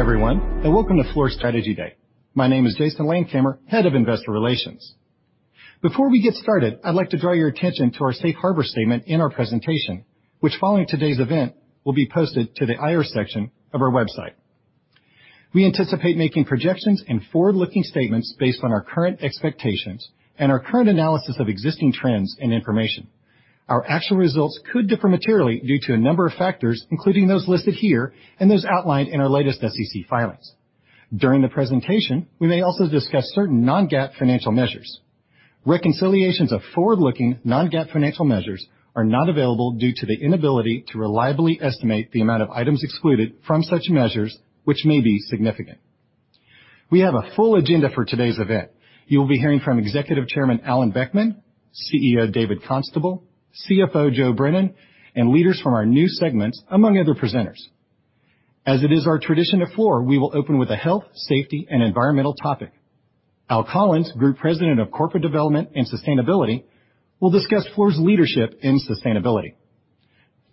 Hello, everyone, and welcome to Fluor Strategy Day. My name is Jason Landkamer, Head of Investor Relations. Before we get started, I'd like to draw your attention to our Safe Harbor statement in our presentation, which, following today's event, will be posted to the IR section of our website. We anticipate making projections and forward-looking statements based on our current expectations and our current analysis of existing trends and information. Our actual results could differ materially due to a number of factors, including those listed here and those outlined in our latest SEC filings. During the presentation, we may also discuss certain Non-GAAP financial measures. Reconciliations of forward-looking Non-GAAP financial measures are not available due to the inability to reliably estimate the amount of items excluded from such measures, which may be significant. We have a full agenda for today's event. You will be hearing from Executive Chairman Alan Boeckmann, CEO David Constable, CFO Joe Brennan, and leaders from our new segments, among other presenters. As it is our tradition at Fluor, we will open with a health, safety, and environmental topic. Al Collins, Group President of Corporate Development and Sustainability, will discuss Fluor's leadership in sustainability.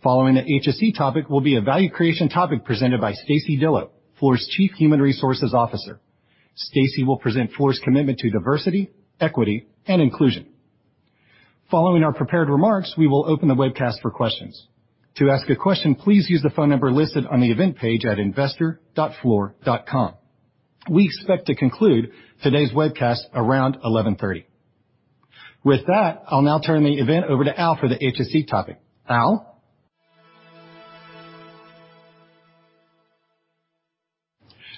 Following the HSE topic, will be a value creation topic presented by Stacy Dillow, Fluor's Chief Human Resources Officer. Stacy will present Fluor's commitment to diversity, equity, and inclusion. Following our prepared remarks, we will open the webcast for questions. To ask a question, please use the phone number listed on the event page at investor.fluor.com. We expect to conclude today's webcast around 11:30 A.M. With that, I'll now turn the event over to Al for the HSE topic. Al?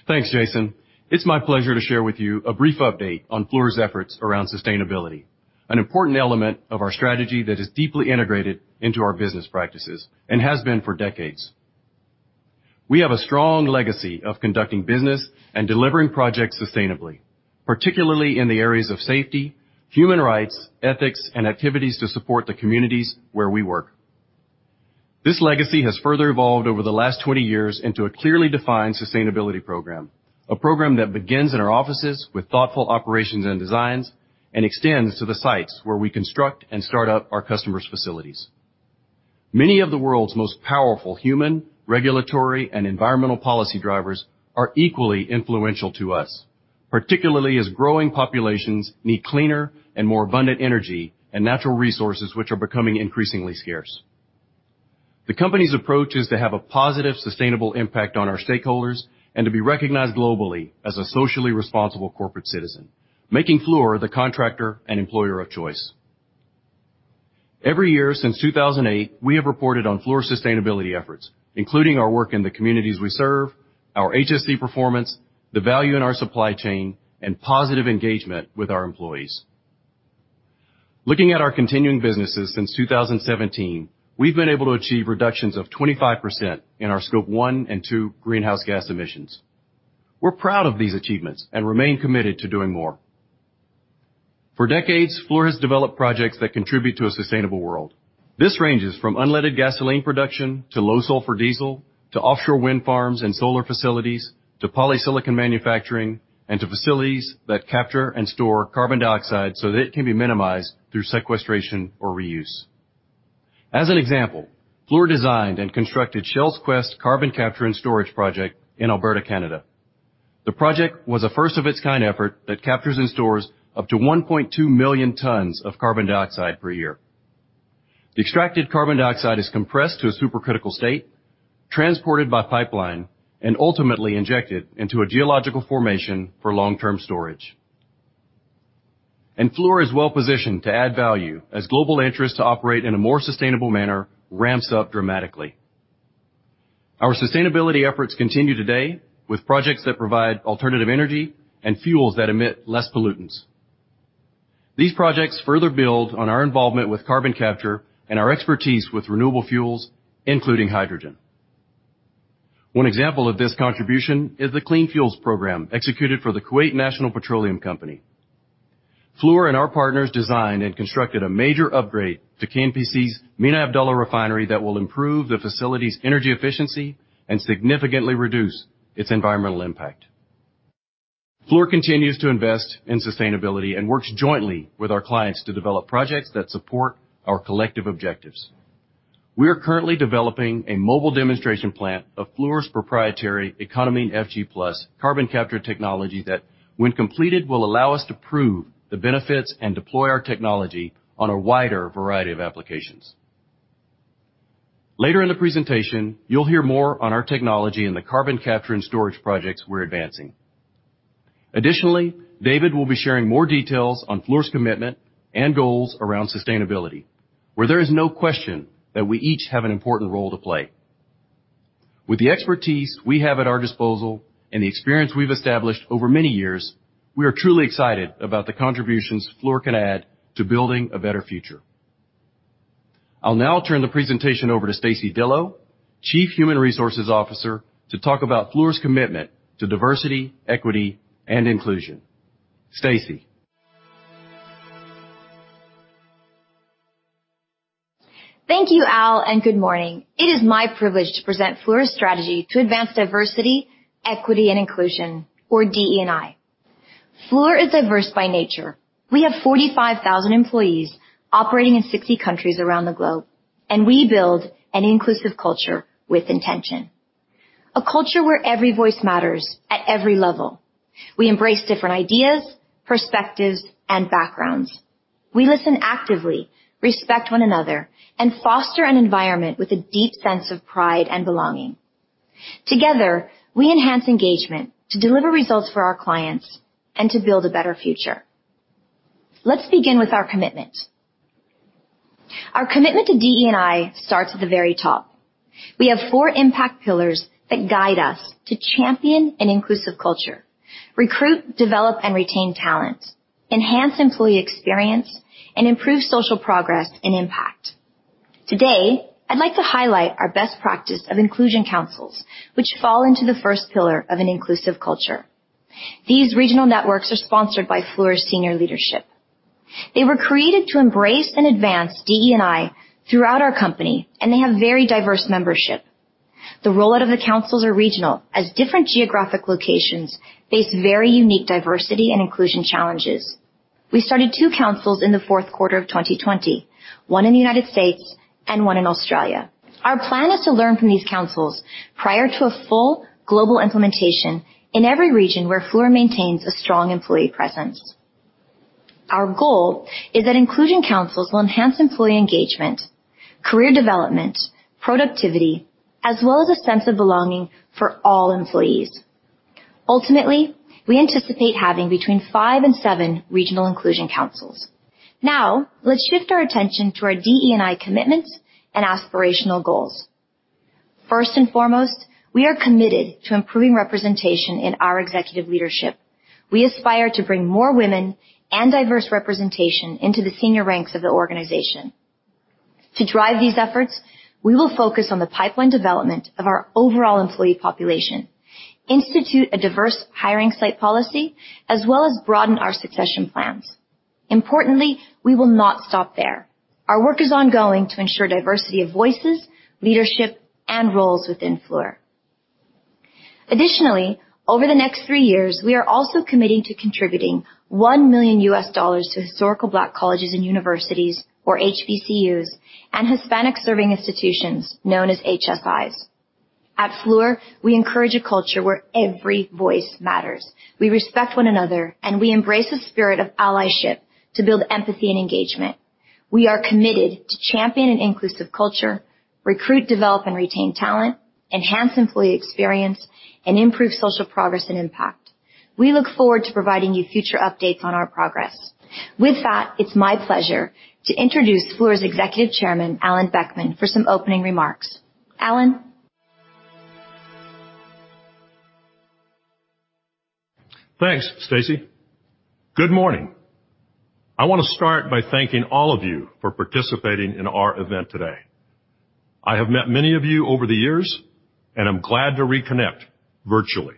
Thanks, Jason. It's my pleasure to share with you a brief update on Fluor's efforts around sustainability, an important element of our strategy that is deeply integrated into our business practices and has been for decades. We have a strong legacy of conducting business and delivering projects sustainably, particularly in the areas of safety, human rights, ethics, and activities to support the communities where we work. This legacy has further evolved over the last 20 years into a clearly defined sustainability program, a program that begins in our offices with thoughtful operations and designs and extends to the sites where we construct and start up our customers' facilities. Many of the world's most powerful human, regulatory, and environmental policy drivers are equally influential to us, particularly as growing populations need cleaner and more abundant energy and natural resources, which are becoming increasingly scarce. The company's approach is to have a positive, sustainable impact on our stakeholders and to be recognized globally as a socially responsible corporate citizen, making Fluor the contractor and employer of choice. Every year since 2008, we have reported on Fluor's sustainability efforts, including our work in the communities we serve, our HSE performance, the value in our supply chain, and positive engagement with our employees. Looking at our continuing businesses since 2017, we've been able to achieve reductions of 25% in our Scope 1 and 2 greenhouse gas emissions. We're proud of these achievements and remain committed to doing more. For decades, Fluor has developed projects that contribute to a sustainable world. This ranges from unleaded gasoline production to low-sulfur diesel to offshore wind farms and solar facilities to polysilicon manufacturing and to facilities that capture and store carbon dioxide so that it can be minimized through sequestration or reuse. As an example, Fluor designed and constructed Shell's Quest Carbon Capture and Storage project in Alberta, Canada. The project was a first-of-its-kind effort that captures and stores up to 1.2 million tons of carbon dioxide per year. The extracted carbon dioxide is compressed to a supercritical state, transported by pipeline, and ultimately injected into a geological formation for long-term storage. Fluor is well positioned to add value as global interests to operate in a more sustainable manner ramps up dramatically. Our sustainability efforts continue today with projects that provide alternative energy and fuels that emit less pollutants. These projects further build on our involvement with carbon capture and our expertise with renewable fuels, including hydrogen. One example of this contribution is the Clean Fuels program executed for the Kuwait National Petroleum Company. Fluor and our partners designed and constructed a major upgrade to KNPC's Mina Abdullah refinery that will improve the facility's energy efficiency and significantly reduce its environmental impact. Fluor continues to invest in sustainability and works jointly with our clients to develop projects that support our collective objectives. We are currently developing a mobile demonstration plant of Fluor's proprietary Econamine FG Plus carbon capture technology that, when completed, will allow us to prove the benefits and deploy our technology on a wider variety of applications. Later in the presentation, you'll hear more on our technology and the carbon capture and storage projects we're advancing. Additionally, David will be sharing more details on Fluor's commitment and goals around sustainability, where there is no question that we each have an important role to play. With the expertise we have at our disposal and the experience we've established over many years, we are truly excited about the contributions Fluor can add to building a better future. I'll now turn the presentation over to Stacy Dillow, Chief Human Resources Officer, to talk about Fluor's commitment to diversity, equity, and inclusion. Stacy. Thank you, Al, and good morning. It is my privilege to present Fluor's strategy to advance diversity, equity, and inclusion, or DE&I. Fluor is diverse by nature. We have 45,000 employees operating in 60 countries around the globe, and we build an inclusive culture with intention. A culture where every voice matters at every level. We embrace different ideas, perspectives, and backgrounds. We listen actively, respect one another, and foster an environment with a deep sense of pride and belonging. Together, we enhance engagement to deliver results for our clients and to build a better future. Let's begin with our commitment. Our commitment to DE&I starts at the very top. We have four impact pillars that guide us to champion an inclusive culture, recruit, develop, and retain talent, enhance employee experience, and improve social progress and impact. Today, I'd like to highlight our best practice of Inclusion Councils, which fall into the first pillar of an inclusive culture. These regional networks are sponsored by Fluor's senior leadership. They were created to embrace and advance DE&I throughout our company, and they have very diverse membership. The rollout of the councils is regional, as different geographic locations face very unique diversity and inclusion challenges. We started two councils in the fourth quarter of 2020, one in the United States and one in Australia. Our plan is to learn from these councils prior to a full global implementation in every region where Fluor maintains a strong employee presence. Our goal is that Inclusion Councils will enhance employee engagement, career development, productivity, as well as a sense of belonging for all employees. Ultimately, we anticipate having between five and seven regional Inclusion Councils. Now, let's shift our attention to our DE&I commitments and aspirational goals. First and foremost, we are committed to improving representation in our executive leadership. We aspire to bring more women and diverse representation into the senior ranks of the organization. To drive these efforts, we will focus on the pipeline development of our overall employee population, institute a diverse hiring site policy, as well as broaden our succession plans. Importantly, we will not stop there. Our work is ongoing to ensure diversity of voices, leadership, and roles within Fluor. Additionally, over the next three years, we are also committing to contributing $1 million to Historically Black Colleges and Universities, or HBCUs, and Hispanic-Serving Institutions known as HSIs. At Fluor, we encourage a culture where every voice matters. We respect one another, and we embrace a spirit of allyship to build empathy and engagement. We are committed to champion an inclusive culture, recruit, develop, and retain talent, enhance employee experience, and improve social progress and impact. We look forward to providing you future updates on our progress. With that, it's my pleasure to introduce Fluor's Executive Chairman, Alan Boeckmann, for some opening remarks. Alan. Thanks, Stacy. Good morning. I want to start by thanking all of you for participating in our event today. I have met many of you over the years, and I'm glad to reconnect virtually.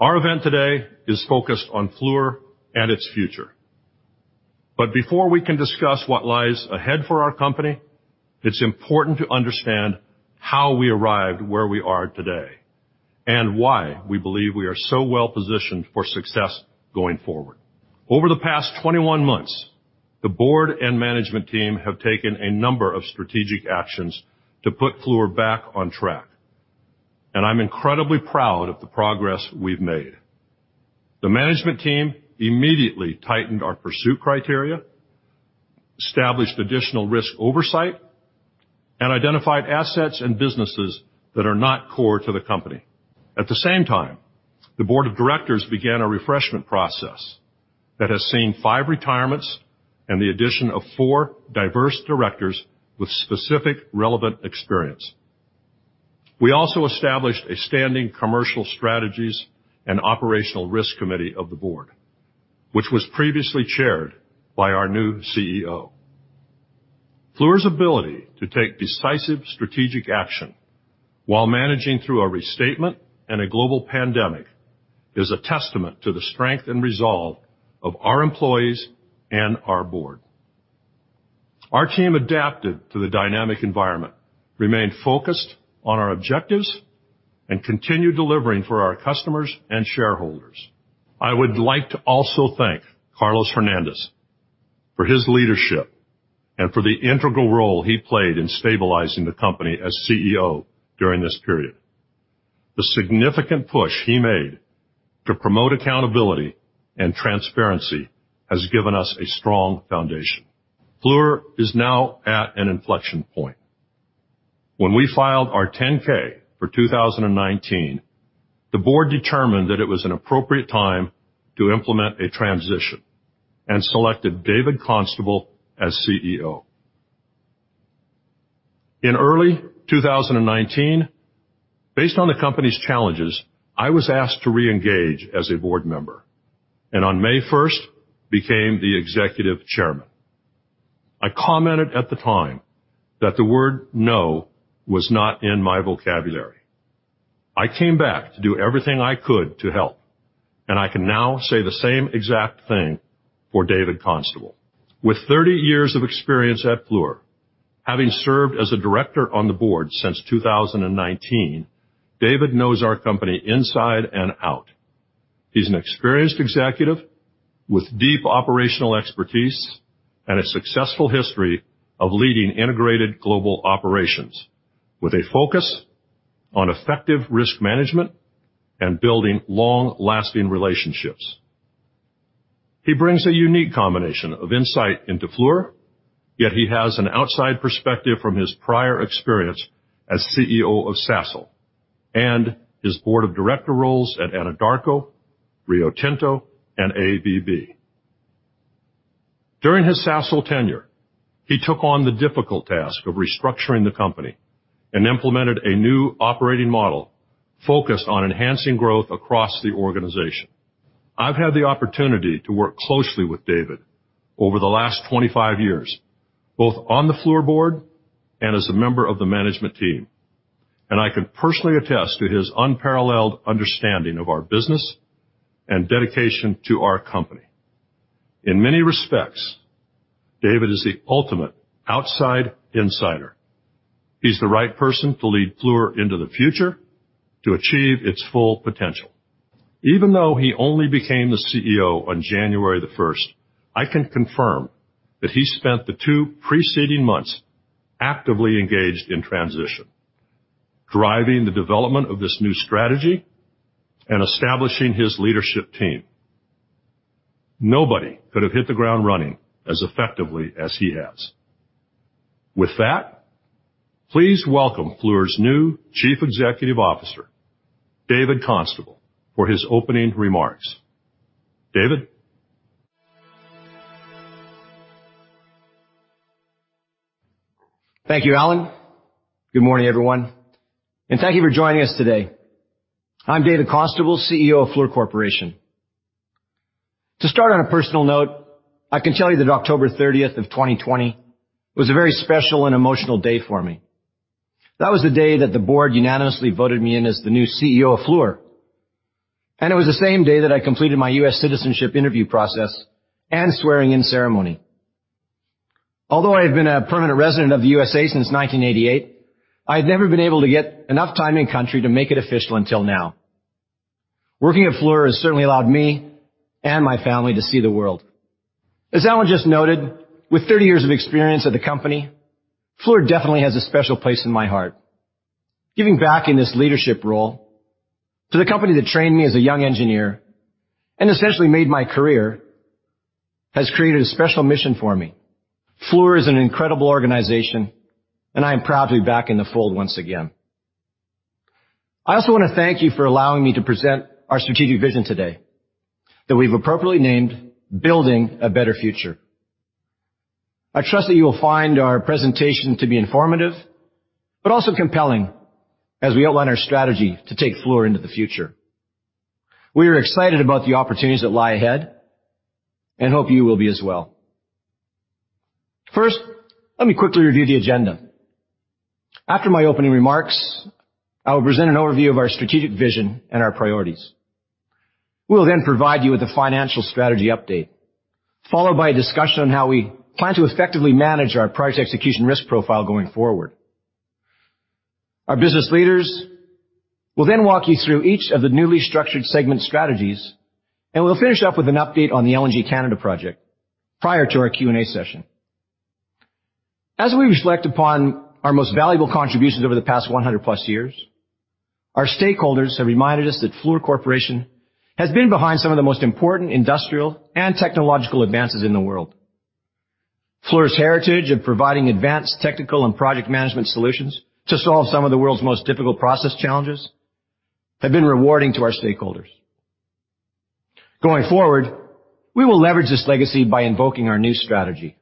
Our event today is focused on Fluor and its future. But before we can discuss what lies ahead for our company, it's important to understand how we arrived where we are today and why we believe we are so well positioned for success going forward. Over the past 21 months, the board and management team have taken a number of strategic actions to put Fluor back on track, and I'm incredibly proud of the progress we've made. The management team immediately tightened our pursuit criteria, established additional risk oversight, and identified assets and businesses that are not core to the company. At the same time, the board of directors began a refreshment process that has seen five retirements and the addition of four diverse directors with specific relevant experience. We also established a standing Commercial Strategies and Operational Risk Committee of the board, which was previously chaired by our new CEO. Fluor's ability to take decisive strategic action while managing through a restatement and a global pandemic is a testament to the strength and resolve of our employees and our board. Our team adapted to the dynamic environment, remained focused on our objectives, and continued delivering for our customers and shareholders. I would like to also thank Carlos Hernandez for his leadership and for the integral role he played in stabilizing the company as CEO during this period. The significant push he made to promote accountability and transparency has given us a strong foundation. Fluor is now at an inflection point. When we filed our 10-K for 2019, the board determined that it was an appropriate time to implement a transition and selected David Constable as CEO. In early 2019, based on the company's challenges, I was asked to reengage as a board member and on May 1st became the Executive Chairman. I commented at the time that the word "no" was not in my vocabulary. I came back to do everything I could to help, and I can now say the same exact thing for David Constable. With 30 years of experience at Fluor, having served as a director on the board since 2019, David knows our company inside and out. He's an experienced executive with deep operational expertise and a successful history of leading integrated global operations with a focus on effective risk management and building long-lasting relationships. He brings a unique combination of insight into Fluor, yet he has an outside perspective from his prior experience as CEO of Sasol and his board of director roles at Anadarko, Rio Tinto, and ABB. During his Sasol tenure, he took on the difficult task of restructuring the company and implemented a new operating model focused on enhancing growth across the organization. I've had the opportunity to work closely with David over the last 25 years, both on the Fluor board and as a member of the management team, and I can personally attest to his unparalleled understanding of our business and dedication to our company. In many respects, David is the ultimate outside insider. He's the right person to lead Fluor into the future to achieve its full potential. Even though he only became the CEO on January 1st, I can confirm that he spent the two preceding months actively engaged in transition, driving the development of this new strategy and establishing his leadership team. Nobody could have hit the ground running as effectively as he has. With that, please welcome Fluor's new Chief Executive Officer, David Constable, for his opening remarks. David. Thank you, Alan. Good morning, everyone, and thank you for joining us today. I'm David Constable, CEO of Fluor Corporation. To start on a personal note, I can tell you that October 30th of 2020 was a very special and emotional day for me. That was the day that the board unanimously voted me in as the new CEO of Fluor, and it was the same day that I completed my U.S. citizenship interview process and swearing-in ceremony. Although I have been a permanent resident of the U.S. since 1988, I had never been able to get enough time in country to make it official until now. Working at Fluor has certainly allowed me and my family to see the world. As Alan just noted, with 30 years of experience at the company, Fluor definitely has a special place in my heart. Giving back in this leadership role to the company that trained me as a young engineer and essentially made my career has created a special mission for me. Fluor is an incredible organization, and I am proud to be back in the fold once again. I also want to thank you for allowing me to present our strategic vision today that we've appropriately named "Building a Better Future." I trust that you will find our presentation to be informative, but also compelling as we outline our strategy to take Fluor into the future. We are excited about the opportunities that lie ahead and hope you will be as well. First, let me quickly review the agenda. After my opening remarks, I will present an overview of our strategic vision and our priorities. We will then provide you with a financial strategy update, followed by a discussion on how we plan to effectively manage our project execution risk profile going forward. Our business leaders will then walk you through each of the newly structured segment strategies, and we'll finish up with an update on the LNG Canada project prior to our Q&A session. As we reflect upon our most valuable contributions over the past 100+ years, our stakeholders have reminded us that Fluor Corporation has been behind some of the most important industrial and technological advances in the world. Fluor's heritage of providing advanced technical and project management solutions to solve some of the world's most difficult process challenges has been rewarding to our stakeholders. Going forward, we will leverage this legacy by invoking our new strategy.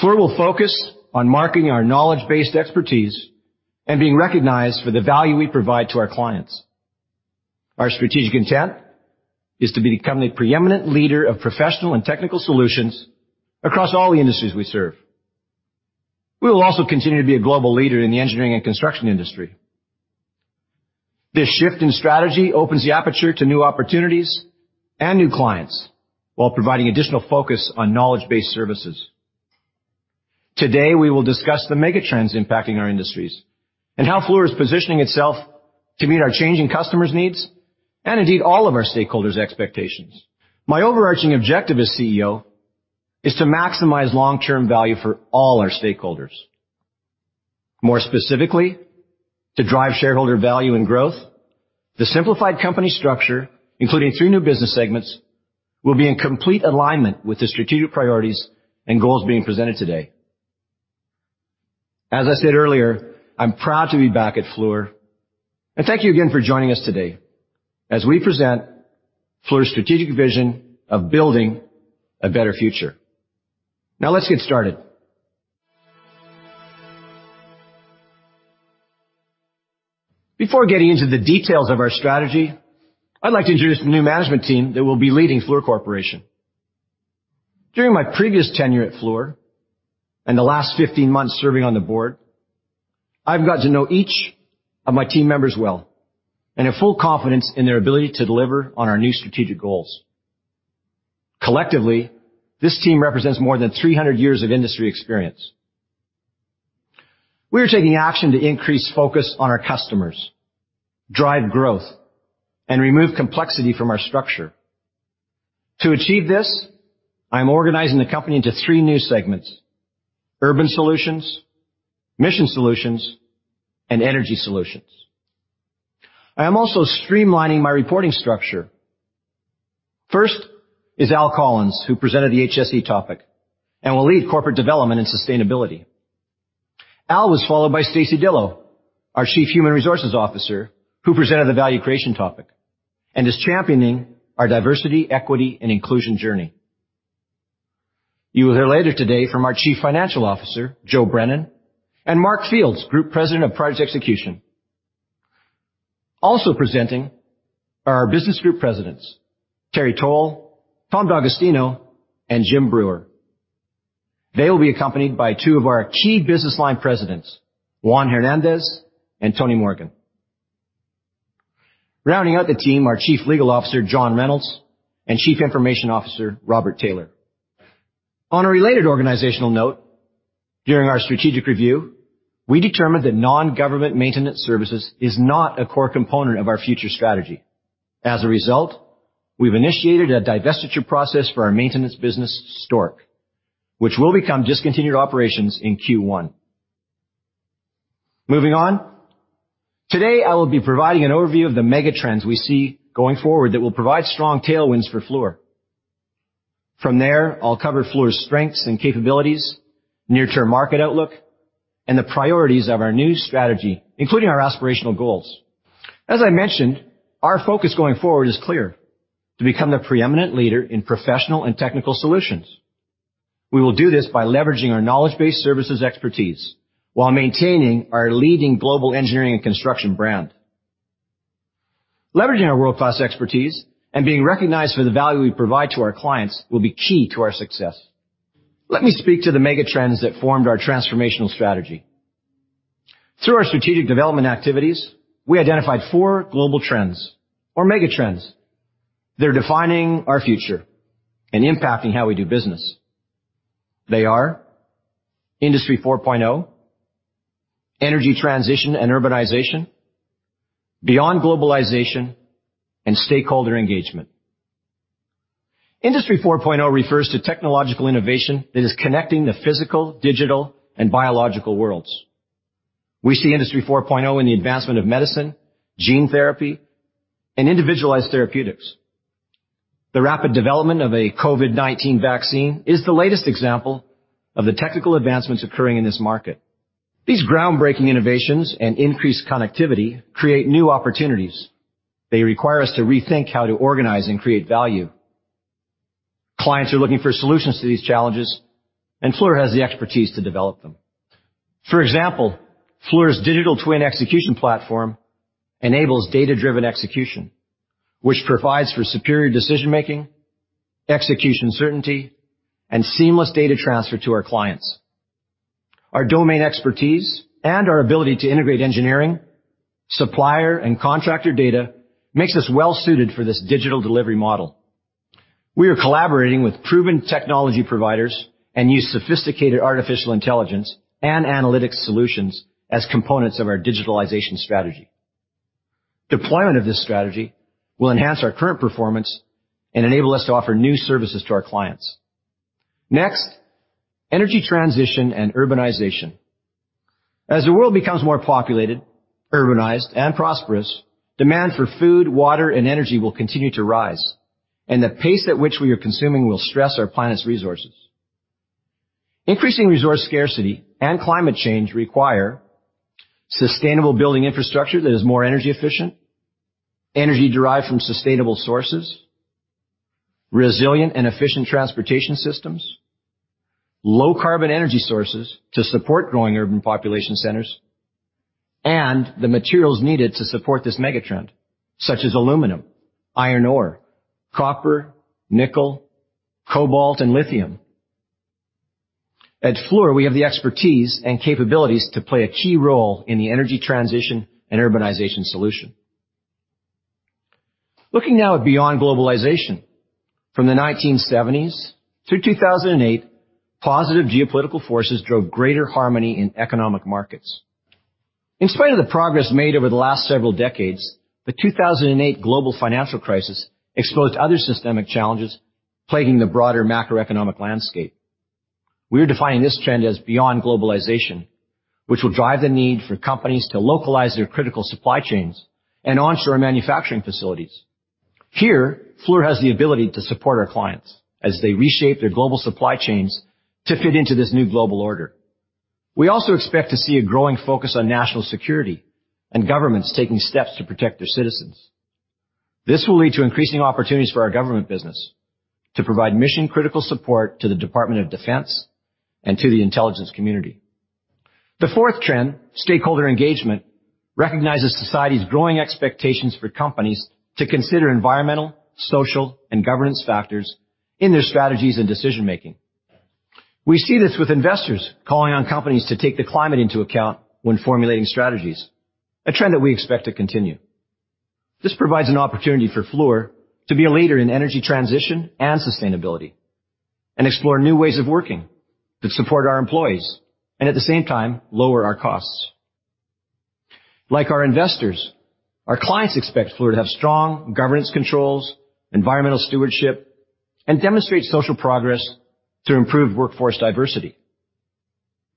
Fluor will focus on marketing our knowledge-based expertise and being recognized for the value we provide to our clients. Our strategic intent is to become the preeminent leader of professional and technical solutions across all the industries we serve. We will also continue to be a global leader in the engineering and construction industry. This shift in strategy opens the aperture to new opportunities and new clients while providing additional focus on knowledge-based services. Today, we will discuss the mega trends impacting our industries and how Fluor is positioning itself to meet our changing customers' needs and indeed all of our stakeholders' expectations. My overarching objective as CEO is to maximize long-term value for all our stakeholders. More specifically, to drive shareholder value and growth, the simplified company structure, including three new business segments, will be in complete alignment with the strategic priorities and goals being presented today. As I said earlier, I'm proud to be back at Fluor, and thank you again for joining us today as we present Fluor's strategic vision of building a better future. Now, let's get started. Before getting into the details of our strategy, I'd like to introduce the new management team that will be leading Fluor Corporation. During my previous tenure at Fluor and the last 15 months serving on the board, I've gotten to know each of my team members well and have full confidence in their ability to deliver on our new strategic goals. Collectively, this team represents more than 300 years of industry experience. We are taking action to increase focus on our customers, drive growth, and remove complexity from our structure. To achieve this, I'm organizing the company into three new segments: Urban Solutions, Mission Solutions, and Energy Solutions. I am also streamlining my reporting structure. First is Al Collins, who presented the HSE topic and will lead corporate development and sustainability. Al was followed by Stacy Dillow, our Chief Human Resources Officer, who presented the value creation topic and is championing our diversity, equity, and inclusion journey. You will hear later today from our Chief Financial Officer, Joe Brennan, and Mark Fields, Group President of Project Execution. Also presenting are our business group presidents, Terry Towle, Tom D'Agostino, and Jim Breuer. They will be accompanied by two of our key Business Line presidents, Juan Hernandez and Tony Morgan. Rounding out the team are Chief Legal Officer, John Reynolds, and Chief Information Officer, Robert Taylor. On a related organizational note, during our strategic review, we determined that non-government maintenance services is not a core component of our future strategy. As a result, we've initiated a divestiture process for our maintenance business, Stork, which will become discontinued operations in Q1. Moving on, today, I will be providing an overview of the mega trends we see going forward that will provide strong tailwinds for Fluor. From there, I'll cover Fluor's strengths and capabilities, near-term market outlook, and the priorities of our new strategy, including our aspirational goals. As I mentioned, our focus going forward is clear: to become the preeminent leader in professional and technical solutions. We will do this by leveraging our knowledge-based services expertise while maintaining our leading global engineering and construction brand. Leveraging our world-class expertise and being recognized for the value we provide to our clients will be key to our success. Let me speak to the mega trends that formed our transformational strategy. Through our strategic development activities, we identified four global trends, or mega trends, that are defining our future and impacting how we do business. They are Industry 4.0, energy transition and urbanization, beyond globalization, and stakeholder engagement. Industry 4.0 refers to technological innovation that is connecting the physical, digital, and biological worlds. We see Industry 4.0 in the advancement of medicine, gene therapy, and individualized therapeutics. The rapid development of a COVID-19 vaccine is the latest example of the technical advancements occurring in this market. These groundbreaking innovations and increased connectivity create new opportunities. They require us to rethink how to organize and create value. Clients are looking for solutions to these challenges, and Fluor has the expertise to develop them. For example, Fluor's digital twin execution platform enables data-driven execution, which provides for superior decision-making, execution certainty, and seamless data transfer to our clients. Our domain expertise and our ability to integrate engineering, supplier, and contractor data makes us well-suited for this digital delivery model. We are collaborating with proven technology providers and use sophisticated artificial intelligence and analytics solutions as components of our digitalization strategy. Deployment of this strategy will enhance our current performance and enable us to offer new services to our clients. Next, energy transition and urbanization. As the world becomes more populated, urbanized, and prosperous, demand for food, water, and energy will continue to rise, and the pace at which we are consuming will stress our planet's resources. Increasing resource scarcity and climate change require sustainable building infrastructure that is more energy efficient, energy derived from sustainable sources, resilient and efficient transportation systems, low-carbon energy sources to support growing urban population centers, and the materials needed to support this mega trend, such as aluminum, iron ore, copper, nickel, cobalt, and lithium. At Fluor, we have the expertise and capabilities to play a key role in the energy transition and urbanization solution. Looking now at beyond globalization, from the 1970s to 2008, positive geopolitical forces drove greater harmony in economic markets. In spite of the progress made over the last several decades, the 2008 global financial crisis exposed other systemic challenges plaguing the broader macroeconomic landscape. We are defining this trend as beyond globalization, which will drive the need for companies to localize their critical supply chains and onshore manufacturing facilities. Here, Fluor has the ability to support our clients as they reshape their global supply chains to fit into this new global order. We also expect to see a growing focus on national security and governments taking steps to protect their citizens. This will lead to increasing opportunities for our government business to provide mission-critical support to the Department of Defense and to the Intelligence Community. The fourth trend, stakeholder engagement, recognizes society's growing expectations for companies to consider environmental, social, and governance factors in their strategies and decision-making. We see this with investors calling on companies to take the climate into account when formulating strategies, a trend that we expect to continue. This provides an opportunity for Fluor to be a leader in energy transition and sustainability and explore new ways of working that support our employees and, at the same time, lower our costs. Like our investors, our clients expect Fluor to have strong governance controls, environmental stewardship, and demonstrate social progress to improve workforce diversity.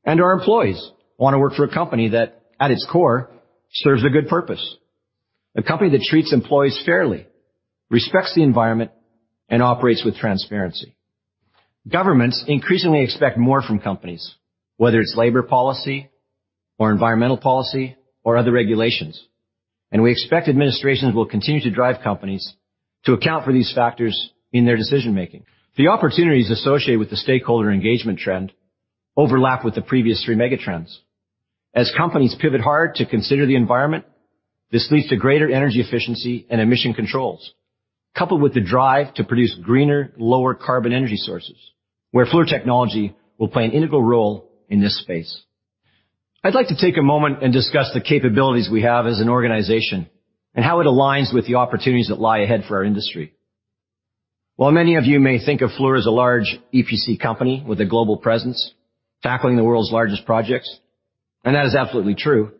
Our employees want to work for a company that, at its core, serves a good purpose: a company that treats employees fairly, respects the environment, and operates with transparency. Governments increasingly expect more from companies, whether it's labor policy or environmental policy or other regulations, and we expect administrations will continue to drive companies to account for these factors in their decision-making. The opportunities associated with the stakeholder engagement trend overlap with the previous three mega trends. As companies pivot hard to consider the environment, this leads to greater energy efficiency and emission controls, coupled with the drive to produce greener, lower-carbon energy sources, where Fluor technology will play an integral role in this space. I'd like to take a moment and discuss the capabilities we have as an organization and how it aligns with the opportunities that lie ahead for our industry. While many of you may think of Fluor as a large EPC company with a global presence tackling the world's largest projects, and that is absolutely true,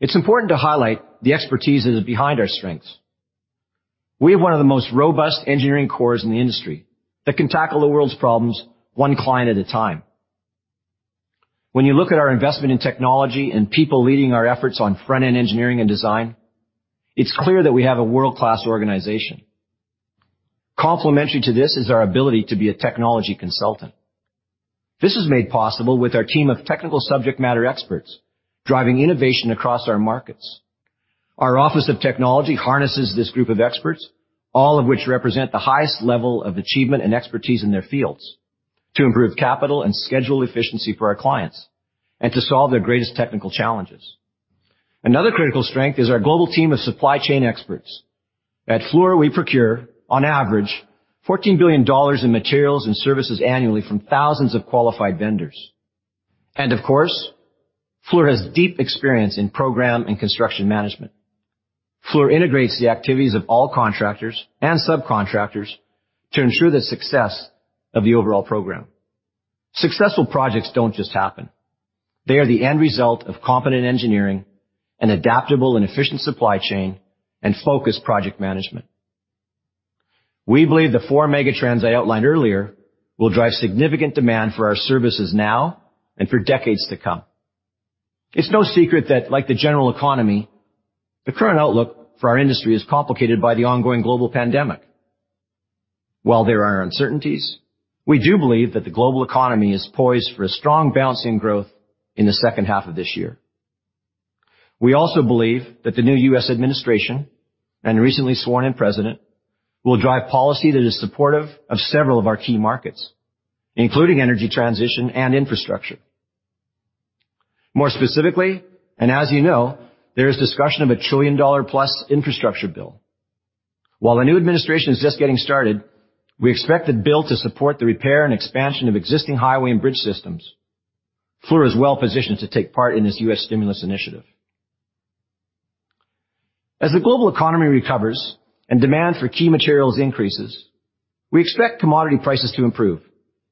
it's important to highlight the expertise that is behind our strengths. We have one of the most robust engineering cores in the industry that can tackle the world's problems one client at a time. When you look at our investment in technology and people leading our efforts on front-end engineering and design, it's clear that we have a world-class organization. Complementary to this is our ability to be a technology consultant. This is made possible with our team of technical subject matter experts driving innovation across our markets. Our Office of Technology harnesses this group of experts, all of which represent the highest level of achievement and expertise in their fields, to improve capital and schedule efficiency for our clients and to solve their greatest technical challenges. Another critical strength is our global team of supply chain experts. At Fluor, we procure, on average, $14 billion in materials and services annually from thousands of qualified vendors. And of course, Fluor has deep experience in program and construction management. Fluor integrates the activities of all contractors and subcontractors to ensure the success of the overall program. Successful projects don't just happen. They are the end result of competent engineering, an adaptable and efficient supply chain, and focused project management. We believe the four mega trends I outlined earlier will drive significant demand for our services now and for decades to come. It's no secret that, like the general economy, the current outlook for our industry is complicated by the ongoing global pandemic. While there are uncertainties, we do believe that the global economy is poised for a strong bouncing growth in the second half of this year. We also believe that the new U.S. administration and recently sworn-in president will drive policy that is supportive of several of our key markets, including energy transition and infrastructure. More specifically, and as you know, there is discussion of a $1+ trillion infrastructure bill. While the new administration is just getting started, we expect the bill to support the repair and expansion of existing highway and bridge systems. Fluor is well-positioned to take part in this U.S. stimulus initiative. As the global economy recovers and demand for key materials increases, we expect commodity prices to improve,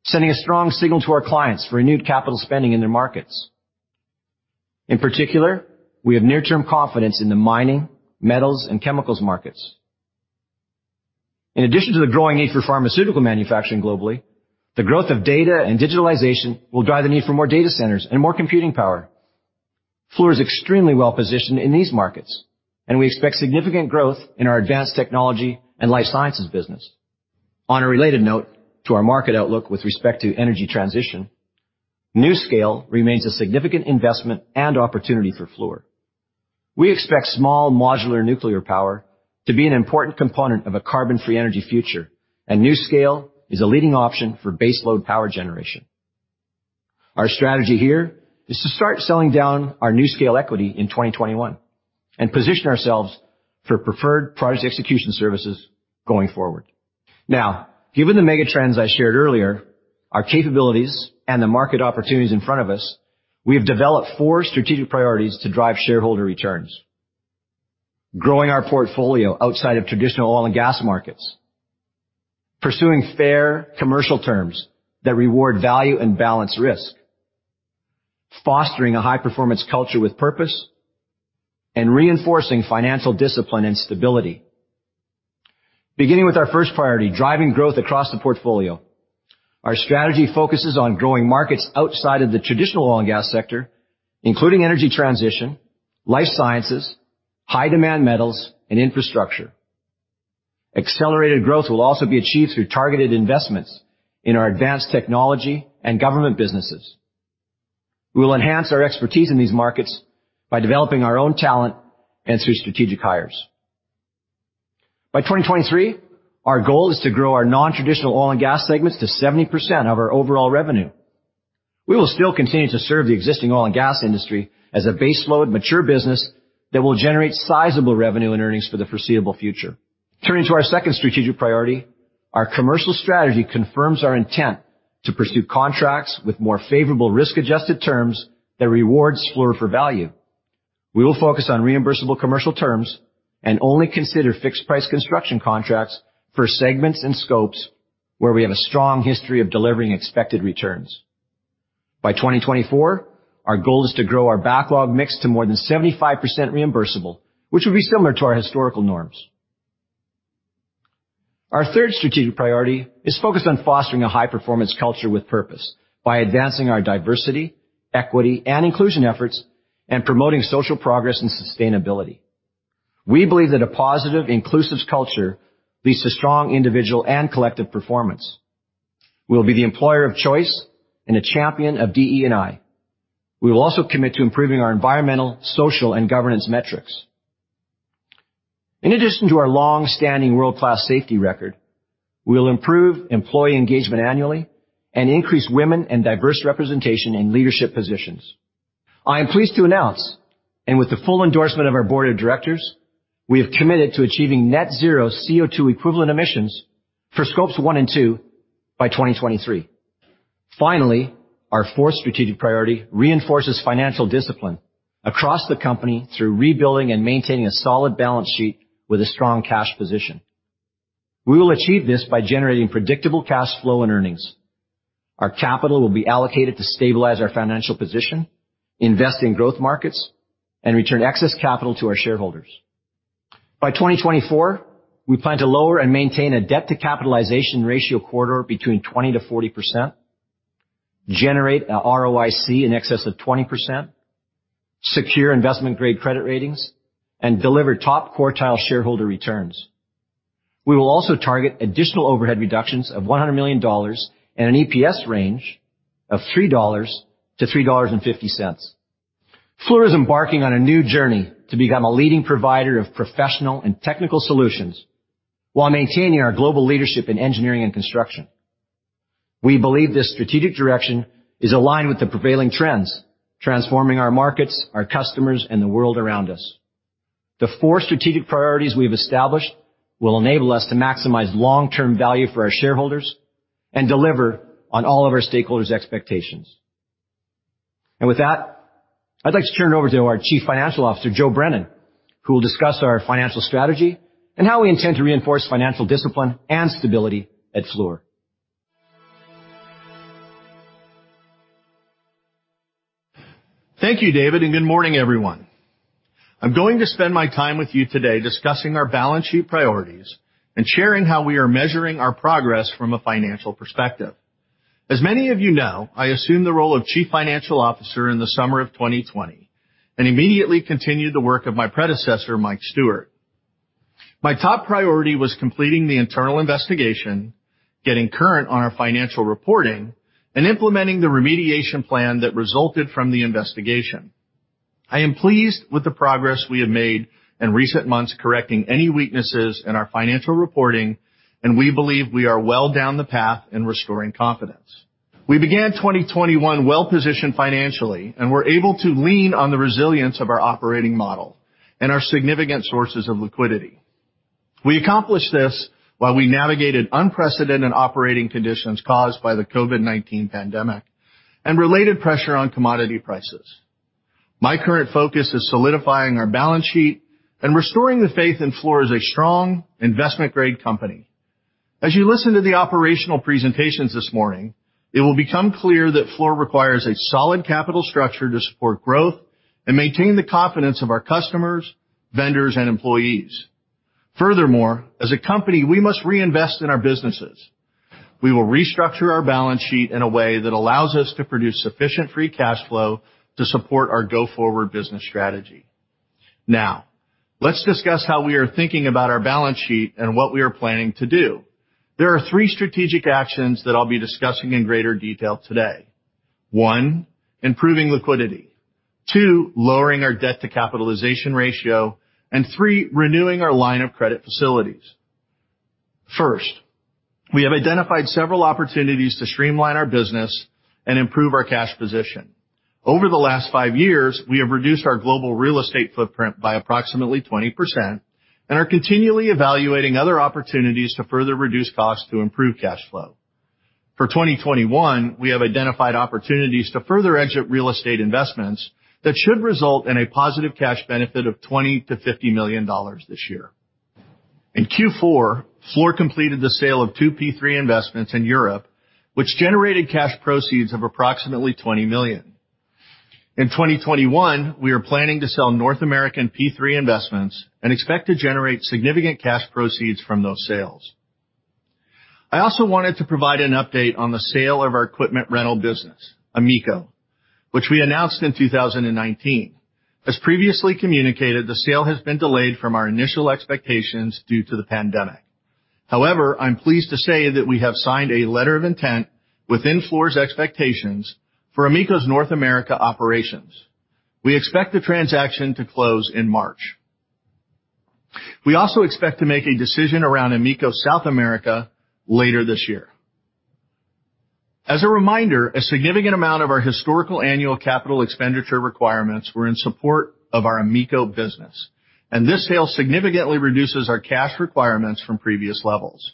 sending a strong signal to our clients for renewed capital spending in their markets. In particular, we have near-term confidence in the mining, metals, and chemicals markets. In addition to the growing need for pharmaceutical manufacturing globally, the growth of data and digitalization will drive the need for more data centers and more computing power. Fluor is extremely well-positioned in these markets, and we expect significant growth in our advanced technology and life sciences business. On a related note to our market outlook with respect to energy transition, NuScale remains a significant investment and opportunity for Fluor. We expect small modular nuclear power to be an important component of a carbon-free energy future, and NuScale is a leading option for baseload power generation. Our strategy here is to start selling down our NuScale equity in 2021 and position ourselves for preferred project execution services going forward. Now, given the mega trends I shared earlier, our capabilities, and the market opportunities in front of us, we have developed four strategic priorities to drive shareholder returns: growing our portfolio outside of traditional oil and gas markets, pursuing fair commercial terms that reward value and balance risk, fostering a high-performance culture with purpose, and reinforcing financial discipline and stability. Beginning with our first priority, driving growth across the portfolio, our strategy focuses on growing markets outside of the traditional oil and gas sector, including energy transition, life sciences, high-demand metals, and infrastructure. Accelerated growth will also be achieved through targeted investments in our advanced technology and government businesses. We will enhance our expertise in these markets by developing our own talent and through strategic hires. By 2023, our goal is to grow our non-traditional oil and gas segments to 70% of our overall revenue. We will still continue to serve the existing oil and gas industry as a baseload mature business that will generate sizable revenue and earnings for the foreseeable future. Turning to our second strategic priority, our commercial strategy confirms our intent to pursue contracts with more favorable risk-adjusted terms that reward Fluor for value. We will focus on reimbursable commercial terms and only consider fixed-price construction contracts for segments and scopes where we have a strong history of delivering expected returns. By 2024, our goal is to grow our backlog mix to more than 75% reimbursable, which would be similar to our historical norms. Our third strategic priority is focused on fostering a high-performance culture with purpose by advancing our diversity, equity, and inclusion efforts and promoting social progress and sustainability. We believe that a positive, inclusive culture leads to strong individual and collective performance. We will be the employer of choice and a champion of DE&I. We will also commit to improving our environmental, social, and governance metrics. In addition to our long-standing world-class safety record, we will improve employee engagement annually and increase women and diverse representation in leadership positions. I am pleased to announce, and with the full endorsement of our board of directors, we have committed to achieving net-zero CO2 equivalent emissions for Scopes 1 and 2 by 2023. Finally, our fourth strategic priority reinforces financial discipline across the company through rebuilding and maintaining a solid balance sheet with a strong cash position. We will achieve this by generating predictable cash flow and earnings. Our capital will be allocated to stabilize our financial position, invest in growth markets, and return excess capital to our shareholders. By 2024, we plan to lower and maintain a debt-to-capitalization ratio corridor between 20%-40%, generate an ROIC in excess of 20%, secure investment-grade credit ratings, and deliver top quartile shareholder returns. We will also target additional overhead reductions of $100 million and an EPS range of $3-$3.50. Fluor is embarking on a new journey to become a leading provider of professional and technical solutions while maintaining our global leadership in engineering and construction. We believe this strategic direction is aligned with the prevailing trends, transforming our markets, our customers, and the world around us. The four strategic priorities we have established will enable us to maximize long-term value for our shareholders and deliver on all of our stakeholders' expectations. With that, I'd like to turn it over to our Chief Financial Officer, Joe Brennan, who will discuss our financial strategy and how we intend to reinforce financial discipline and stability at Fluor. Thank you, David, and good morning, everyone. I'm going to spend my time with you today discussing our balance sheet priorities and sharing how we are measuring our progress from a financial perspective. As many of you know, I assumed the role of Chief Financial Officer in the summer of 2020 and immediately continued the work of my predecessor, Mike Steuert. My top priority was completing the internal investigation, getting current on our financial reporting, and implementing the remediation plan that resulted from the investigation. I am pleased with the progress we have made in recent months, correcting any weaknesses in our financial reporting, and we believe we are well down the path in restoring confidence. We began 2021 well-positioned financially and were able to lean on the resilience of our operating model and our significant sources of liquidity. We accomplished this while we navigated unprecedented operating conditions caused by the COVID-19 pandemic and related pressure on commodity prices. My current focus is solidifying our balance sheet and restoring the faith in Fluor as a strong investment-grade company. As you listen to the operational presentations this morning, it will become clear that Fluor requires a solid capital structure to support growth and maintain the confidence of our customers, vendors, and employees. Furthermore, as a company, we must reinvest in our businesses. We will restructure our balance sheet in a way that allows us to produce sufficient free cash flow to support our go-forward business strategy. Now, let's discuss how we are thinking about our balance sheet and what we are planning to do. There are three strategic actions that I'll be discussing in greater detail today: one, improving liquidity, two, lowering our debt-to-capitalization ratio, and three, renewing our line of credit facilities. First, we have identified several opportunities to streamline our business and improve our cash position. Over the last five years, we have reduced our global real estate footprint by approximately 20% and are continually evaluating other opportunities to further reduce costs to improve cash flow. For 2021, we have identified opportunities to further exit real estate investments that should result in a positive cash benefit of $20-$50 million this year. In Q4, Fluor completed the sale of two P3 investments in Europe, which generated cash proceeds of approximately $20 million. In 2021, we are planning to sell North American P3 investments and expect to generate significant cash proceeds from those sales. I also wanted to provide an update on the sale of our equipment rental business, AMECO, which we announced in 2019. As previously communicated, the sale has been delayed from our initial expectations due to the pandemic. However, I'm pleased to say that we have signed a letter of intent within Fluor's expectations for AMECO's North America operations. We expect the transaction to close in March. We also expect to make a decision around AMECO South America later this year. As a reminder, a significant amount of our historical annual capital expenditure requirements were in support of our AMECO business, and this sale significantly reduces our cash requirements from previous levels.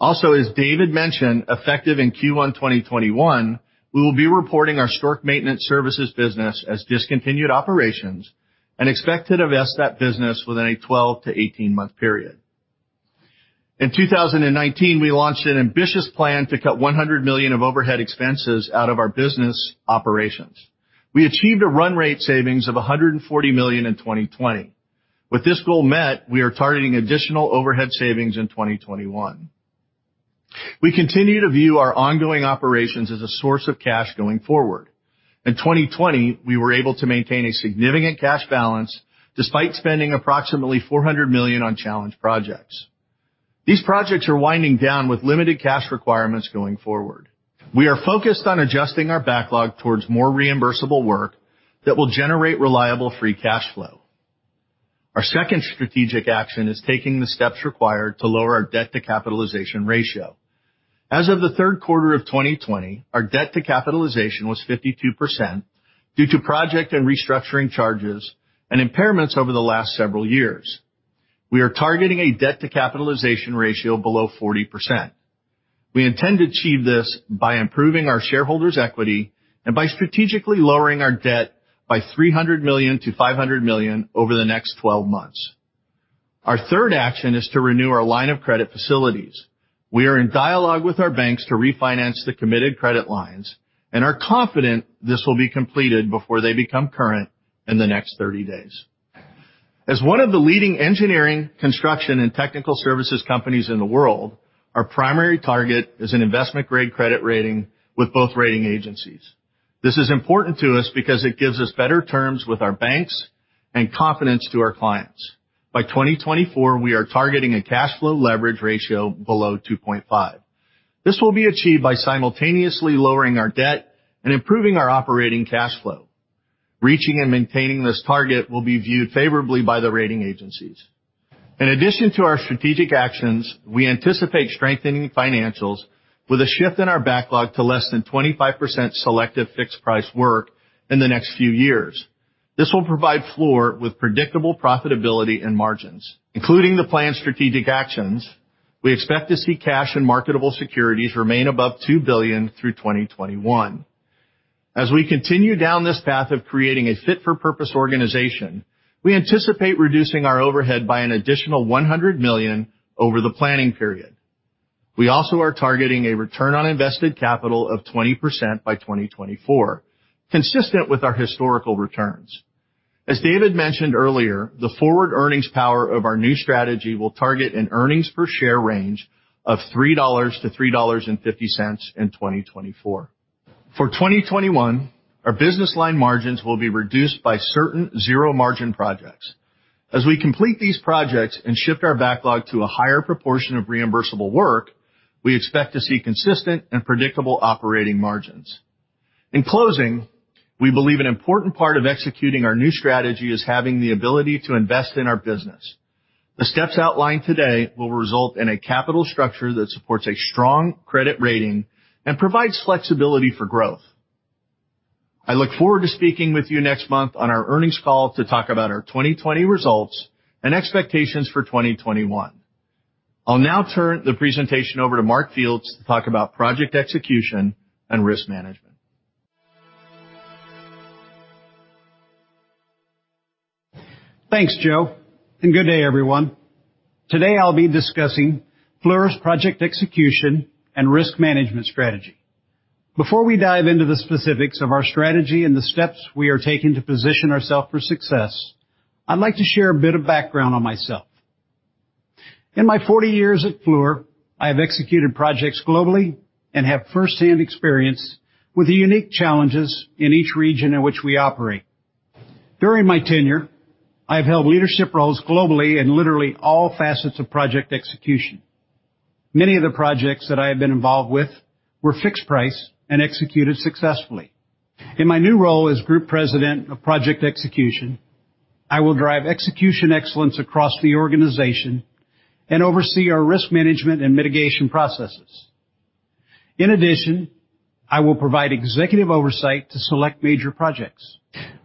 Also, as David mentioned, effective in Q1 2021, we will be reporting our Stork maintenance services business as discontinued operations and expect to divest that business within a 12-18-month period. In 2019, we launched an ambitious plan to cut $100 million of overhead expenses out of our business operations. We achieved a run rate savings of $140 million in 2020. With this goal met, we are targeting additional overhead savings in 2021. We continue to view our ongoing operations as a source of cash going forward. In 2020, we were able to maintain a significant cash balance despite spending approximately $400 million on challenge projects. These projects are winding down with limited cash requirements going forward. We are focused on adjusting our backlog towards more reimbursable work that will generate reliable free cash flow. Our second strategic action is taking the steps required to lower our debt-to-capitalization ratio. As of the third quarter of 2020, our debt-to-capitalization was 52% due to project and restructuring charges and impairments over the last several years. We are targeting a debt-to-capitalization ratio below 40%. We intend to achieve this by improving our shareholders' equity and by strategically lowering our debt by $300 million-$500 million over the next 12 months. Our third action is to renew our line of credit facilities. We are in dialogue with our banks to refinance the committed credit lines, and are confident this will be completed before they become current in the next 30 days. As one of the leading engineering, construction, and technical services companies in the world, our primary target is an investment-grade credit rating with both rating agencies. This is important to us because it gives us better terms with our banks and confidence to our clients. By 2024, we are targeting a cash flow leverage ratio below 2.5. This will be achieved by simultaneously lowering our debt and improving our operating cash flow. Reaching and maintaining this target will be viewed favorably by the rating agencies. In addition to our strategic actions, we anticipate strengthening financials with a shift in our backlog to less than 25% selective fixed-price work in the next few years. This will provide Fluor with predictable profitability and margins. Including the planned strategic actions, we expect to see cash and marketable securities remain above $2 billion through 2021. As we continue down this path of creating a fit-for-purpose organization, we anticipate reducing our overhead by an additional $100 million over the planning period. We also are targeting a return on invested capital of 20% by 2024, consistent with our historical returns. As David mentioned earlier, the forward earnings power of our new strategy will target an earnings-per-share range of $3-$3.50 in 2024. For 2021, our Business Line margins will be reduced by certain zero-margin projects. As we complete these projects and shift our backlog to a higher proportion of reimbursable work, we expect to see consistent and predictable operating margins. In closing, we believe an important part of executing our new strategy is having the ability to invest in our business. The steps outlined today will result in a capital structure that supports a strong credit rating and provides flexibility for growth. I look forward to speaking with you next month on our earnings call to talk about our 2020 results and expectations for 2021. I'll now turn the presentation over to Mark Fields to talk about project execution and risk management. Thanks, Joe. Good day, everyone. Today, I'll be discussing Fluor's project execution and risk management strategy. Before we dive into the specifics of our strategy and the steps we are taking to position ourselves for success, I'd like to share a bit of background on myself. In my 40 years at Fluor, I have executed projects globally and have firsthand experience with the unique challenges in each region in which we operate. During my tenure, I have held leadership roles globally in literally all facets of project execution. Many of the projects that I have been involved with were fixed-price and executed successfully. In my new role as Group President of Project Execution, I will drive execution excellence across the organization and oversee our risk management and mitigation processes. In addition, I will provide executive oversight to select major projects.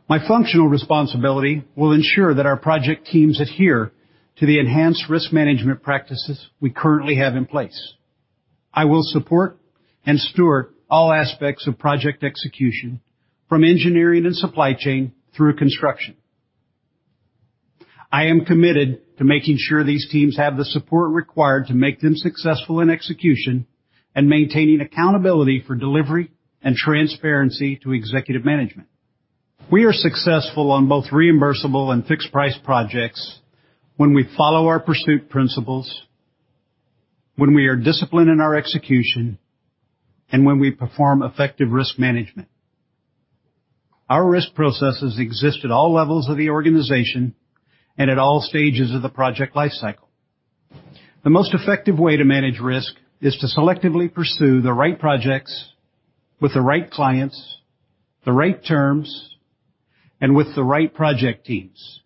My functional responsibility will ensure that our project teams adhere to the enhanced risk management practices we currently have in place. I will support and steward all aspects of project execution, from engineering and supply chain through construction. I am committed to making sure these teams have the support required to make them successful in execution and maintaining accountability for delivery and transparency to executive management. We are successful on both reimbursable and fixed-price projects when we follow our pursuit principles, when we are disciplined in our execution, and when we perform effective risk management. Our risk processes exist at all levels of the organization and at all stages of the project lifecycle. The most effective way to manage risk is to selectively pursue the right projects with the right clients, the right terms, and with the right project teams.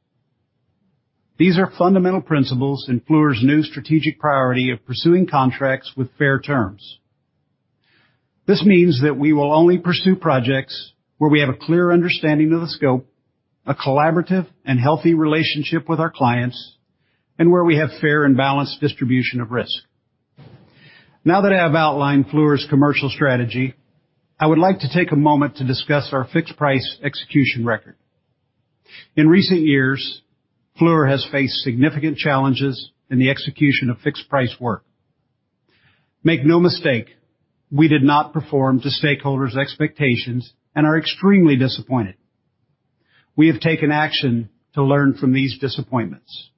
These are fundamental principles in Fluor's new strategic priority of pursuing contracts with fair terms. This means that we will only pursue projects where we have a clear understanding of the scope, a collaborative and healthy relationship with our clients, and where we have fair and balanced distribution of risk. Now that I have outlined Fluor's commercial strategy, I would like to take a moment to discuss our fixed-price execution record. In recent years, Fluor has faced significant challenges in the execution of fixed-price work. Make no mistake, we did not perform to stakeholders' expectations and are extremely disappointed. We have taken action to learn from these disappointments.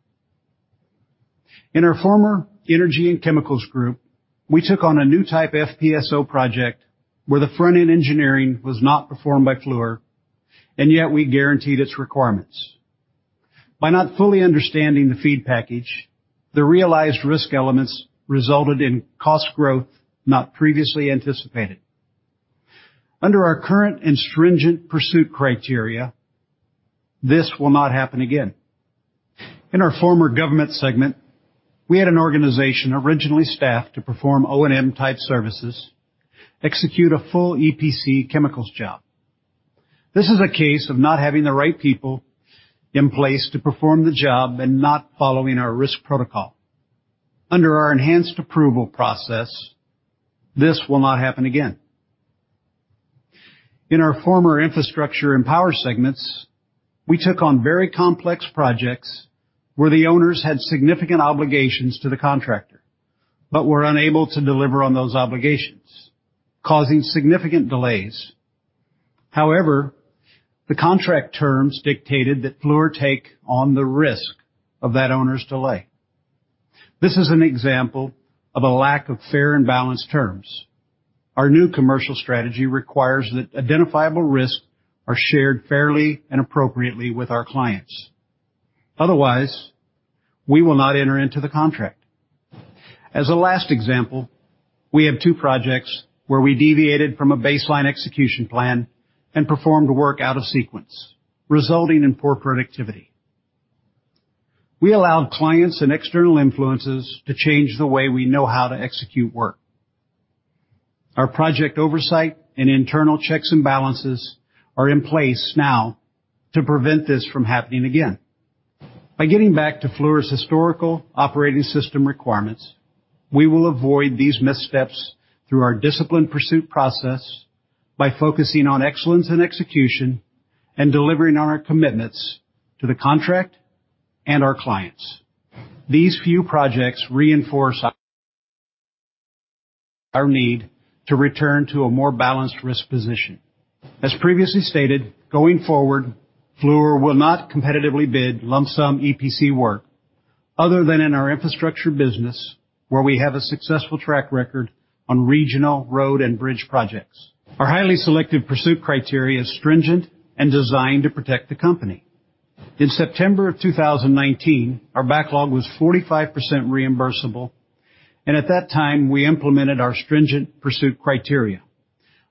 In our former Energy & Chemicals group, we took on a new type FPSO project where the front-end engineering was not performed by Fluor, and yet we guaranteed its requirements. By not fully understanding the FEED package, the realized risk elements resulted in cost growth not previously anticipated. Under our current and stringent pursuit criteria, this will not happen again. In our former Government segment, we had an organization originally staffed to perform O&M-type services, execute a full EPC chemicals job. This is a case of not having the right people in place to perform the job and not following our risk protocol. Under our enhanced approval process, this will not happen again. In Infrastructure and Power segments, we took on very complex projects where the owners had significant obligations to the contractor but were unable to deliver on those obligations, causing significant delays. However, the contract terms dictated that Fluor take on the risk of that owner's delay. This is an example of a lack of fair and balanced terms. Our new commercial strategy requires that identifiable risks are shared fairly and appropriately with our clients. Otherwise, we will not enter into the contract. As a last example, we have two projects where we deviated from a baseline execution plan and performed work out of sequence, resulting in poor productivity. We allowed clients and external influences to change the way we know how to execute work. Our project oversight and internal checks and balances are in place now to prevent this from happening again. By getting back to Fluor's historical operating system requirements, we will avoid these missteps through our disciplined pursuit process by focusing on excellence in execution and delivering on our commitments to the contract and our clients. These few projects reinforce our need to return to a more balanced risk position. As previously stated, going forward, Fluor will not competitively bid lump-sum EPC work other than in our Infrastructure business where we have a successful track record on regional road and bridge projects. Our highly selective pursuit criteria is stringent and designed to protect the company. In September of 2019, our backlog was 45% reimbursable, and at that time, we implemented our stringent pursuit criteria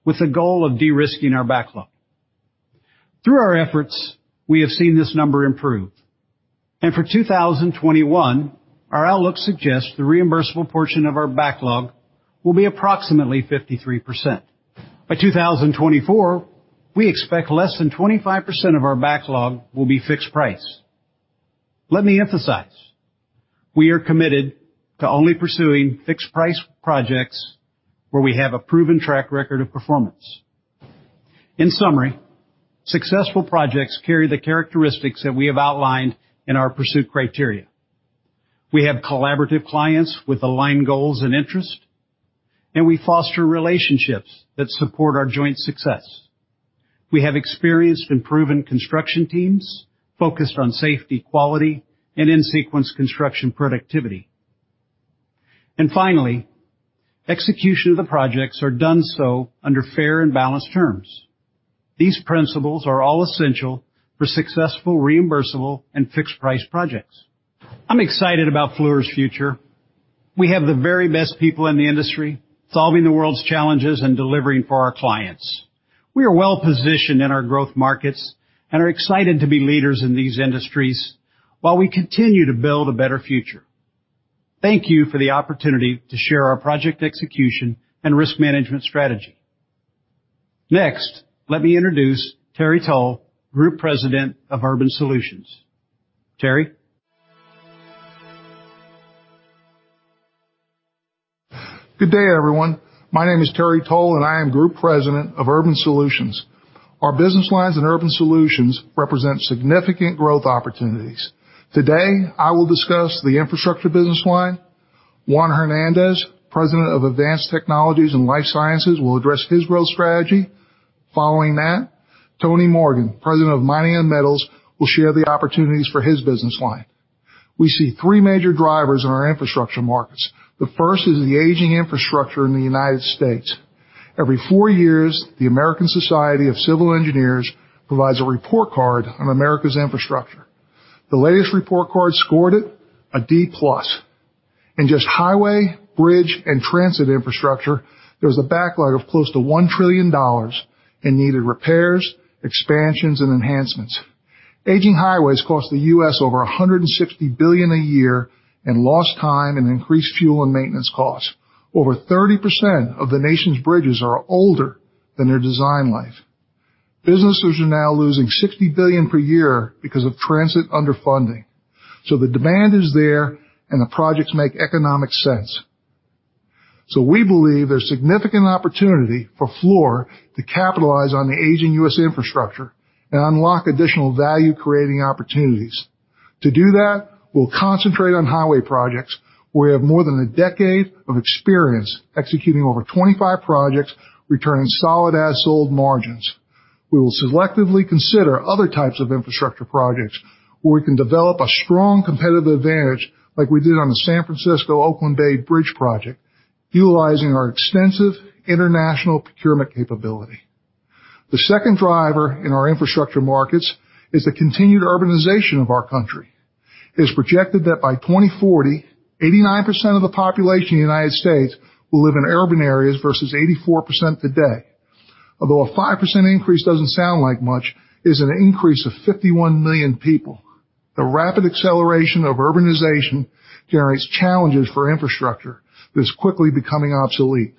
with the goal of de-risking our backlog. Through our efforts, we have seen this number improve. And for 2021, our outlook suggests the reimbursable portion of our backlog will be approximately 53%. By 2024, we expect less than 25% of our backlog will be fixed-price. Let me emphasize, we are committed to only pursuing fixed-price projects where we have a proven track record of performance. In summary, successful projects carry the characteristics that we have outlined in our pursuit criteria. We have collaborative clients with aligned goals and interests, and we foster relationships that support our joint success. We have experienced and proven construction teams focused on safety, quality, and in-sequence construction productivity. And finally, execution of the projects are done so under fair and balanced terms. These principles are all essential for successful reimbursable and fixed-price projects. I'm excited about Fluor's future. We have the very best people in the industry solving the world's challenges and delivering for our clients. We are well-positioned in our growth markets and are excited to be leaders in these industries while we continue to build a better future. Thank you for the opportunity to share our project execution and risk management strategy. Next, let me introduce Terry Towle, Group President of Urban Solutions. Terry. Good day, everyone. My name is Terry Towle, and I am Group President of Urban Solutions. Our Business Lines and Urban Solutions represent significant growth opportunities. Infrastructure Business Line. Juan Hernandez, president of Advanced Technologies and Life Sciences, will address his growth strategy. Following that, Tony Morgan, President of Mining and Metals, will share the opportunities for his Business Line. We see three major drivers in our infrastructure markets. The first is the aging infrastructure in the United States. Every four years, the American Society of Civil Engineers provides a report card on America's infrastructure. The latest report card scored it a D plus. In just highway, bridge, and transit infrastructure, there was a backlog of close to $1 trillion and needed repairs, expansions, and enhancements. Aging highways cost the U.S. over $160 billion a year in lost time and increased fuel and maintenance costs. Over 30% of the nation's bridges are older than their design life. Businesses are now losing $60 billion per year because of transit underfunding. So the demand is there, and the projects make economic sense. So we believe there's significant opportunity for Fluor to capitalize on the aging U.S. infrastructure and unlock additional value-creating opportunities. To do that, we'll concentrate on highway projects where we have more than a decade of experience executing over 25 projects returning solid as-sold margins. We will selectively consider other types of infrastructure projects where we can develop a strong competitive advantage like we did on the San Francisco-Oakland Bay Bridge project, utilizing our extensive international procurement capability. The second driver in our infrastructure markets is the continued urbanization of our country. It is projected that by 2040, 89% of the population in the United States will live in urban areas versus 84% today. Although a 5% increase doesn't sound like much, it is an increase of 51 million people. The rapid acceleration of urbanization generates challenges for infrastructure that is quickly becoming obsolete.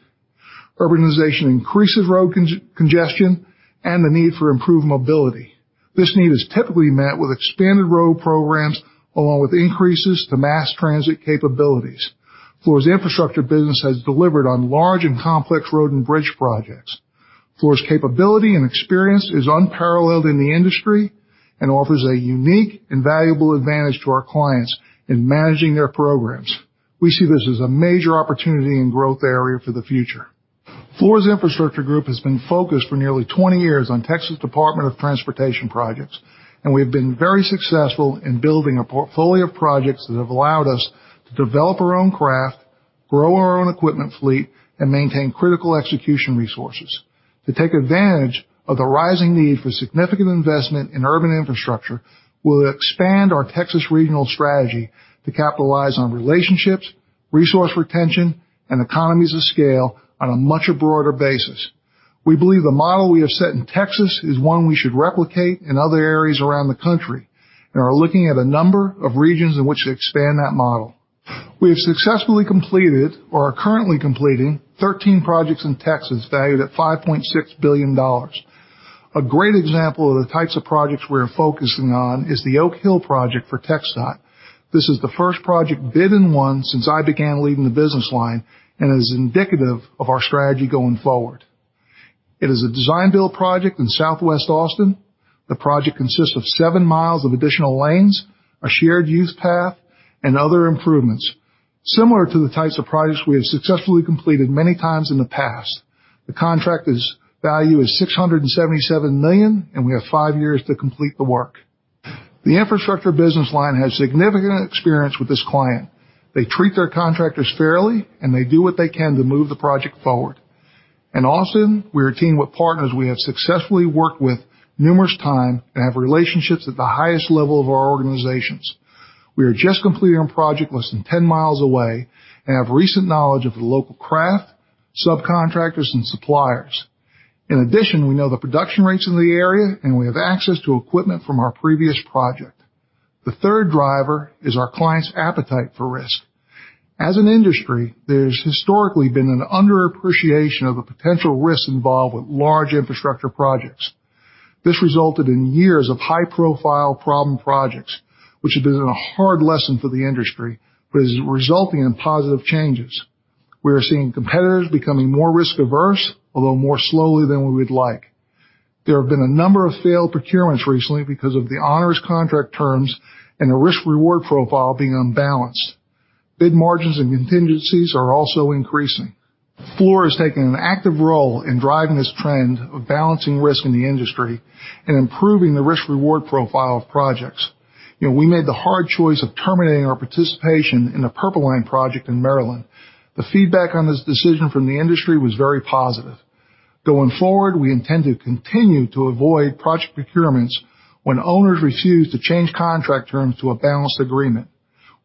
Urbanization increases road congestion and the need for improved mobility. This need is typically met with expanded road programs along with increases to mass transit capabilities. Fluor's Infrastructure business has delivered on large and complex road and bridge projects. Fluor's capability and experience is unparalleled in the industry and offers a unique and valuable advantage to our clients in managing their programs. We see this as a major opportunity Fluor's Infrastructure group has been focused for nearly 20 years on Texas Department of Transportation projects, and we have been very successful in building a portfolio of projects that have allowed us to develop our own craft, grow our own equipment fleet, and maintain critical execution resources. To take advantage of the rising need for significant investment in urban infrastructure, we'll expand our Texas regional strategy to capitalize on relationships, resource retention, and economies of scale on a much broader basis. We believe the model we have set in Texas is one we should replicate in other areas around the country and are looking at a number of regions in which to expand that model. We have successfully completed or are currently completing 13 projects in Texas valued at $5.6 billion. A great example of the types of projects we are focusing on is the Oak Hill project for TxDOT. This is the first project bid and won since I began leading the Business Line and is indicative of our strategy going forward. It is a design-build project in southwest Austin. The project consists of seven miles of additional lanes, a shared use path, and other improvements. Similar to the types of projects we have successfully completed many times in the past, the contract value is $677 million, and we have five years to Infrastructure Business Line has significant experience with this client. They treat their contractors fairly, and they do what they can to move the project forward. In Austin, we are a team with partners we have successfully worked with numerous times and have relationships at the highest level of our organizations. We are just completing a project less than 10 miles away and have recent knowledge of the local craft, subcontractors, and suppliers. In addition, we know the production rates in the area, and we have access to equipment from our previous project. The third driver is our client's appetite for risk. As an industry, there has historically been an underappreciation of the potential risks involved with large infrastructure projects. This resulted in years of high-profile problem projects, which have been a hard lesson for the industry, but is resulting in positive changes. We are seeing competitors becoming more risk-averse, although more slowly than we would like. There have been a number of failed procurements recently because of the onerous contract terms and the risk-reward profile being unbalanced. Bid margins and contingencies are also increasing. Fluor has taken an active role in driving this trend of balancing risk in the industry and improving the risk-reward profile of projects. We made the hard choice of terminating our participation in the Purple Line project in Maryland. The feedback on this decision from the industry was very positive. Going forward, we intend to continue to avoid project procurements when owners refuse to change contract terms to a balanced agreement.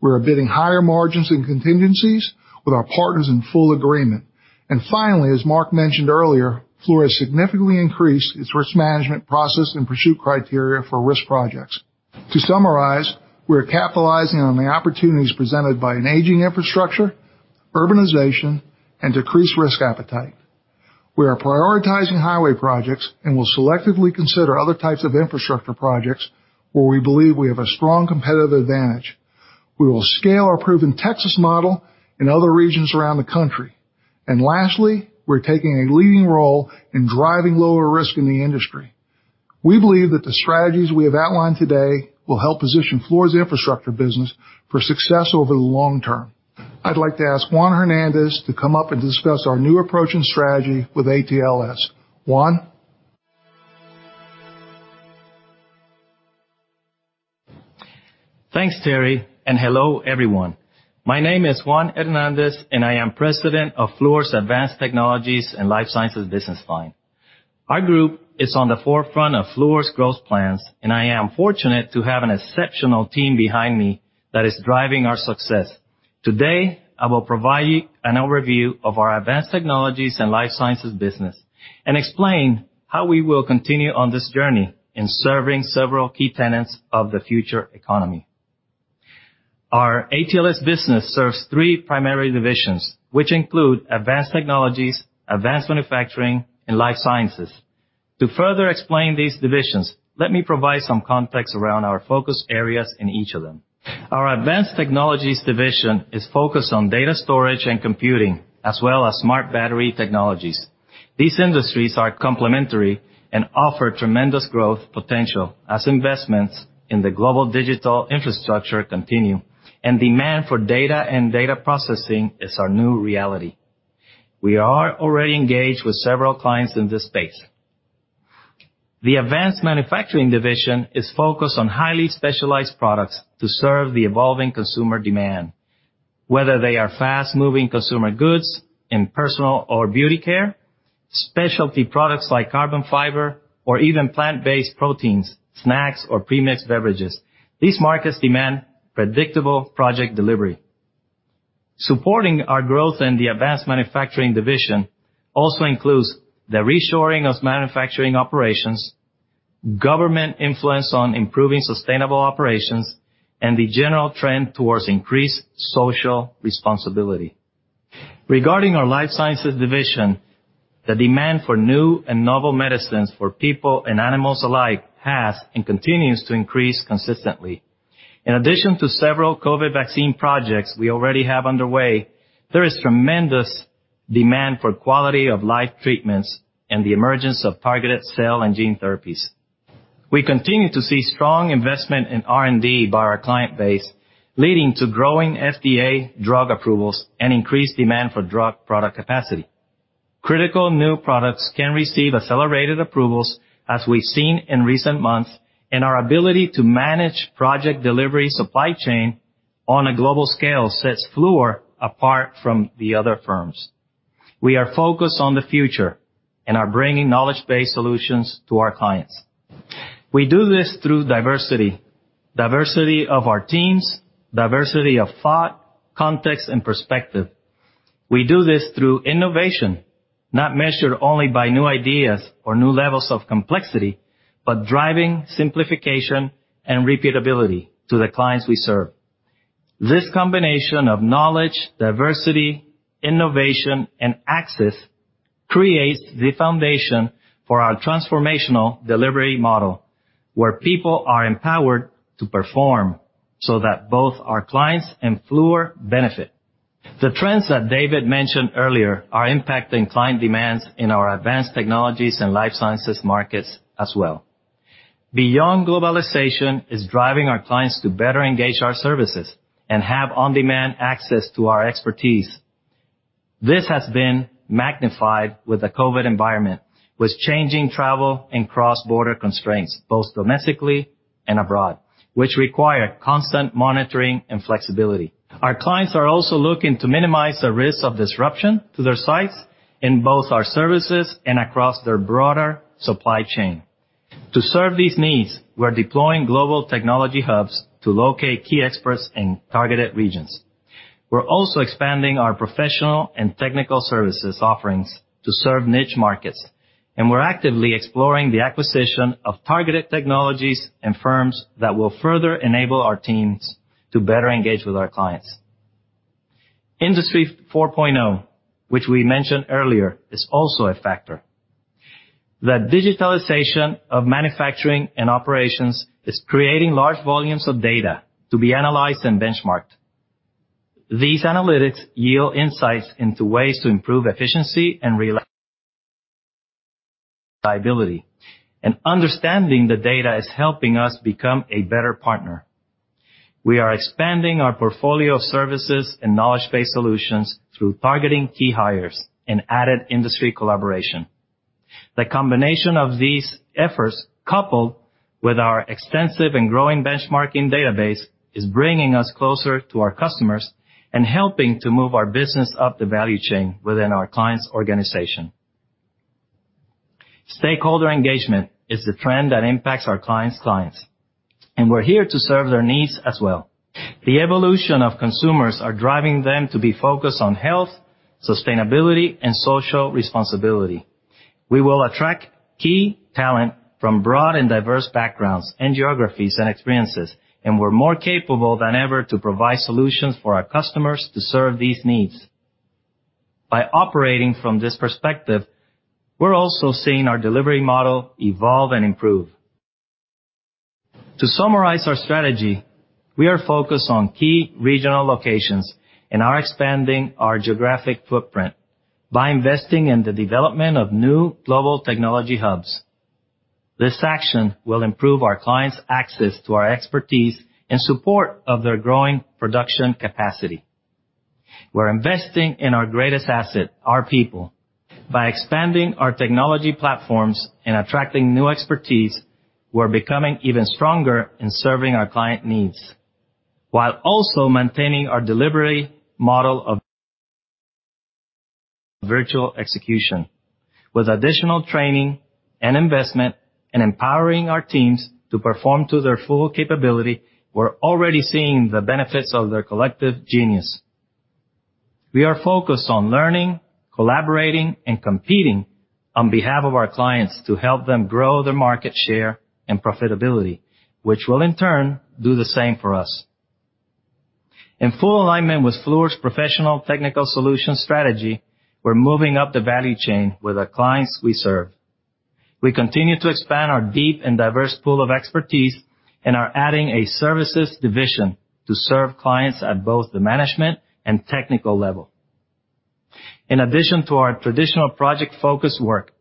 We are bidding higher margins and contingencies with our partners in full agreement. Finally, as Mark mentioned earlier, Fluor has significantly increased its risk management process and pursuit criteria for risk projects. To summarize, we are capitalizing on the opportunities presented by an aging infrastructure, urbanization, and decreased risk appetite. We are prioritizing highway projects and will selectively consider other types of infrastructure projects where we believe we have a strong competitive advantage. We will scale our proven Texas model in other regions around the country. And lastly, we're taking a leading role in driving lower risk in the industry. We believe that the strategies we have outlined today will help position Fluor's Infrastructure business for success over the long term. I'd like to ask Juan Hernandez to come up and discuss our new approach and strategy with ATLS. Juan? Thanks, Terry, and hello, everyone. I lead the Advanced Technologies and Life Sciences business line. our group is on the forefront of Fluor's growth plans, and I am fortunate to have an exceptional team behind me that is driving our success. Today, I will provide you Advanced Technologies and Life Sciences business and explain how we will continue on this journey in serving several key tenets of the future economy. Our ATLS business serves three primary divisions, which include Advanced Technologies, Advanced Manufacturing, and Life Sciences. To further explain these divisions, let me provide some context around our focus areas in each of them. Our Advanced Technologies division is focused on data storage and computing, as well as smart battery technologies. These industries are complementary and offer tremendous growth potential as investments in the global digital infrastructure continue, and demand for data and data processing is our new reality. We are already engaged with several clients in this space. The Advanced Manufacturing division is focused on highly specialized products to serve the evolving consumer demand, whether they are fast-moving consumer goods in personal or beauty care, specialty products like carbon fiber, or even plant-based proteins, snacks, or premixed beverages. These markets demand predictable project delivery. Supporting our growth in the Advanced Manufacturing division also includes the reshoring of manufacturing operations, government influence on improving sustainable operations, and the general trend towards increased social responsibility. Regarding our Life Sciences division, the demand for new and novel medicines for people and animals alike has and continues to increase consistently. In addition to several COVID vaccine projects we already have underway, there is tremendous demand for quality of life treatments and the emergence of targeted cell and gene therapies. We continue to see strong investment in R&D by our client base, leading to growing FDA drug approvals and increased demand for drug product capacity. Critical new products can receive accelerated approvals, as we've seen in recent months, and our ability to manage project delivery supply chain on a global scale sets Fluor apart from the other firms. We are focused on the future and are bringing knowledge-based solutions to our clients. We do this through diversity: diversity of our teams, diversity of thought, context, and perspective. We do this through innovation, not measured only by new ideas or new levels of complexity, but driving simplification and repeatability to the clients we serve. This combination of knowledge, diversity, innovation, and access creates the foundation for our transformational delivery model, where people are empowered to perform so that both our clients and Fluor benefit. The trends that David mentioned earlier are impacting client demands in our Advanced Technologies and Life Sciences markets as well. Beyond Globalization is driving our clients to better engage our services and have on-demand access to our expertise. This has been magnified with the COVID environment, with changing travel and cross-border constraints both domestically and abroad, which require constant monitoring and flexibility. Our clients are also looking to minimize the risk of disruption to their sites in both our services and across their broader supply chain. To serve these needs, we are deploying global technology hubs to locate key experts in targeted regions. We're also expanding our professional and technical services offerings to serve niche markets, and we're actively exploring the acquisition of targeted technologies and firms that will further enable our teams to better engage with our clients. Industry 4.0, which we mentioned earlier, is also a factor. The digitalization of manufacturing and operations is creating large volumes of data to be analyzed and benchmarked. These analytics yield insights into ways to improve efficiency and reliability. Understanding the data is helping us become a better partner. We are expanding our portfolio of services and knowledge-based solutions through targeting key hires and added industry collaboration. The combination of these efforts, coupled with our extensive and growing benchmarking database, is bringing us closer to our customers and helping to move our business up the value chain within our client's organization. Stakeholder engagement is the trend that impacts our clients' clients, and we're here to serve their needs as well. The evolution of consumers is driving them to be focused on health, sustainability, and social responsibility. We will attract key talent from broad and diverse backgrounds and geographies and experiences, and we're more capable than ever to provide solutions for our customers to serve these needs. By operating from this perspective, we're also seeing our delivery model evolve and improve. To summarize our strategy, we are focused on key regional locations and are expanding our geographic footprint by investing in the development of new global technology hubs. This action will improve our clients' access to our expertise in support of their growing production capacity. We're investing in our greatest asset, our people. By expanding our technology platforms and attracting new expertise, we're becoming even stronger in serving our client needs while also maintaining our delivery model of virtual execution. With additional training and investment and empowering our teams to perform to their full capability, we're already seeing the benefits of their collective genius. We are focused on learning, collaborating, and competing on behalf of our clients to help them grow their market share and profitability, which will in turn do the same for us. In full alignment with Fluor's professional technical solution strategy, we're moving up the value chain with our clients we serve. We continue to expand our deep and diverse pool of expertise and are adding a services division to serve clients at both the management and technical level. In addition to our traditional project-focused work,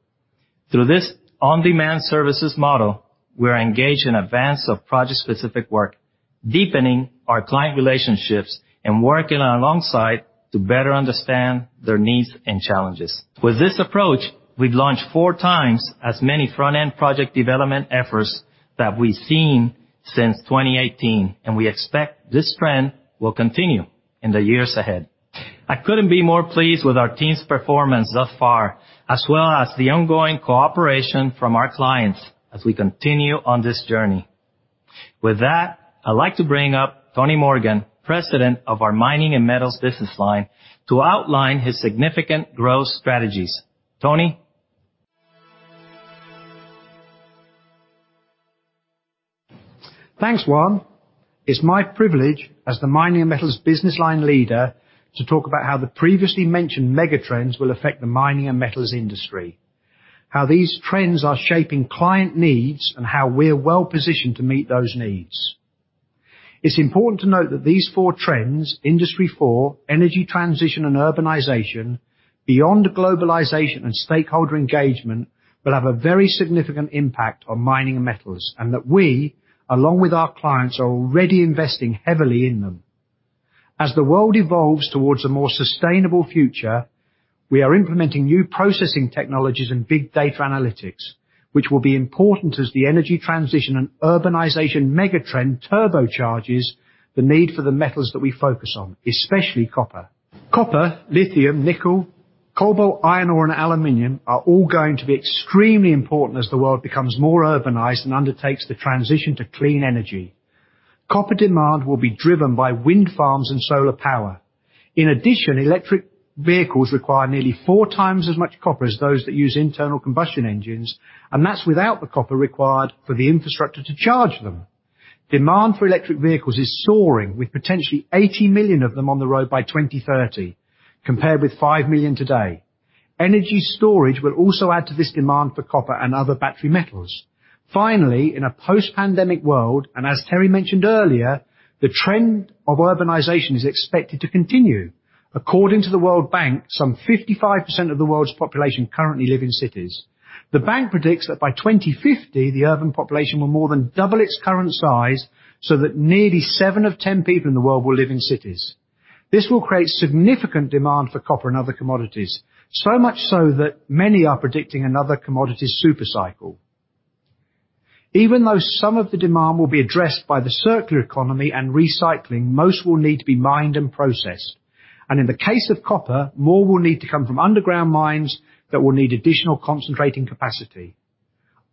through this on-demand services model, we are engaged in advance of project-specific work, deepening our client relationships and working alongside to better understand their needs and challenges. With this approach, we've launched four times as many front-end project development efforts that we've seen since 2018, and we expect this trend will continue in the years ahead. I couldn't be more pleased with our team's performance thus far, as well as the ongoing cooperation from our clients as we continue on this journey. With that, I'd like to bring up Tony Morgan, President of our Mining and Metals Business Line, to outline his significant growth strategies. Tony? Thanks, Juan. It's my privilege as the Mining and Metals Business Line leader to talk about how the previously mentioned megatrends will affect the mining and metals industry, how these trends are shaping client needs, and how we're well-positioned to meet those needs. It's important to note that these four trends, Industry 4.0, energy transition, and urbanization, beyond globalization and stakeholder engagement, will have a very significant impact on mining and metals and that we, along with our clients, are already investing heavily in them. As the world evolves towards a more sustainable future, we are implementing new processing technologies and big data analytics, which will be important as the energy transition and urbanization megatrend turbocharges the need for the metals that we focus on, especially copper. Copper, lithium, nickel, cobalt, iron ore, and aluminum are all going to be extremely important as the world becomes more urbanized and undertakes the transition to clean energy. Copper demand will be driven by wind farms and solar power. In addition, electric vehicles require nearly four times as much copper as those that use internal combustion engines, and that's without the copper required for the infrastructure to charge them. Demand for electric vehicles is soaring, with potentially 80 million of them on the road by 2030, compared with 5 million today. Energy storage will also add to this demand for copper and other battery metals. Finally, in a post-pandemic world, and as Terry mentioned earlier, the trend of urbanization is expected to continue. According to the World Bank, some 55% of the world's population currently live in cities. The bank predicts that by 2050, the urban population will more than double its current size so that nearly seven of 10 people in the world will live in cities. This will create significant demand for copper and other commodities, so much so that many are predicting another commodity supercycle. Even though some of the demand will be addressed by the circular economy and recycling, most will need to be mined and processed. And in the case of copper, more will need to come from underground mines that will need additional concentrating capacity.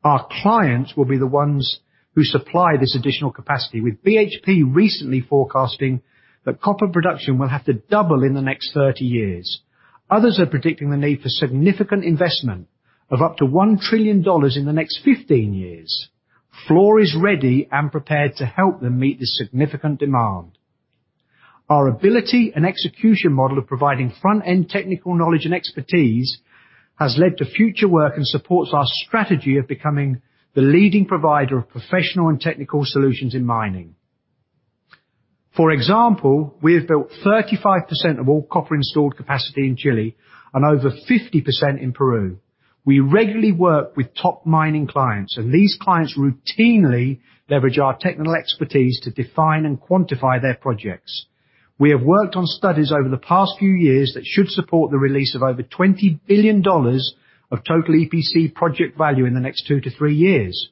Our clients will be the ones who supply this additional capacity, with BHP recently forecasting that copper production will have to double in the next 30 years. Others are predicting the need for significant investment of up to $1 trillion in the next 15 years. Fluor is ready and prepared to help them meet this significant demand. Our ability and execution model of providing front-end technical knowledge and expertise has led to future work and supports our strategy of becoming the leading provider of professional and technical solutions in mining. For example, we have built 35% of all copper installed capacity in Chile and over 50% in Peru. We regularly work with top mining clients, and these clients routinely leverage our technical expertise to define and quantify their projects. We have worked on studies over the past few years that should support the release of over $20 billion of total EPC project value in the next two to three years.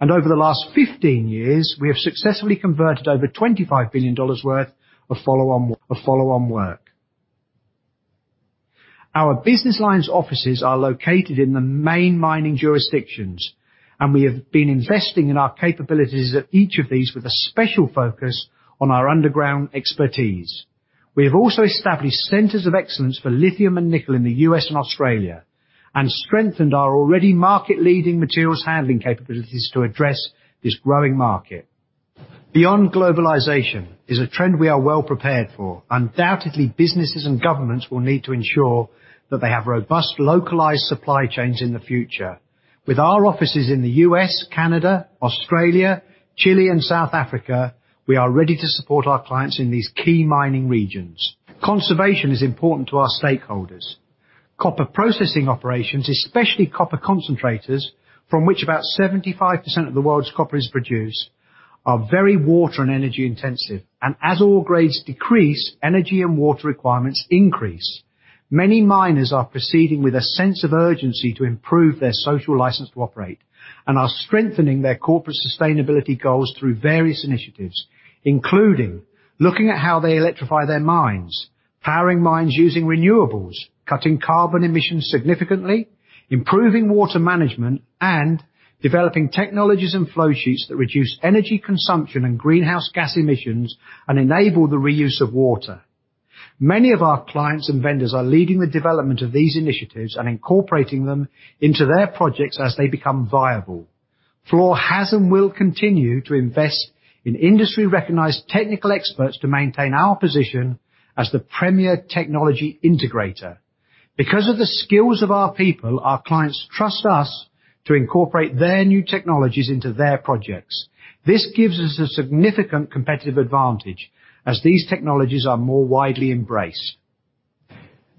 Over the last 15 years, we have successfully converted over $25 billion worth of follow-on work. Our Business Lines offices are located in the main mining jurisdictions, and we have been investing in our capabilities at each of these with a special focus on our underground expertise. We have also established centers of excellence for lithium and nickel in the U.S. and Australia and strengthened our already market-leading materials handling capabilities to address this growing market. Beyond globalization is a trend we are well prepared for. Undoubtedly, businesses and governments will need to ensure that they have robust localized supply chains in the future. With our offices in the U.S., Canada, Australia, Chile, and South Africa, we are ready to support our clients in these key mining regions. Conservation is important to our stakeholders. Copper processing operations, especially copper concentrators, from which about 75% of the world's copper is produced, are very water and energy intensive. As ore grades decrease, energy and water requirements increase. Many miners are proceeding with a sense of urgency to improve their social license to operate and are strengthening their corporate sustainability goals through various initiatives, including looking at how they electrify their mines, powering mines using renewables, cutting carbon emissions significantly, improving water management, and developing technologies and flow sheets that reduce energy consumption and greenhouse gas emissions and enable the reuse of water. Many of our clients and vendors are leading the development of these initiatives and incorporating them into their projects as they become viable. Fluor has and will continue to invest in industry-recognized technical experts to maintain our position as the premier technology integrator. Because of the skills of our people, our clients trust us to incorporate their new technologies into their projects. This gives us a significant competitive advantage as these technologies are more widely embraced.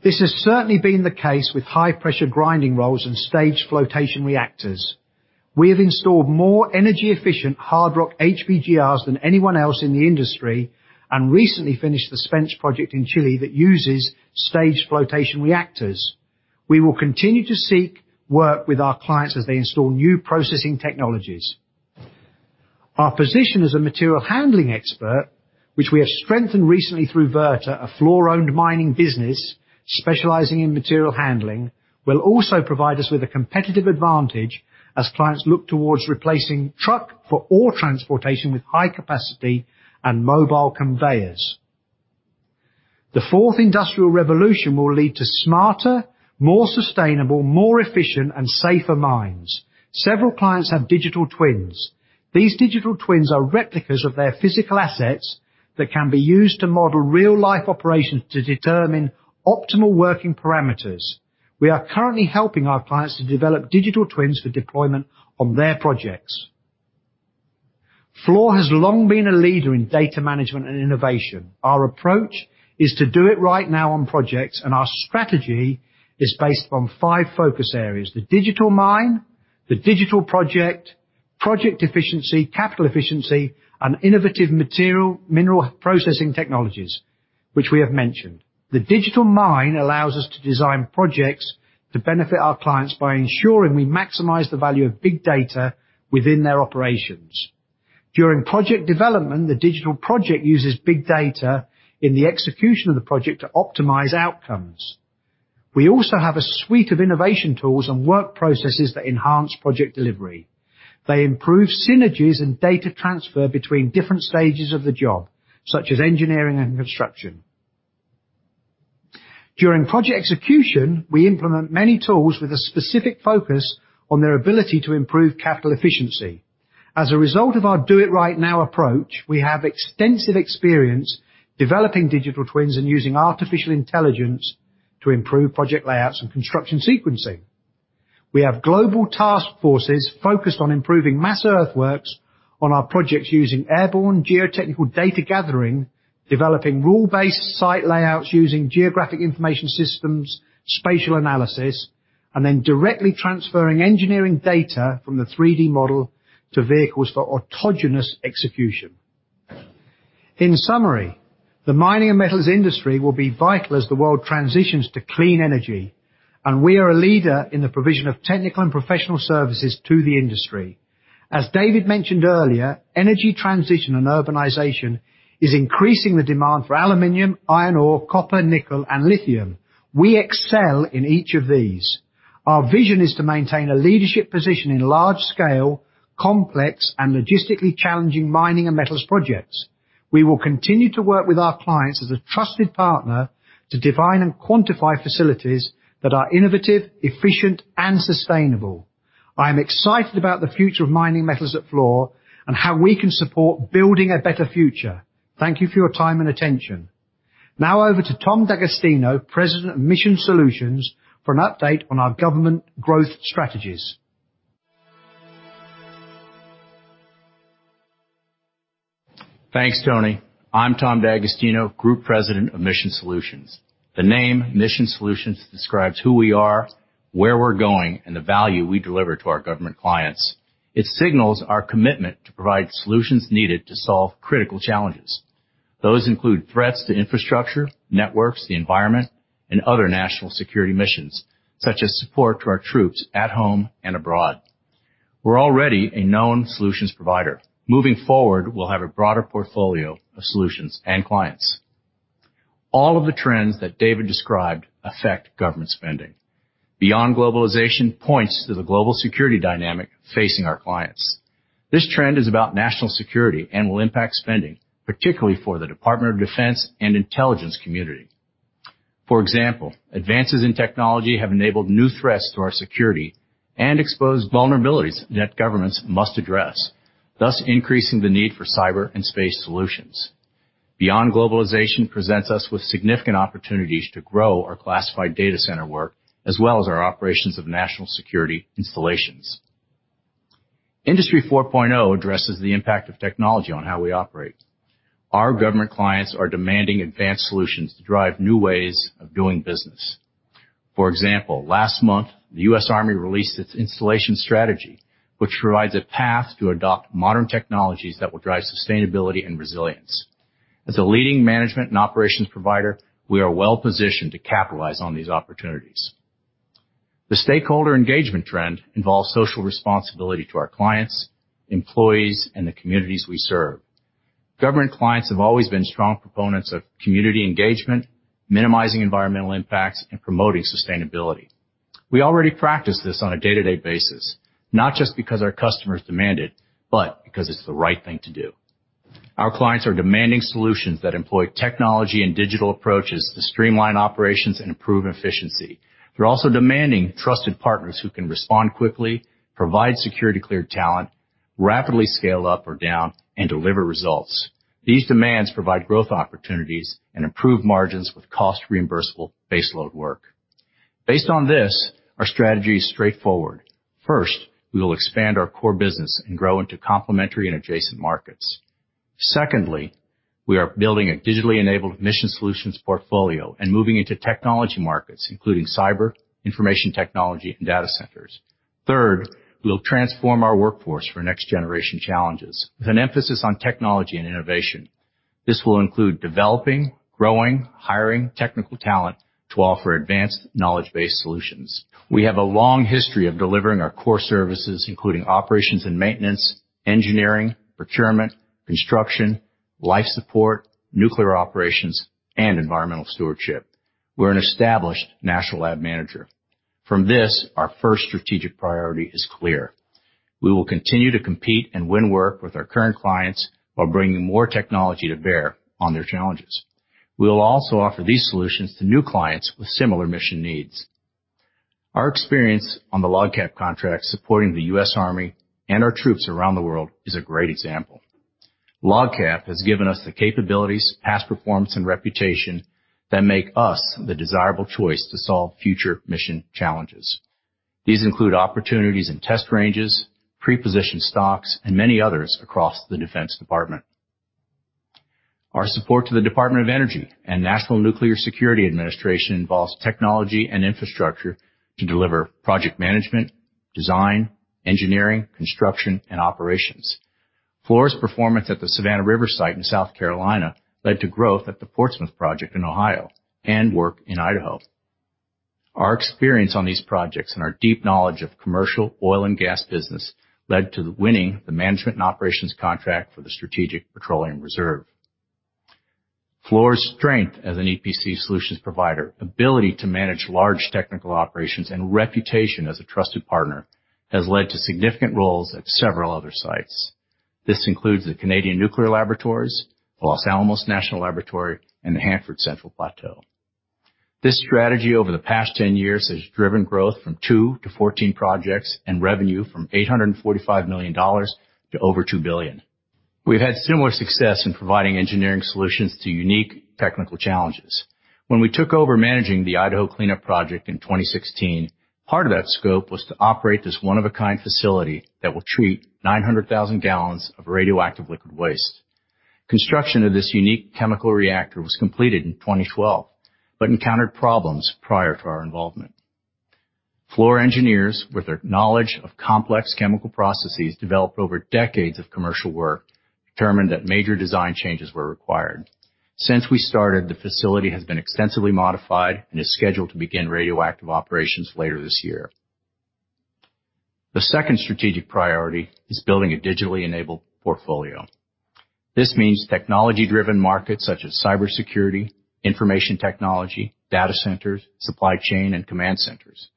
This has certainly been the case with high-pressure grinding rolls and staged flotation reactors. We have installed more energy-efficient hard rock HPGRs than anyone else in the industry and recently finished the Spence project in Chile that uses staged flotation reactors. We will continue to seek work with our clients as they install new processing technologies. Our position as a material handling expert, which we have strengthened recently through Verta, a Fluor-owned mining business specializing in material handling, will also provide us with a competitive advantage as clients look towards replacing truck or transportation with high-capacity and mobile conveyors. The fourth industrial revolution will lead to smarter, more sustainable, more efficient, and safer mines. Several clients have digital twins. These digital twins are replicas of their physical assets that can be used to model real-life operations to determine optimal working parameters. We are currently helping our clients to develop digital twins for deployment on their projects. Fluor has long been a leader in data management and innovation. Our approach is to do it right now on projects, and our strategy is based upon five focus areas: the digital mine, the digital project, project efficiency, capital efficiency, and innovative material mineral processing technologies, which we have mentioned. The digital mine allows us to design projects to benefit our clients by ensuring we maximize the value of big data within their operations. During project development, the digital project uses big data in the execution of the project to optimize outcomes. We also have a suite of innovation tools and work processes that enhance project delivery. They improve synergies and data transfer between different stages of the job, such as engineering and construction. During project execution, we implement many tools with a specific focus on their ability to improve capital efficiency. As a result of our do-it-right-now approach, we have extensive experience developing digital twins and using artificial intelligence to improve project layouts and construction sequencing. We have global task forces focused on improving mass earthworks on our projects using airborne geotechnical data gathering, developing rule-based site layouts using geographic information systems, spatial analysis, and then directly transferring engineering data from the 3D model to vehicles for autonomous execution. In summary, the mining and metals industry will be vital as the world transitions to clean energy, and we are a leader in the provision of technical and professional services to the industry. As David mentioned earlier, energy transition and urbanization is increasing the demand for aluminum, iron ore, copper, nickel, and lithium. We excel in each of these. Our vision is to maintain a leadership position in large-scale, complex, and logistically challenging mining and metals projects. We will continue to work with our clients as a trusted partner to define and quantify facilities that are innovative, efficient, and sustainable. I am excited about the future of Mining and Metals at Fluor and how we can support building a better future. Thank you for your time and attention. Now over to Tom D'Agostino, President of Mission Solutions, for an update on our government growth strategies. Thanks, Tony. I'm Tom D'Agostino, Group President of Mission Solutions. The name Mission Solutions describes who we are, where we're going, and the value we deliver to our government clients. It signals our commitment to provide solutions needed to solve critical challenges. Those include threats to infrastructure, networks, the environment, and other national security missions, such as support to our troops at home and abroad. We're already a known solutions provider. Moving forward, we'll have a broader portfolio of solutions and clients. All of the trends that David described affect government spending. Beyond Globalization points to the global security dynamic facing our clients. This trend is about national security and will impact spending, particularly for the Department of Defense and Intelligence Community. For example, advances in technology have enabled new threats to our security and exposed vulnerabilities that governments must address, thus increasing the need for cyber and space solutions. Beyond Globalization presents us with significant opportunities to grow our classified data center work, as well as our operations of national security installations. Industry 4.0 addresses the impact of technology on how we operate. Our government clients are demanding advanced solutions to drive new ways of doing business. For example, last month, the U.S. Army released its installation strategy, which provides a path to adopt modern technologies that will drive sustainability and resilience. As a leading management and operations provider, we are well positioned to capitalize on these opportunities. The stakeholder engagement trend involves social responsibility to our clients, employees, and the communities we serve. Government clients have always been strong proponents of community engagement, minimizing environmental impacts, and promoting sustainability. We already practice this on a day-to-day basis, not just because our customers demand it, but because it's the right thing to do. Our clients are demanding solutions that employ technology and digital approaches to streamline operations and improve efficiency. They're also demanding trusted partners who can respond quickly, provide security-cleared talent, rapidly scale up or down, and deliver results. These demands provide growth opportunities and improve margins with cost-reimbursable baseload work. Based on this, our strategy is straightforward. First, we will expand our core business and grow into complementary and adjacent markets. Secondly, we are building a digitally enabled mission solutions portfolio and moving into technology markets, including cyber, information technology, and data centers. Third, we'll transform our workforce for next-generation challenges with an emphasis on technology and innovation. This will include developing, growing, hiring technical talent to offer advanced knowledge-based solutions. We have a long history of delivering our core services, including operations and maintenance, engineering, procurement, construction, life support, nuclear operations, and environmental stewardship. We're an established national lab manager. From this, our first strategic priority is clear. We will continue to compete and win work with our current clients while bringing more technology to bear on their challenges. We will also offer these solutions to new clients with similar mission needs. Our experience on the LOGCAP contract supporting the U.S. Army and our troops around the world is a great example. LOGCAP has given us the capabilities, past performance, and reputation that make us the desirable choice to solve future mission challenges. These include opportunities in test ranges, pre-positioned stocks, and many others across the Defense Department. Our support to the Department of Energy and National Nuclear Security Administration involves technology and infrastructure to deliver project management, design, engineering, construction, and operations. Fluor's performance at the Savannah River Site in South Carolina led to growth at the Portsmouth project in Ohio and work in Idaho. Our experience on these projects and our deep knowledge of the commercial oil and gas business led to winning the management and operations contract for the Strategic Petroleum Reserve. Fluor's strength as an EPC solutions provider, ability to manage large technical operations, and reputation as a trusted partner have led to significant roles at several other sites. This includes the Canadian Nuclear Laboratories, the Los Alamos National Laboratory, and the Hanford Central Plateau. This strategy over the past 10 years has driven growth from two to 14 projects and revenue from $845 million to over $2 billion. We've had similar success in providing engineering solutions to unique technical challenges. When we took over managing the Idaho Cleanup Project in 2016, part of that scope was to operate this one-of-a-kind facility that will treat 900,000 gallons of radioactive liquid waste. Construction of this unique chemical reactor was completed in 2012 but encountered problems prior to our involvement. Fluor engineers, with their knowledge of complex chemical processes developed over decades of commercial work, determined that major design changes were required. Since we started, the facility has been extensively modified and is scheduled to begin radioactive operations later this year. The second strategic priority is building a digitally enabled portfolio. This means technology-driven markets such as cybersecurity, information technology, data centers, supply chain, and command centers.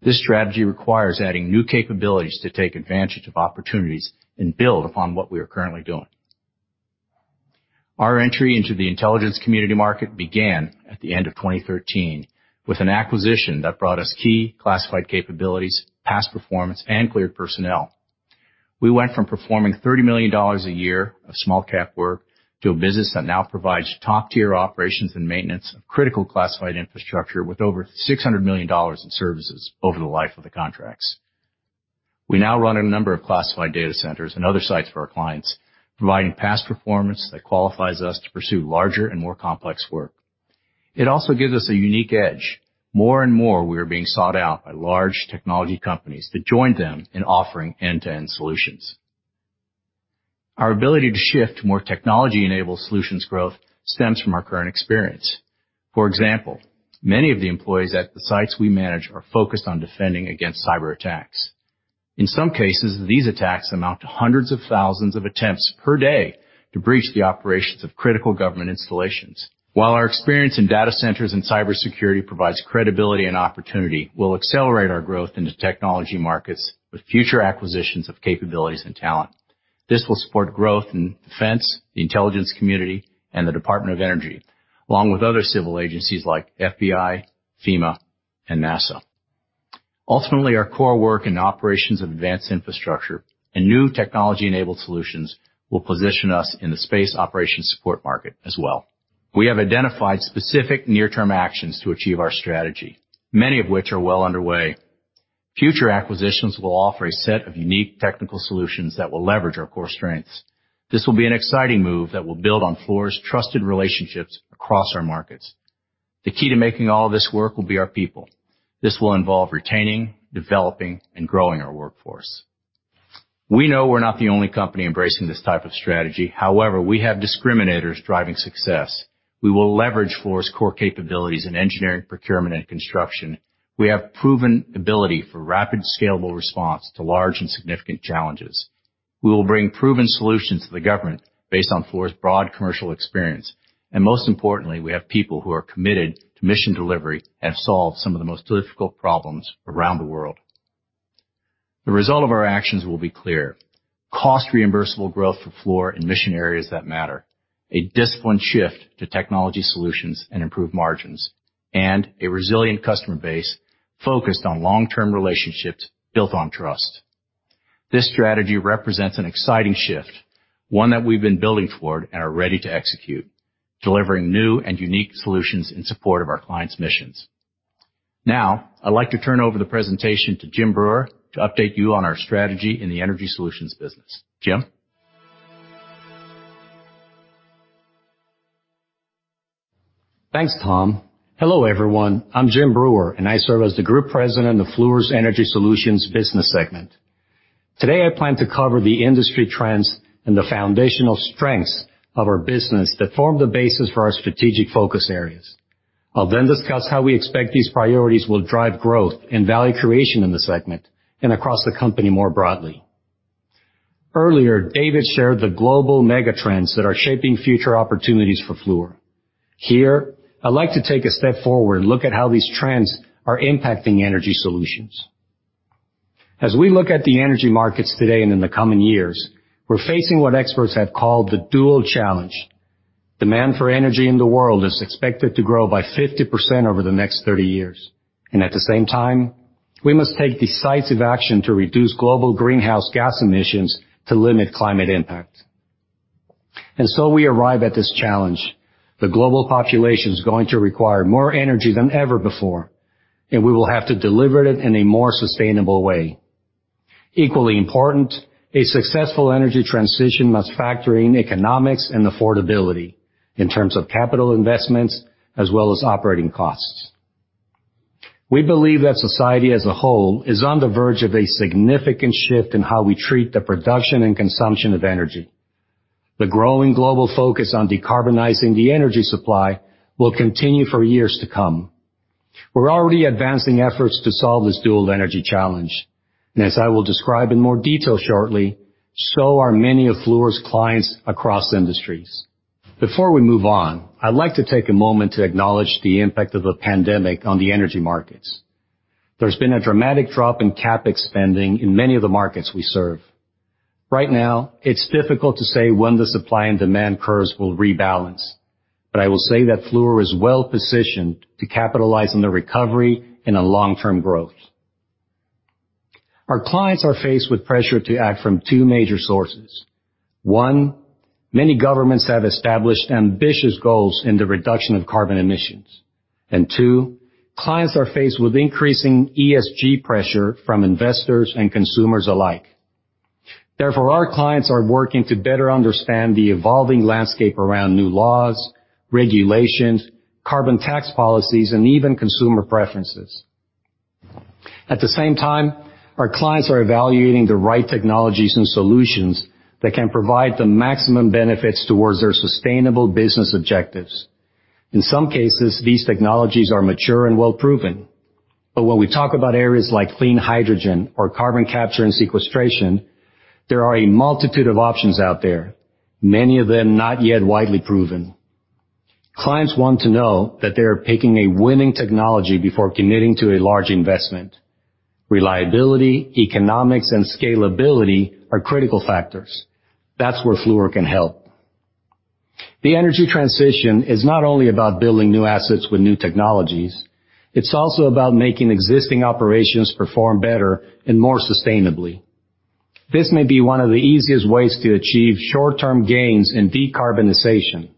This strategy requires adding new capabilities to take advantage of opportunities and build upon what we are currently doing. Our entry into the Intelligence Community market began at the end of 2013 with an acquisition that brought us key classified capabilities, past performance, and cleared personnel. We went from performing $30 million a year of small-cap work to a business that now provides top-tier operations and maintenance of critical classified infrastructure with over $600 million in services over the life of the contracts. We now run a number of classified data centers and other sites for our clients, providing past performance that qualifies us to pursue larger and more complex work. It also gives us a unique edge. More and more, we are being sought out by large technology companies to join them in offering end-to-end solutions. Our ability to shift to more technology-enabled solutions growth stems from our current experience. For example, many of the employees at the sites we manage are focused on defending against cyber attacks. In some cases, these attacks amount to hundreds of thousands of attempts per day to breach the operations of critical government installations. While our experience in data centers and cybersecurity provides credibility and opportunity, we'll accelerate our growth into technology markets with future acquisitions of capabilities and talent. This will support growth in defense, the Intelligence Community, and the Department of Energy, along with other civil agencies like FBI, FEMA, and NASA. Ultimately, our core work and operations of advanced infrastructure and new technology-enabled solutions will position us in the space operations support market as well. We have identified specific near-term actions to achieve our strategy, many of which are well underway. Future acquisitions will offer a set of unique technical solutions that will leverage our core strengths. This will be an exciting move that will build on Fluor's trusted relationships across our markets. The key to making all of this work will be our people. This will involve retaining, developing, and growing our workforce. We know we're not the only company embracing this type of strategy. However, we have discriminators driving success. We will leverage Fluor's core capabilities in engineering, procurement, and construction. We have proven ability for rapid, scalable response to large and significant challenges. We will bring proven solutions to the government based on Fluor's broad commercial experience. And most importantly, we have people who are committed to mission delivery and have solved some of the most difficult problems around the world. The result of our actions will be clear: cost-reimbursable growth for Fluor in mission areas that matter, a disciplined shift to technology solutions and improved margins, and a resilient customer base focused on long-term relationships built on trust. This strategy represents an exciting shift, one that we've been building toward and are ready to execute, delivering new and unique solutions in support of our clients' missions. Now, I'd like to turn over the presentation to Jim Breuer to update you on our strategy in the energy solutions business. Jim? Thanks, Tom. Hello, everyone. I'm Jim Breuer, and I serve as the Group President of Fluor's Energy Solutions Business Segment. Today, I plan to cover the industry trends and the foundational strengths of our business that form the basis for our strategic focus areas. I'll then discuss how we expect these priorities will drive growth and value creation in the segment and across the company more broadly. Earlier, David shared the global mega trends that are shaping future opportunities for Fluor. Here, I'd like to take a step forward and look at how these trends are impacting energy solutions. As we look at the energy markets today and in the coming years, we're facing what experts have called the dual challenge. Demand for energy in the world is expected to grow by 50% over the next 30 years. At the same time, we must take decisive action to reduce global greenhouse gas emissions to limit climate impact. So we arrive at this challenge. The global population is going to require more energy than ever before, and we will have to deliver it in a more sustainable way. Equally important, a successful energy transition must factor in economics and affordability in terms of capital investments as well as operating costs. We believe that society as a whole is on the verge of a significant shift in how we treat the production and consumption of energy. The growing global focus on decarbonizing the energy supply will continue for years to come. We're already advancing efforts to solve this dual energy challenge. As I will describe in more detail shortly, so are many of Fluor's clients across industries. Before we move on, I'd like to take a moment to acknowledge the impact of the pandemic on the energy markets. There's been a dramatic drop in CapEx spending in many of the markets we serve. Right now, it's difficult to say when the supply and demand curves will rebalance, but I will say that Fluor is well positioned to capitalize on the recovery and on long-term growth. Our clients are faced with pressure to act from two major sources. One, many governments have established ambitious goals in the reduction of carbon emissions. Two, clients are faced with increasing ESG pressure from investors and consumers alike. Therefore, our clients are working to better understand the evolving landscape around new laws, regulations, carbon tax policies, and even consumer preferences. At the same time, our clients are evaluating the right technologies and solutions that can provide the maximum benefits towards their sustainable business objectives. In some cases, these technologies are mature and well proven. But when we talk about areas like clean hydrogen or carbon capture and sequestration, there are a multitude of options out there, many of them not yet widely proven. Clients want to know that they are picking a winning technology before committing to a large investment. Reliability, economics, and scalability are critical factors. That's where Fluor can help. The energy transition is not only about building new assets with new technologies. It's also about making existing operations perform better and more sustainably. This may be one of the easiest ways to achieve short-term gains in decarbonization.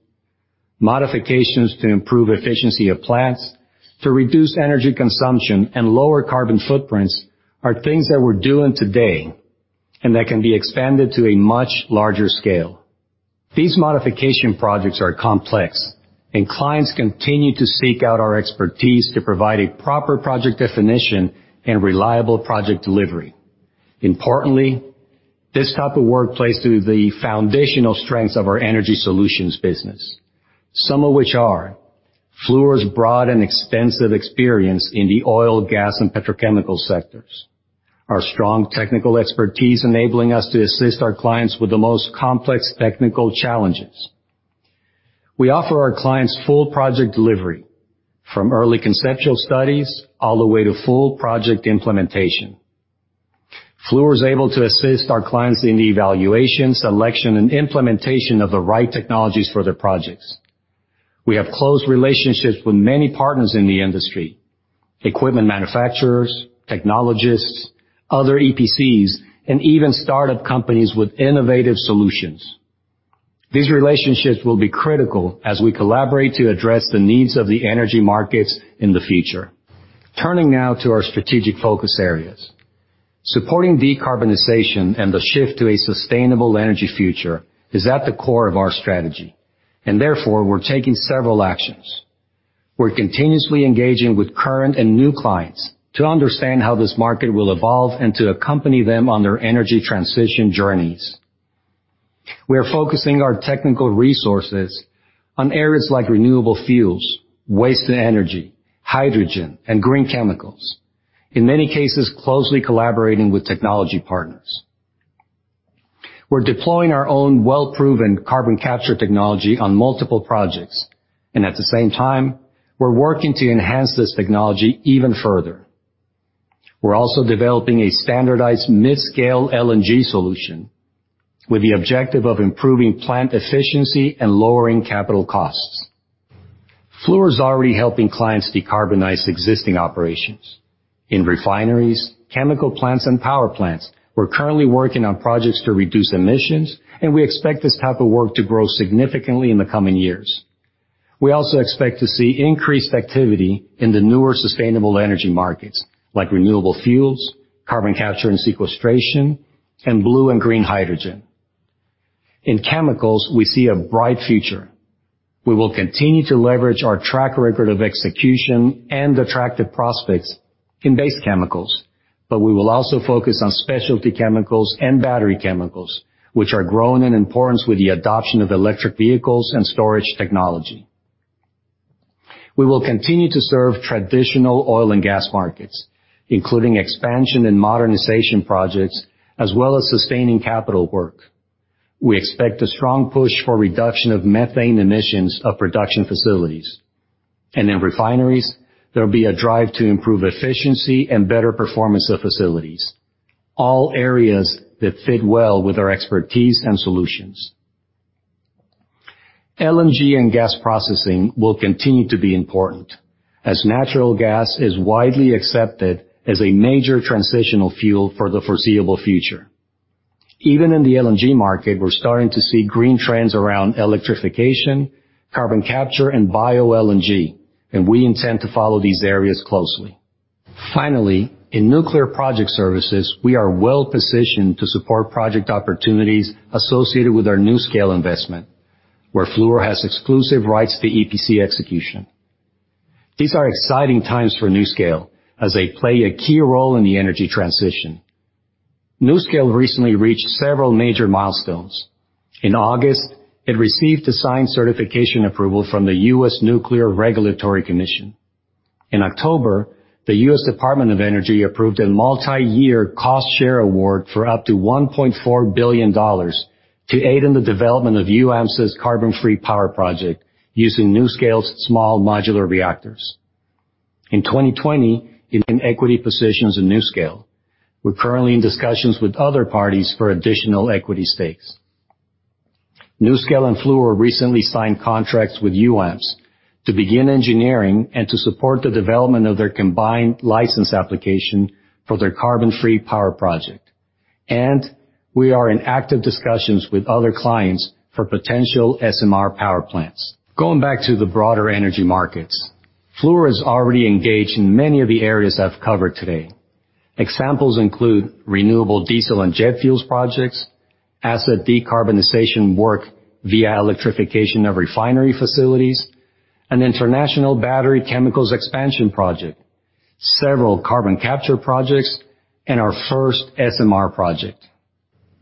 Modifications to improve efficiency of plants, to reduce energy consumption, and lower carbon footprints are things that we're doing today and that can be expanded to a much larger scale. These modification projects are complex, and clients continue to seek out our expertise to provide a proper project definition and reliable project delivery. Importantly, this type of work plays to the foundational strengths of our energy solutions business, some of which are Fluor's broad and extensive experience in the oil, gas, and petrochemical sectors, our strong technical expertise enabling us to assist our clients with the most complex technical challenges. We offer our clients full project delivery from early conceptual studies all the way to full project implementation. Fluor is able to assist our clients in the evaluation, selection, and implementation of the right technologies for their projects. We have close relationships with many partners in the industry: equipment manufacturers, technologists, other EPCs, and even startup companies with innovative solutions. These relationships will be critical as we collaborate to address the needs of the energy markets in the future. Turning now to our strategic focus areas, supporting decarbonization and the shift to a sustainable energy future is at the core of our strategy. Therefore, we're taking several actions. We're continuously engaging with current and new clients to understand how this market will evolve and to accompany them on their energy transition journeys. We are focusing our technical resources on areas like renewable fuels, waste-to-energy, hydrogen, and green chemicals, in many cases closely collaborating with technology partners. We're deploying our own well-proven carbon capture technology on multiple projects. At the same time, we're working to enhance this technology even further. We're also developing a standardized mid-scale LNG solution with the objective of improving plant efficiency and lowering capital costs. Fluor is already helping clients decarbonize existing operations in refineries, chemical plants, and power plants. We're currently working on projects to reduce emissions, and we expect this type of work to grow significantly in the coming years. We also expect to see increased activity in the newer sustainable energy markets like renewable fuels, carbon capture and sequestration, and blue and green hydrogen. In chemicals, we see a bright future. We will continue to leverage our track record of execution and attractive prospects in base chemicals, but we will also focus on specialty chemicals and battery chemicals, which are growing in importance with the adoption of electric vehicles and storage technology. We will continue to serve traditional oil and gas markets, including expansion and modernization projects, as well as sustaining capital work. We expect a strong push for reduction of methane emissions of production facilities. In refineries, there will be a drive to improve efficiency and better performance of facilities, all areas that fit well with our expertise and solutions. LNG and gas processing will continue to be important as natural gas is widely accepted as a major transitional fuel for the foreseeable future. Even in the LNG market, we're starting to see green trends around electrification, carbon capture, and Bio-LNG, and we intend to follow these areas closely. Finally, in nuclear project services, we are well positioned to support project opportunities associated with our NuScale investment, where Fluor has exclusive rights to EPC execution. These are exciting times for NuScale as they play a key role in the energy transition. NuScale recently reached several major milestones. In August, it received a design certification approval from the U.S. Nuclear Regulatory Commission. In October, the U.S. Department of Energy approved a multi-year cost share award for up to $1.4 billion to aid in the development of UAMPS's Carbon-Free Power Project using NuScale's small modular reactors. In 2020, we took equity positions in NuScale. We're currently in discussions with other parties for additional equity stakes. NuScale and Fluor recently signed contracts with UAMPS to begin engineering and to support the development of their combined license application for their Carbon-Free Power Project. We are in active discussions with other clients for potential SMR power plants. Going back to the broader energy markets, Fluor has already engaged in many of the areas I've covered today. Examples include renewable diesel and jet fuel projects, asset decarbonization work via electrification of refinery facilities, an international battery chemicals expansion project, several carbon capture projects, and our first SMR project.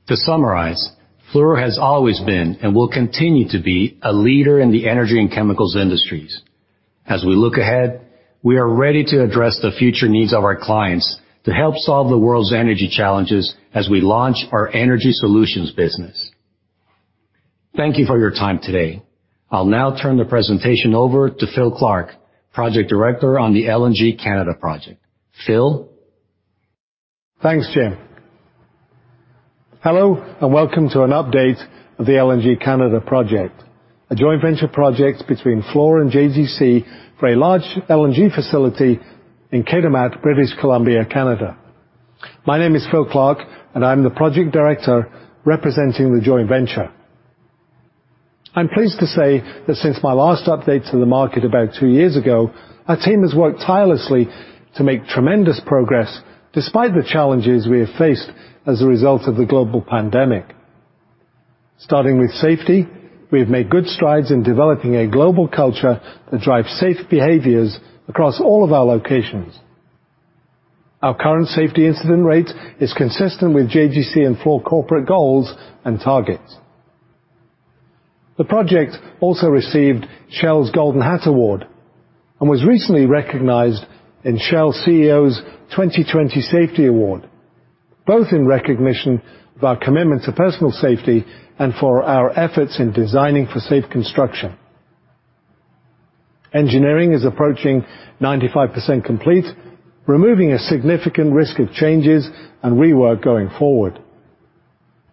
To summarize, Fluor has always been and will continue to be a leader in the Energy & Chemicals industries. As we look ahead, we are ready to address the future needs of our clients to help solve the world's energy challenges as we launch our energy solutions business. Thank you for your time today. I'll now turn the presentation over to Phil Clark, Project Director on the LNG Canada project. Phil? Thanks, Jim. Hello and welcome to an update of the LNG Canada project, a joint venture project between Fluor and JGC for a large LNG facility in Kitimat, British Columbia, Canada. My name is Phil Clark, and I'm the Project Director representing the joint venture. I'm pleased to say that since my last update to the market about two years ago, our team has worked tirelessly to make tremendous progress despite the challenges we have faced as a result of the global pandemic. Starting with safety, we have made good strides in developing a global culture that drives safe behaviors across all of our locations. Our current safety incident rate is consistent with JGC and Fluor corporate goals and targets. The project also received Shell's Golden Hat Award and was recently recognized in Shell CEO's 2020 Safety Award, both in recognition of our commitment to personal safety and for our efforts in designing for safe construction. Engineering is approaching 95% complete, removing a significant risk of changes and rework going forward.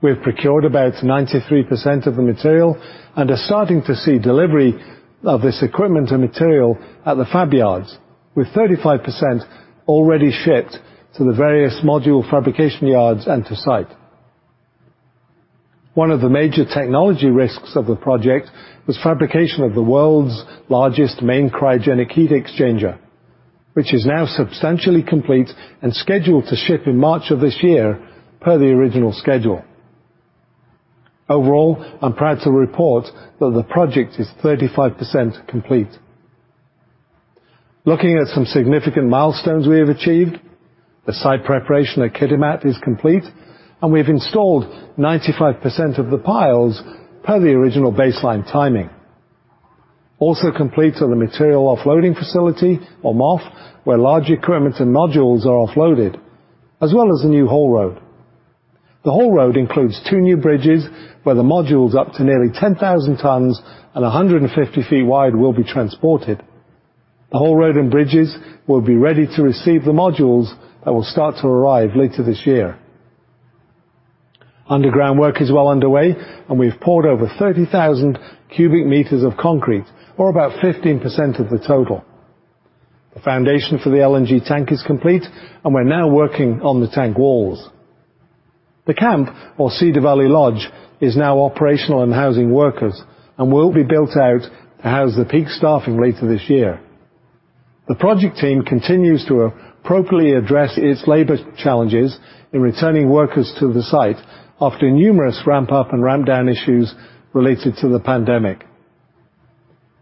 We have procured about 93% of the material and are starting to see delivery of this equipment and material at the fab yards, with 35% already shipped to the various module fabrication yards and to site. One of the major technology risks of the project was fabrication of the world's largest main cryogenic heat exchanger, which is now substantially complete and scheduled to ship in March of this year per the original schedule. Overall, I'm proud to report that the project is 35% complete. Looking at some significant milestones we have achieved, the site preparation at Kitimat is complete, and we've installed 95% of the piles per the original baseline timing. Also complete are the material offloading facility, or MOF, where large equipment and modules are offloaded, as well as a new haul road. The haul road includes two new bridges where the modules up to nearly 10,000 tons and 150 ft wide will be transported. The haul road and bridges will be ready to receive the modules that will start to arrive later this year. Underground work is well underway, and we've poured over 30,000 cu m of concrete, or about 15% of the total. The foundation for the LNG tank is complete, and we're now working on the tank walls. The camp, or Cedar Valley Lodge, is now operational and housing workers and will be built out to house the peak staffing later this year. The project team continues to appropriately address its labor challenges in returning workers to the site after numerous ramp-up and ramp-down issues related to the pandemic.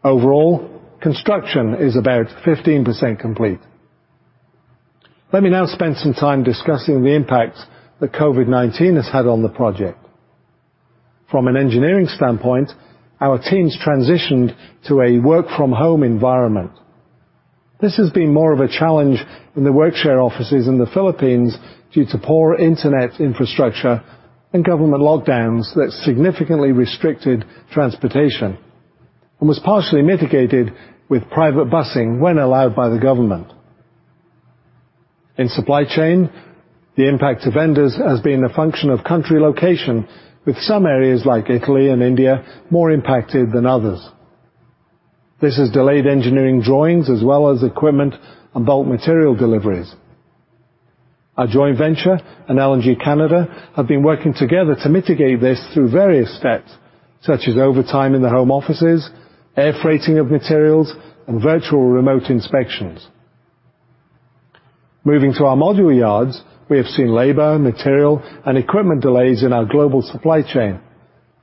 Overall, construction is about 15% complete. Let me now spend some time discussing the impact that COVID-19 has had on the project. From an engineering standpoint, our teams transitioned to a work-from-home environment. This has been more of a challenge in the workshare offices in the Philippines due to poor internet infrastructure and government lockdowns that significantly restricted transportation and was partially mitigated with private busing when allowed by the government. In supply chain, the impact to vendors has been a function of country location, with some areas like Italy and India more impacted than others. This has delayed engineering drawings as well as equipment and bulk material deliveries. Our joint venture and LNG Canada have been working together to mitigate this through various steps, such as overtime in the home offices, air freighting of materials, and virtual remote inspections. Moving to our module yards, we have seen labor, material, and equipment delays in our global supply chain,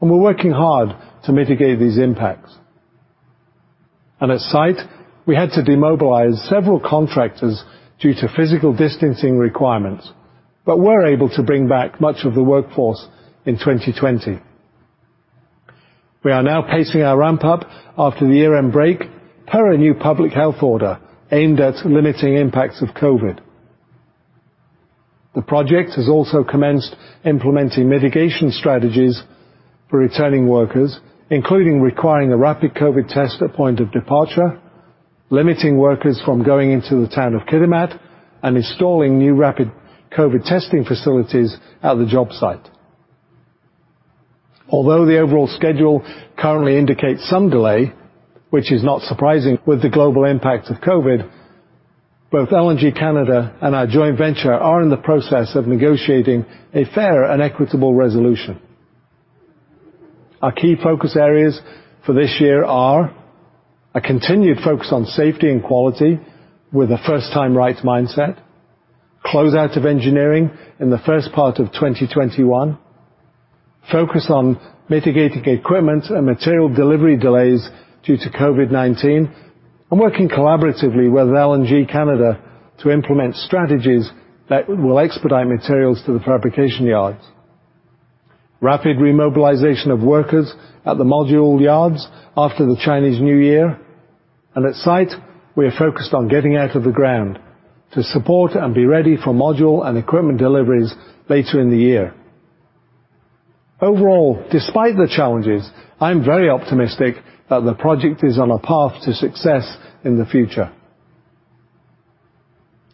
and we're working hard to mitigate these impacts. At site, we had to demobilize several contractors due to physical distancing requirements, but were able to bring back much of the workforce in 2020. We are now pacing our ramp-up after the year-end break per a new public health order aimed at limiting impacts of COVID. The project has also commenced implementing mitigation strategies for returning workers, including requiring a rapid COVID test at point of departure, limiting workers from going into the town of Kitimat, and installing new rapid COVID testing facilities at the job site. Although the overall schedule currently indicates some delay, which is not surprising with the global impact of COVID, both LNG Canada and our joint venture are in the process of negotiating a fair and equitable resolution. Our key focus areas for this year are a continued focus on safety and quality with a first-time rights mindset, close-out of engineering in the first part of 2021, focus on mitigating equipment and material delivery delays due to COVID-19, and working collaboratively with LNG Canada to implement strategies that will expedite materials to the fabrication yards. Rapid remobilization of workers at the module yards after the Chinese New Year. At site, we are focused on getting out of the ground to support and be ready for module and equipment deliveries later in the year. Overall, despite the challenges, I'm very optimistic that the project is on a path to success in the future.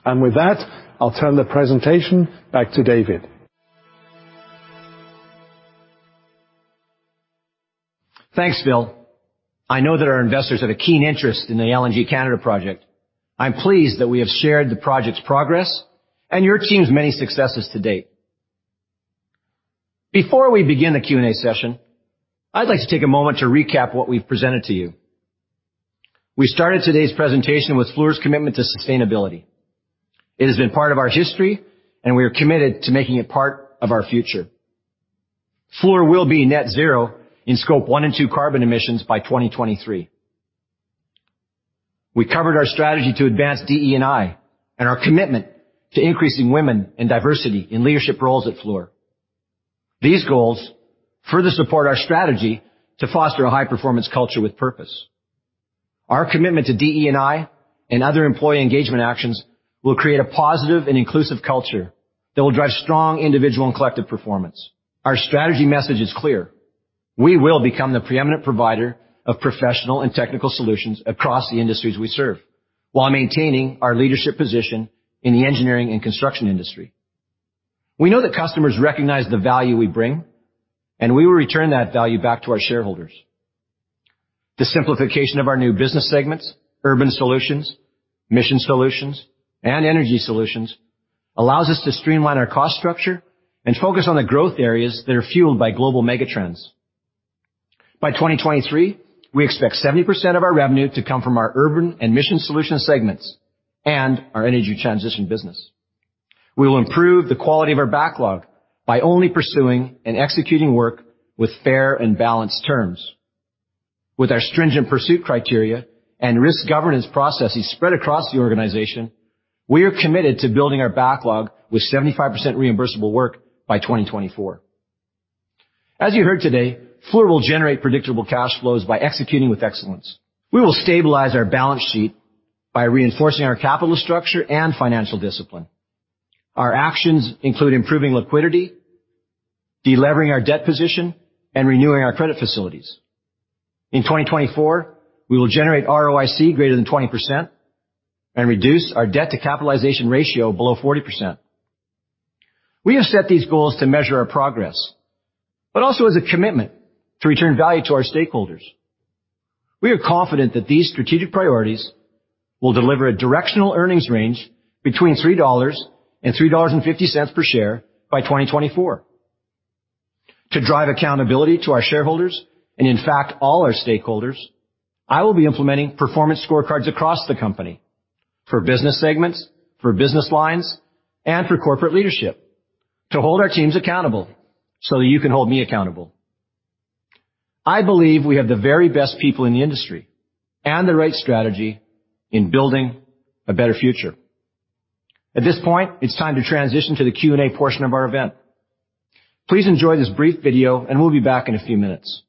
And with that, I'll turn the presentation back to David. Thanks, Phil. I know that our investors have a keen interest in the LNG Canada project. I'm pleased that we have shared the project's progress and your team's many successes to date. Before we begin the Q&A session, I'd like to take a moment to recap what we've presented to you. We started today's presentation with Fluor's commitment to sustainability. It has been part of our history, and we are committed to making it part of our future. Fluor will be net zero in Scope 1 and 2 carbon emissions by 2023. We covered our strategy to advance DE&I and our commitment to increasing women and diversity in leadership roles at Fluor. These goals further support our strategy to foster a high-performance culture with purpose. Our commitment to DE&I and other employee engagement actions will create a positive and inclusive culture that will drive strong individual and collective performance. Our strategy message is clear. We will become the preeminent provider of professional and technical solutions across the industries we serve while maintaining our leadership position in the engineering and construction industry. We know that customers recognize the value we bring, and we will return that value back to our shareholders. The simplification of our new business segments, Urban Solutions, Mission Solutions, and Energy Solutions allows us to streamline our cost structure and focus on the growth areas that are fueled by global megatrends. By 2023, we expect 70% of our revenue to come from our Urban and Mission Solutions segments and our Energy Transition business. We will improve the quality of our backlog by only pursuing and executing work with fair and balanced terms. With our stringent pursuit criteria and risk governance processes spread across the organization, we are committed to building our backlog with 75% reimbursable work by 2024. As you heard today, Fluor will generate predictable cash flows by executing with excellence. We will stabilize our balance sheet by reinforcing our capital structure and financial discipline. Our actions include improving liquidity, delevering our debt position, and renewing our credit facilities. In 2024, we will generate ROIC greater than 20% and reduce our debt-to-capitalization ratio below 40%. We have set these goals to measure our progress, but also as a commitment to return value to our stakeholders. We are confident that these strategic priorities will deliver a directional earnings range between $3 and $3.50 per share by 2024. To drive accountability to our shareholders and, in fact, all our stakeholders, I will be implementing performance scorecards across the company for business segments, for Business Lines, and for corporate leadership to hold our teams accountable so that you can hold me accountable. I believe we have the very best people in the industry and the right strategy in building a better future. At this point, it's time to transition to the Q&A portion of our event. Please enjoy this brief video, and we'll be back in a few minutes.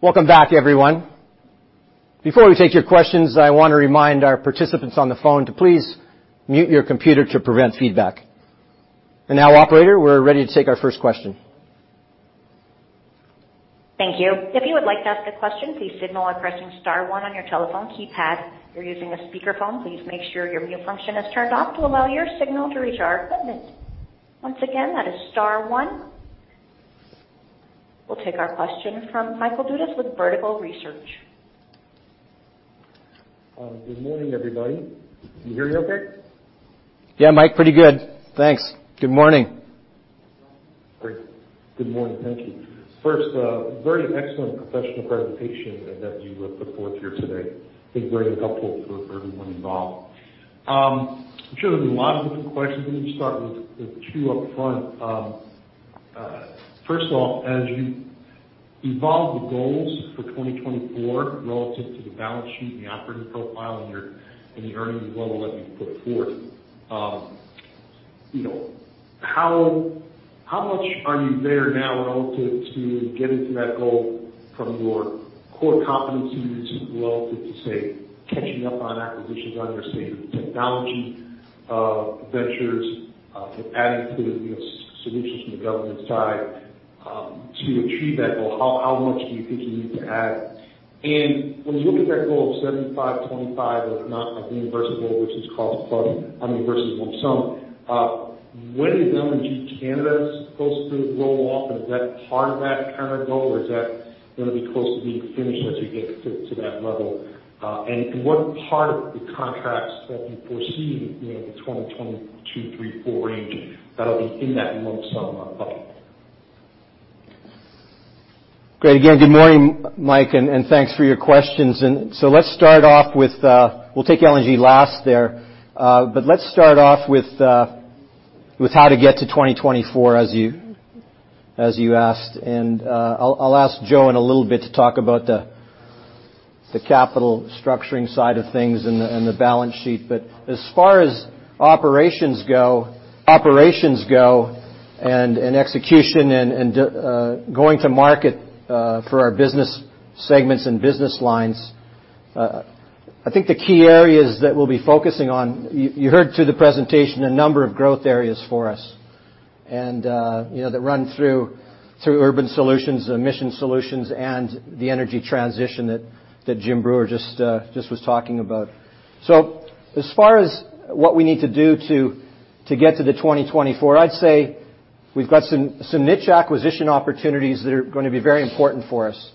Welcome back, everyone. Before we take your questions, I want to remind our participants on the phone to please mute your computer to prevent feedback. And now, Operator, we're ready to take our first question. Thank you. If you would like to ask a question, please signal by star one on your telephone keypad. If you're using a speakerphone, please make sure your mute function is turned off to allow your signal to reach our equipment. Once again, that star one. we'll take our question from Michael Dudas with Vertical Research. Good morning, everybody. Can you hear me okay? Yeah, Mike, pretty good. Thanks. Good morning. Good morning. Thank you. First, very excellent professional presentation that you put forth here today. I think very helpful for everyone involved. I'm sure there'll be a lot of different questions. Let me start with two up front. First off, as you evolve the goals for 2024 relative to the balance sheet and the operating profile and the earnings level that you've put forth, how much are you there now relative to getting to that goal from your core competencies relative to, say, catching up on acquisitions on your state of technology ventures, adding to solutions from the government side to achieve that goal? How much do you think you need to add? And when you look at that goal of 75-25 of reimbursable versus cost plus, I mean, versus lump sum, when is LNG Canada's supposed to roll off? And is that part of that kind of goal, or is that going to be close to being finished as you get to that level? And what part of the contracts that you foresee in the 2022-2023-2024 range that'll be in that lump sum bucket? Great. Again, good morning, Mike, and thanks for your questions. And so let's start off with we'll take LNG last there, but let's start off with how to get to 2024 as you asked. And I'll ask Joe in a little bit to talk about the capital structuring side of things and the balance sheet. But as far as operations go, operations go and execution and going to market for our business segments and Business Lines, I think the key areas that we'll be focusing on, you heard through the presentation, a number of growth areas for us and that run through Urban Solutions, emission solutions, and the energy transition that Jim Breuer just was talking about. So as far as what we need to do to get to the 2024, I'd say we've got some niche acquisition opportunities that are going to be very important for us.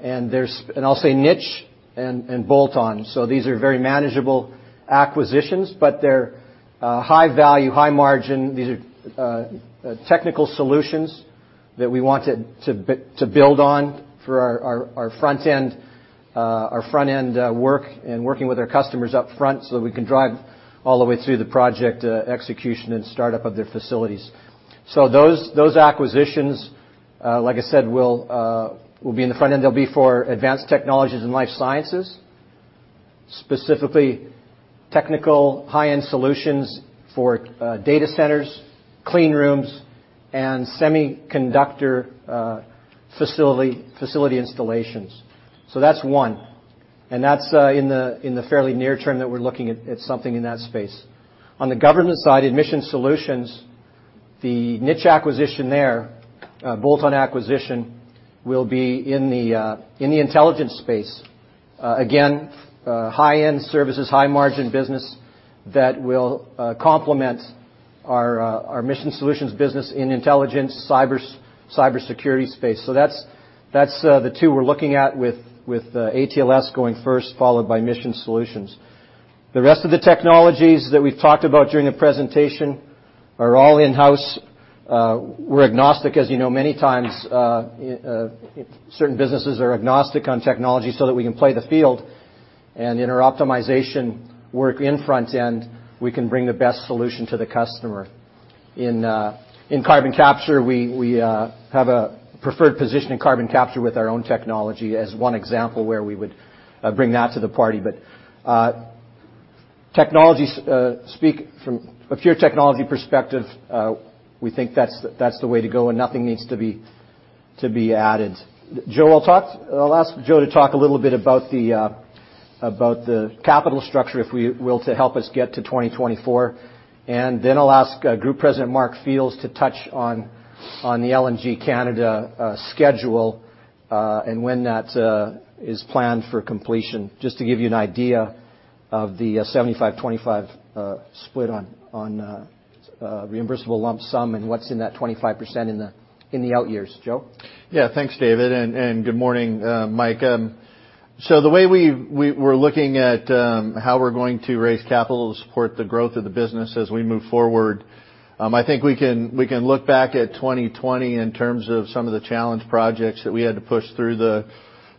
And I'll say niche and bolt-on. So these are very manageable acquisitions, but they're high value, high margin. These are technical solutions that we want to build on for our front-end work and working with our customers upfront so that we can drive all the way through the project execution and startup of their facilities. So those acquisitions, like I said, will be in the front-end. They'll be for Advanced Technologies and Life Sciences, specifically technical high-end solutions for data centers, clean rooms, and semiconductor facility installations. So that's one. And that's in the fairly near term that we're looking at something in that space. On the government side, Mission Solutions, the niche acquisition there, bolt-on acquisition will be in the intelligence space. Again, high-end services, high-margin business that will complement our Mission Solutions business in intelligence, cybersecurity space. That's the two we're looking at with ATLS going first, followed by Mission Solutions. The rest of the technologies that we've talked about during the presentation are all in-house. We're agnostic, as you know, many times certain businesses are agnostic on technology so that we can play the field. In our optimization work in front-end, we can bring the best solution to the customer. In carbon capture, we have a preferred position in carbon capture with our own technology as one example where we would bring that to the party. Technology, from a pure technology perspective, we think that's the way to go, and nothing needs to be added. I'll ask Joe to talk a little bit about the capital structure, if we will, to help us get to 2024. Then I'll ask Group President Mark Fields to touch on the LNG Canada schedule and when that is planned for completion, just to give you an idea of the 75-25 split on reimbursable lump sum and what's in that 25% in the out years. Joe? Yeah. Thanks, David. Good morning, Mike. The way we're looking at how we're going to raise capital to support the growth of the business as we move forward, I think we can look back at 2020 in terms of some of the challenge projects that we had to push through the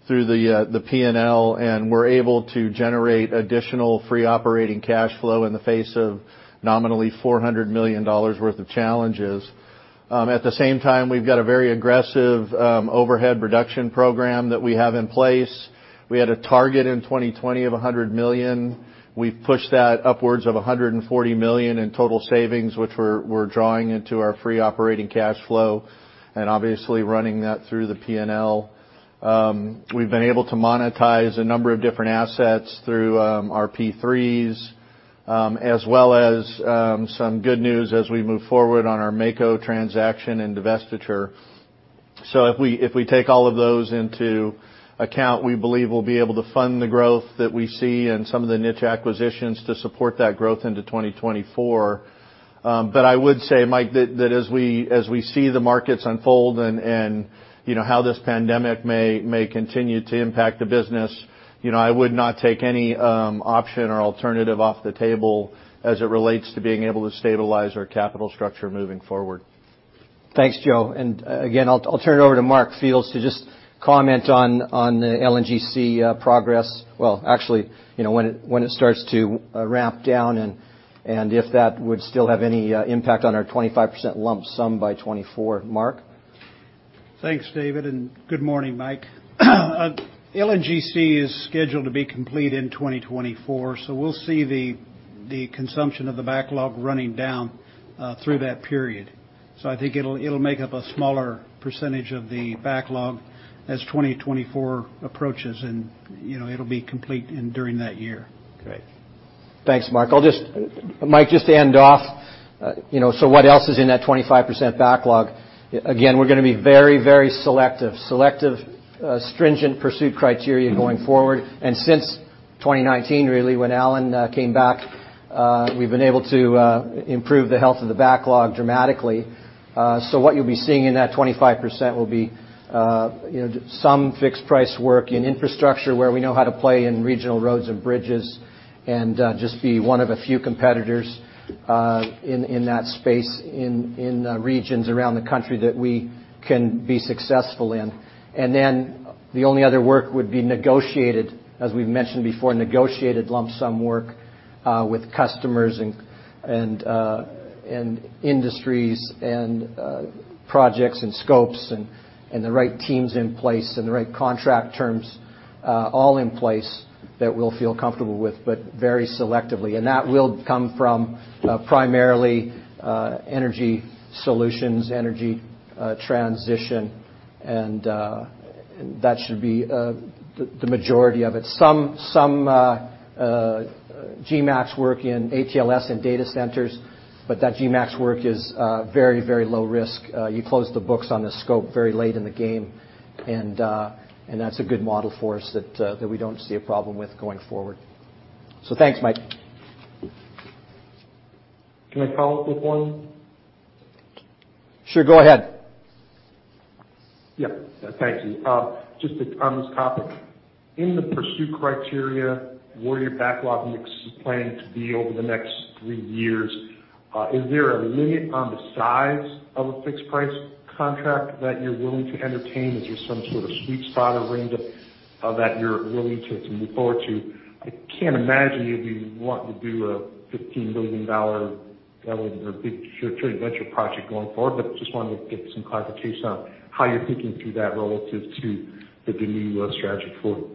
P&L, and we're able to generate additional free operating cash flow in the face of nominally $400 million worth of challenges. At the same time, we've got a very aggressive overhead reduction program that we have in place. We had a target in 2020 of $100 million. We've pushed that upwards of $140 million in total savings, which we're drawing into our free operating cash flow and obviously running that through the P&L. We've been able to monetize a number of different assets through our P3s, as well as some good news as we move forward on our AMECO transaction and divestiture. So if we take all of those into account, we believe we'll be able to fund the growth that we see and some of the niche acquisitions to support that growth into 2024. But I would say, Mike, that as we see the markets unfold and how this pandemic may continue to impact the business, I would not take any option or alternative off the table as it relates to being able to stabilize our capital structure moving forward. Thanks, Joe. And again, I'll turn it over to Mark Fields to just comment on the LNGC progress, well, actually, when it starts to ramp down and if that would still have any impact on our 25% lump sum by 2024. Mark? Thanks, David. And good morning, Mike. LNGC is scheduled to be complete in 2024, so we'll see the consumption of the backlog running down through that period. So I think it'll make up a smaller percentage of the backlog as 2024 approaches, and it'll be complete during that year. Great. Thanks, Mark. Mike, just to end off, so what else is in that 25% backlog? Again, we're going to be very, very selective, selective, stringent pursuit criteria going forward. And since 2019, really, when Alan came back, we've been able to improve the health of the backlog dramatically. So what you'll be seeing in that 25% will be some fixed price work in infrastructure where we know how to play in regional roads and bridges and just be one of a few competitors in that space in regions around the country that we can be successful in. And then the only other work would be negotiated, as we've mentioned before, negotiated lump sum work with customers and industries and projects and scopes and the right teams in place and the right contract terms all in place that we'll feel comfortable with, but very selectively. And that will come from primarily energy solutions, energy transition, and that should be the majority of it. Some GMAX work in ATLS and data centers, but that GMAX work is very, very low risk. You close the books on the scope very late in the game, and that's a good model for us that we don't see a problem with going forward. So thanks, Mike. Can I follow up with one? Sure. Go ahead. Yeah. Thank you. Just on this topic, in the pursuit criteria, where your backlog is planning to be over the next three years, is there a limit on the size of a fixed price contract that you're willing to entertain? Is there some sort of sweet spot arrangement that you're willing to move forward to? I can't imagine you'd be wanting to do a $15 billion venture project going forward, but just wanted to get some clarification on how you're thinking through that relative to the new strategy for you.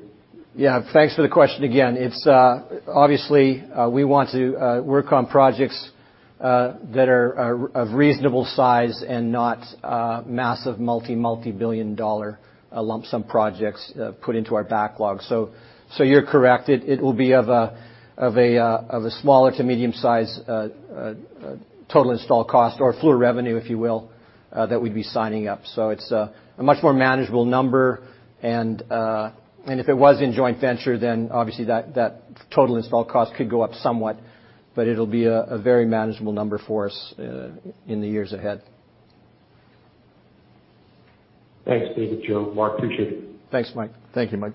Yeah. Thanks for the question again. Obviously, we want to work on projects that are of reasonable size and not massive multi-multi-billion-dollar lump sum projects put into our backlog. So you're correct. It will be of a smaller to medium-sized total install cost or Fluor revenue, if you will, that we'd be signing up. So it's a much more manageable number. And if it was in joint venture, then obviously that total install cost could go up somewhat, but it'll be a very manageable number for us in the years ahead. Thanks, David, Joe. Mark, appreciate it. Thanks, Mike. Thank you, Mike.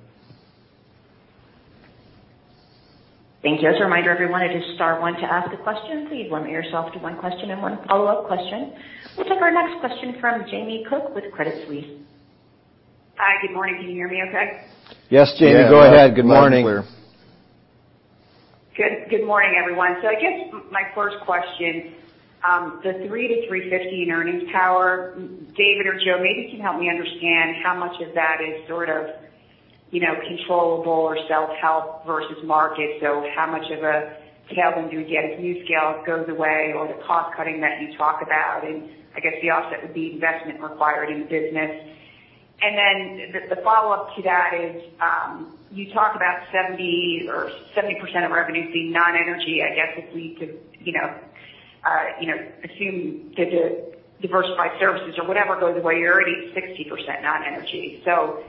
Thank you. As a reminder, everyone, it star one to ask a question. Please limit yourself to one question and one follow-up question. We'll take our next question from Jamie Cook with Credit Suisse. Hi. Good morning. Can you hear me okay? Yes, Jamie. Go ahead. Good morning. Good morning, everyone. So I guess my first question, the $300-$350 in earnings power, David or Joe, maybe you can help me understand how much of that is sort of controllable or self-help versus market. So how much of a tailwind do we get if NuScale goes away or the cost cutting that you talk about? And I guess the offset would be investment required in the business. And then the follow-up to that is you talk about 70% of revenues being non-energy. I guess if we could assume that the diversified services or whatever goes away, you're already 60% non-energy. So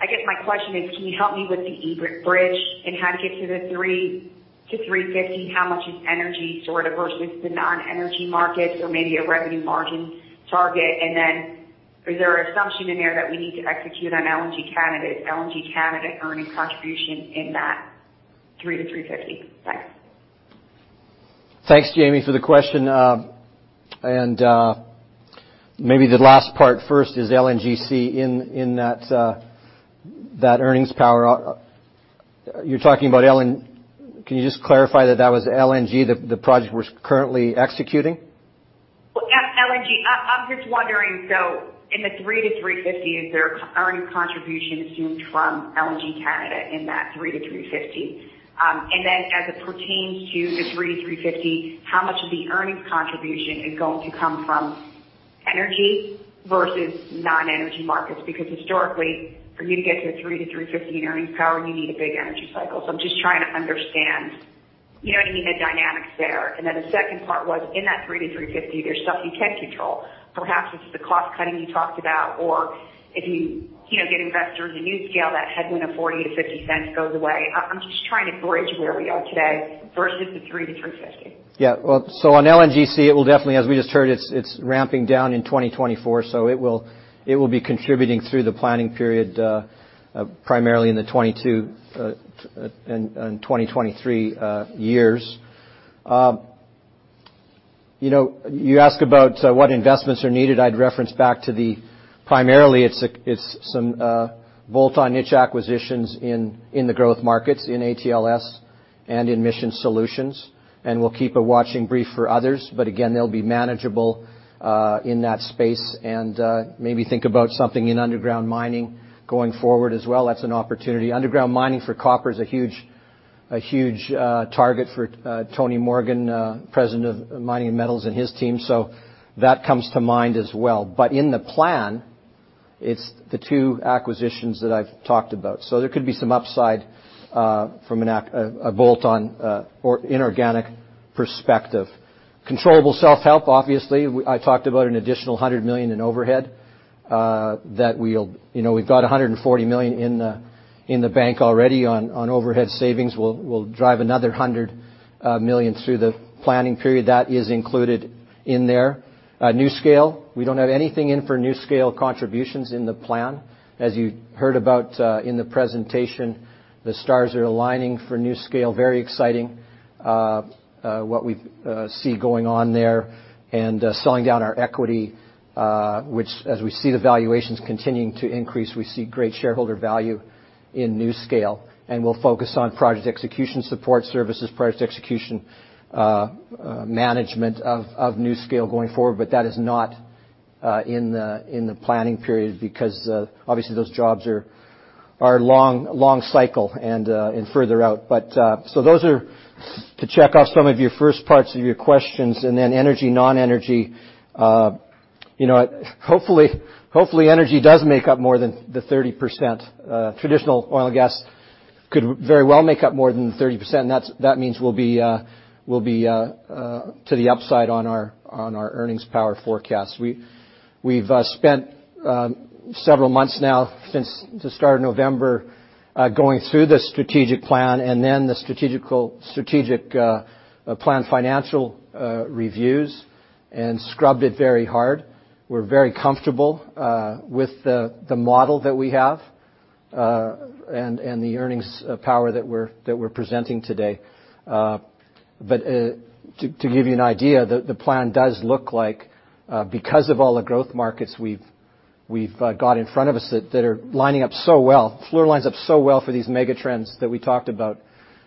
I guess my question is, can you help me with the bridge and how to get to the $300-$350? How much is energy sort of versus the non-energy markets or maybe a revenue margin target? Then is there an assumption in there that we need to execute on LNG Canada's earnings contribution in that $300-$350? Thanks. Thanks, Jamie, for the question. And maybe the last part first is LNG Canada in that earnings power. You're talking about LNG—can you just clarify that that was LNG the project we're currently executing? Well, LNG, I'm just wondering, so in the $300-$350, is there an earnings contribution assumed from LNG Canada in that $300-$350? And then as it pertains to the $300-$350, how much of the earnings contribution is going to come from energy versus non-energy markets? Because historically, for you to get to the $300-$350 in earnings power, you need a big energy cycle. So I'm just trying to understand, you know what I mean, the dynamics there. And then the second part was in that $3-$3.50, there's stuff you can control. Perhaps it's the cost cutting you talked about, or if you get investors in NuScale, that headwind of $0.40-$0.50 goes away. I'm just trying to bridge where we are today versus the $3-$3.50. Yeah. Well, so on LNGC, it will definitely, as we just heard, it's ramping down in 2024. So it will be contributing through the planning period primarily in the 2022 and 2023 years. You ask about what investments are needed. I'd reference back to the primarily, it's some bolt-on niche acquisitions in the growth markets in ATLS and in Mission Solutions. And we'll keep a watching brief for others. But again, they'll be manageable in that space. And maybe think about something in underground mining going forward as well. That's an opportunity. Underground mining for copper is a huge target for Tony Morgan, president of Mining and Metals and his team. So that comes to mind as well. But in the plan, it's the two acquisitions that I've talked about. So there could be some upside from a bolt-on or inorganic perspective. Controllable self-help, obviously. I talked about an additional $100 million in overhead that we've got $140 million in the bank already on overhead savings. We'll drive another $100 million through the planning period. That is included in there. NuScale. We don't have anything in for NuScale contributions in the plan. As you heard about in the presentation, the stars are aligning for NuScale. Very exciting what we see going on there and selling down our equity, which, as we see the valuations continuing to increase, we see great shareholder value in NuScale. We'll focus on project execution support services, project execution management of NuScale going forward. But that is not in the planning period because obviously those jobs are long cycle and further out. But so those are to check off some of your first parts of your questions. And then energy, non-energy. Hopefully, energy does make up more than the 30%. Traditional oil and gas could very well make up more than the 30%. And that means we'll be to the upside on our earnings power forecasts. We've spent several months now since the start of November going through the strategic plan and then the strategic plan financial reviews and scrubbed it very hard. We're very comfortable with the model that we have and the earnings power that we're presenting today. But to give you an idea, the plan does look like, because of all the growth markets we've got in front of us that are lining up so well, Fluor lines up so well for these mega trends that we talked about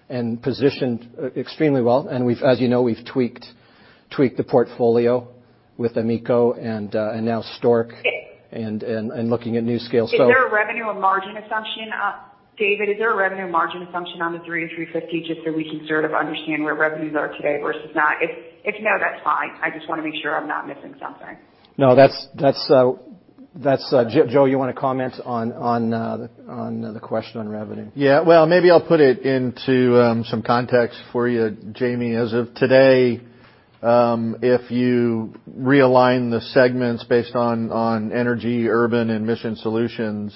and positioned extremely well. And as you know, we've tweaked the portfolio with AMECO and now Stork and looking at NuScale. Is there a revenue or margin assumption? David, is there a revenue margin assumption on the 300-350 just so we can sort of understand where revenues are today versus not? If no, that's fine. I just want to make sure I'm not missing something. No, that's—Joe, you want to comment on the question on revenue? Yeah. Well, maybe I'll put it into some context for you, Jamie. As of today, if you realign the segments based on energy, urban, and mission solutions,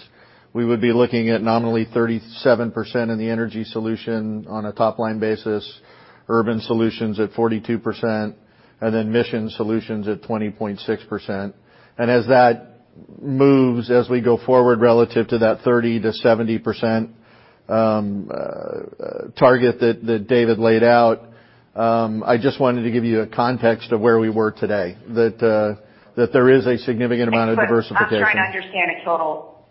we would be looking at nominally 37% in the energy solution on a top-line basis, Urban Solutions at 42%, and then mission solutions at 20.6%. As that moves, as we go forward relative to that 30%-70% target that David laid out, I just wanted to give you a context of where we were today, that there is a significant amount of diversification. I'm just trying to understand a total,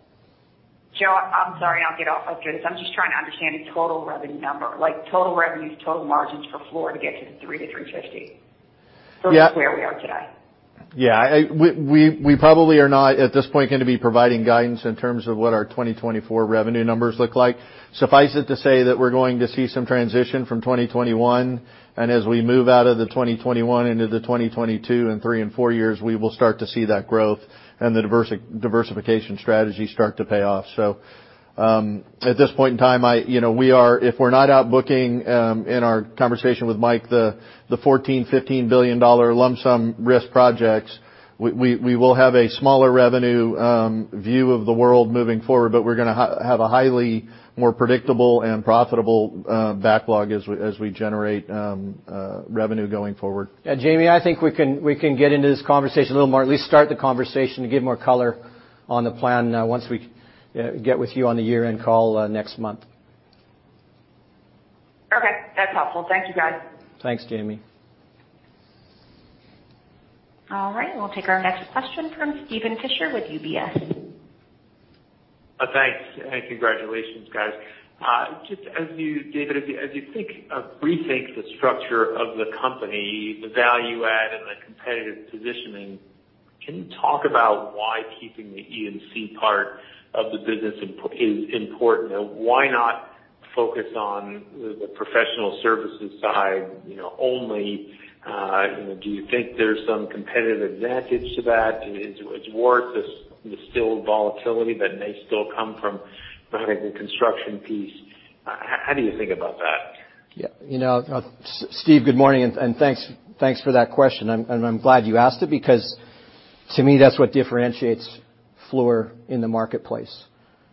Joe, I'm sorry, I'll get off of this. I'm just trying to understand a total revenue number, like total revenues, total margins for Fluor to get to the 3%-3.5%. So that's where we are today. Yeah. We probably are not, at this point, going to be providing guidance in terms of what our 2024 revenue numbers look like. Suffice it to say that we're going to see some transition from 2021. As we move out of the 2021 into the 2022 and three and four years, we will start to see that growth and the diversification strategy start to pay off. At this point in time, we are—if we're not outbooking in our conversation with Mike, the $14 billion-$15 billion lump sum risk projects, we will have a smaller revenue view of the world moving forward, but we're going to have a highly more predictable and profitable backlog as we generate revenue going forward. Yeah. Jamie, I think we can get into this conversation a little more, at least start the conversation to give more color on the plan once we get with you on the year-end call next month. Okay. That's helpful. Thank you, guys. Thanks, Jamie. All right. We'll take our next question from Steven Fisher with UBS. Thanks. And congratulations, guys. Just as you, David, as you think of rethink the structure of the company, the value add and the competitive positioning, can you talk about why keeping the E&C part of the business is important? Why not focus on the professional services side only? Do you think there's some competitive advantage to that? Is it worth the still volatility that may still come from having the construction piece? How do you think about that? Yeah. Steve, good morning. And thanks for that question. And I'm glad you asked it because, to me, that's what differentiates Fluor in the marketplace.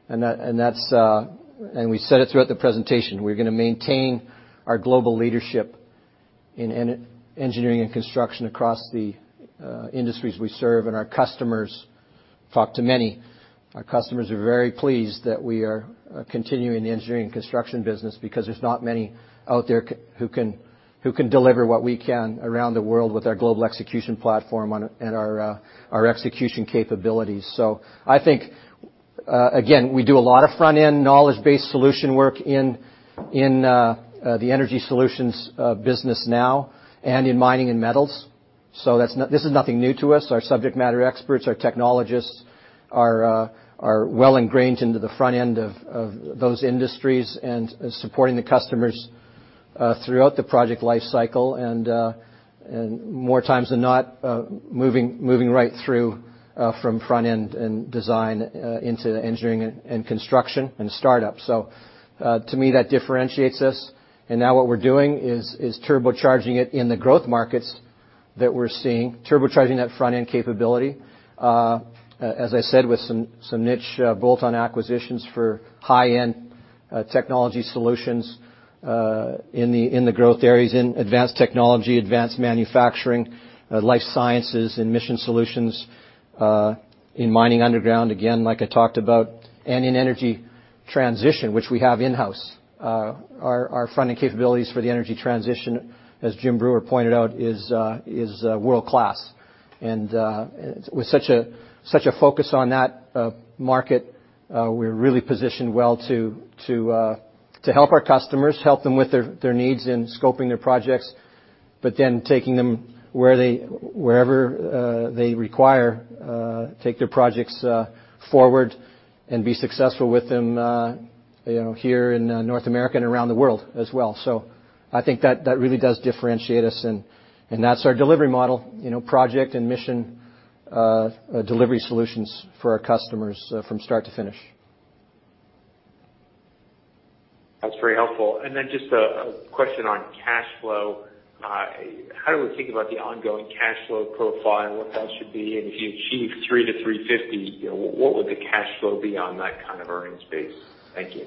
And we said it throughout the presentation. We're going to maintain our global leadership in engineering and construction across the industries we serve. And our customers, talk to many, our customers are very pleased that we are continuing the engineering and construction business because there's not many out there who can deliver what we can around the world with our global execution platform and our execution capabilities. So I think, again, we do a lot of front-end knowledge-based solution work in the energy solutions business now and in mining and metals. So this is nothing new to us. Our subject matter experts, our technologists are well ingrained into the front end of those industries and supporting the customers throughout the project lifecycle. And more times than not, moving right through from front-end and design into engineering and construction and startup. So to me, that differentiates us. And now what we're doing is turbocharging it in the growth markets that we're seeing, turbocharging that front-end capability. As I said, with some niche bolt-on acquisitions for high-end technology solutions in the growth areas, in advanced technology, advanced manufacturing, life sciences, and mission solutions in mining underground, again, like I talked about, and in energy transition, which we have in-house. Our front-end capabilities for the energy transition, as Jim Breuer pointed out, is world-class. And with such a focus on that market, we're really positioned well to help our customers, help them with their needs in scoping their projects, but then taking them wherever they require, take their projects forward and be successful with them here in North America and around the world as well. So I think that really does differentiate us. And that's our delivery model, project and mission delivery solutions for our customers from start to finish. That's very helpful. And then just a question on cash flow. How do we think about the ongoing cash flow profile and what that should be? And if you achieve $300 million-$350 million, what would the cash flow be on that kind of earnings base? Thank you.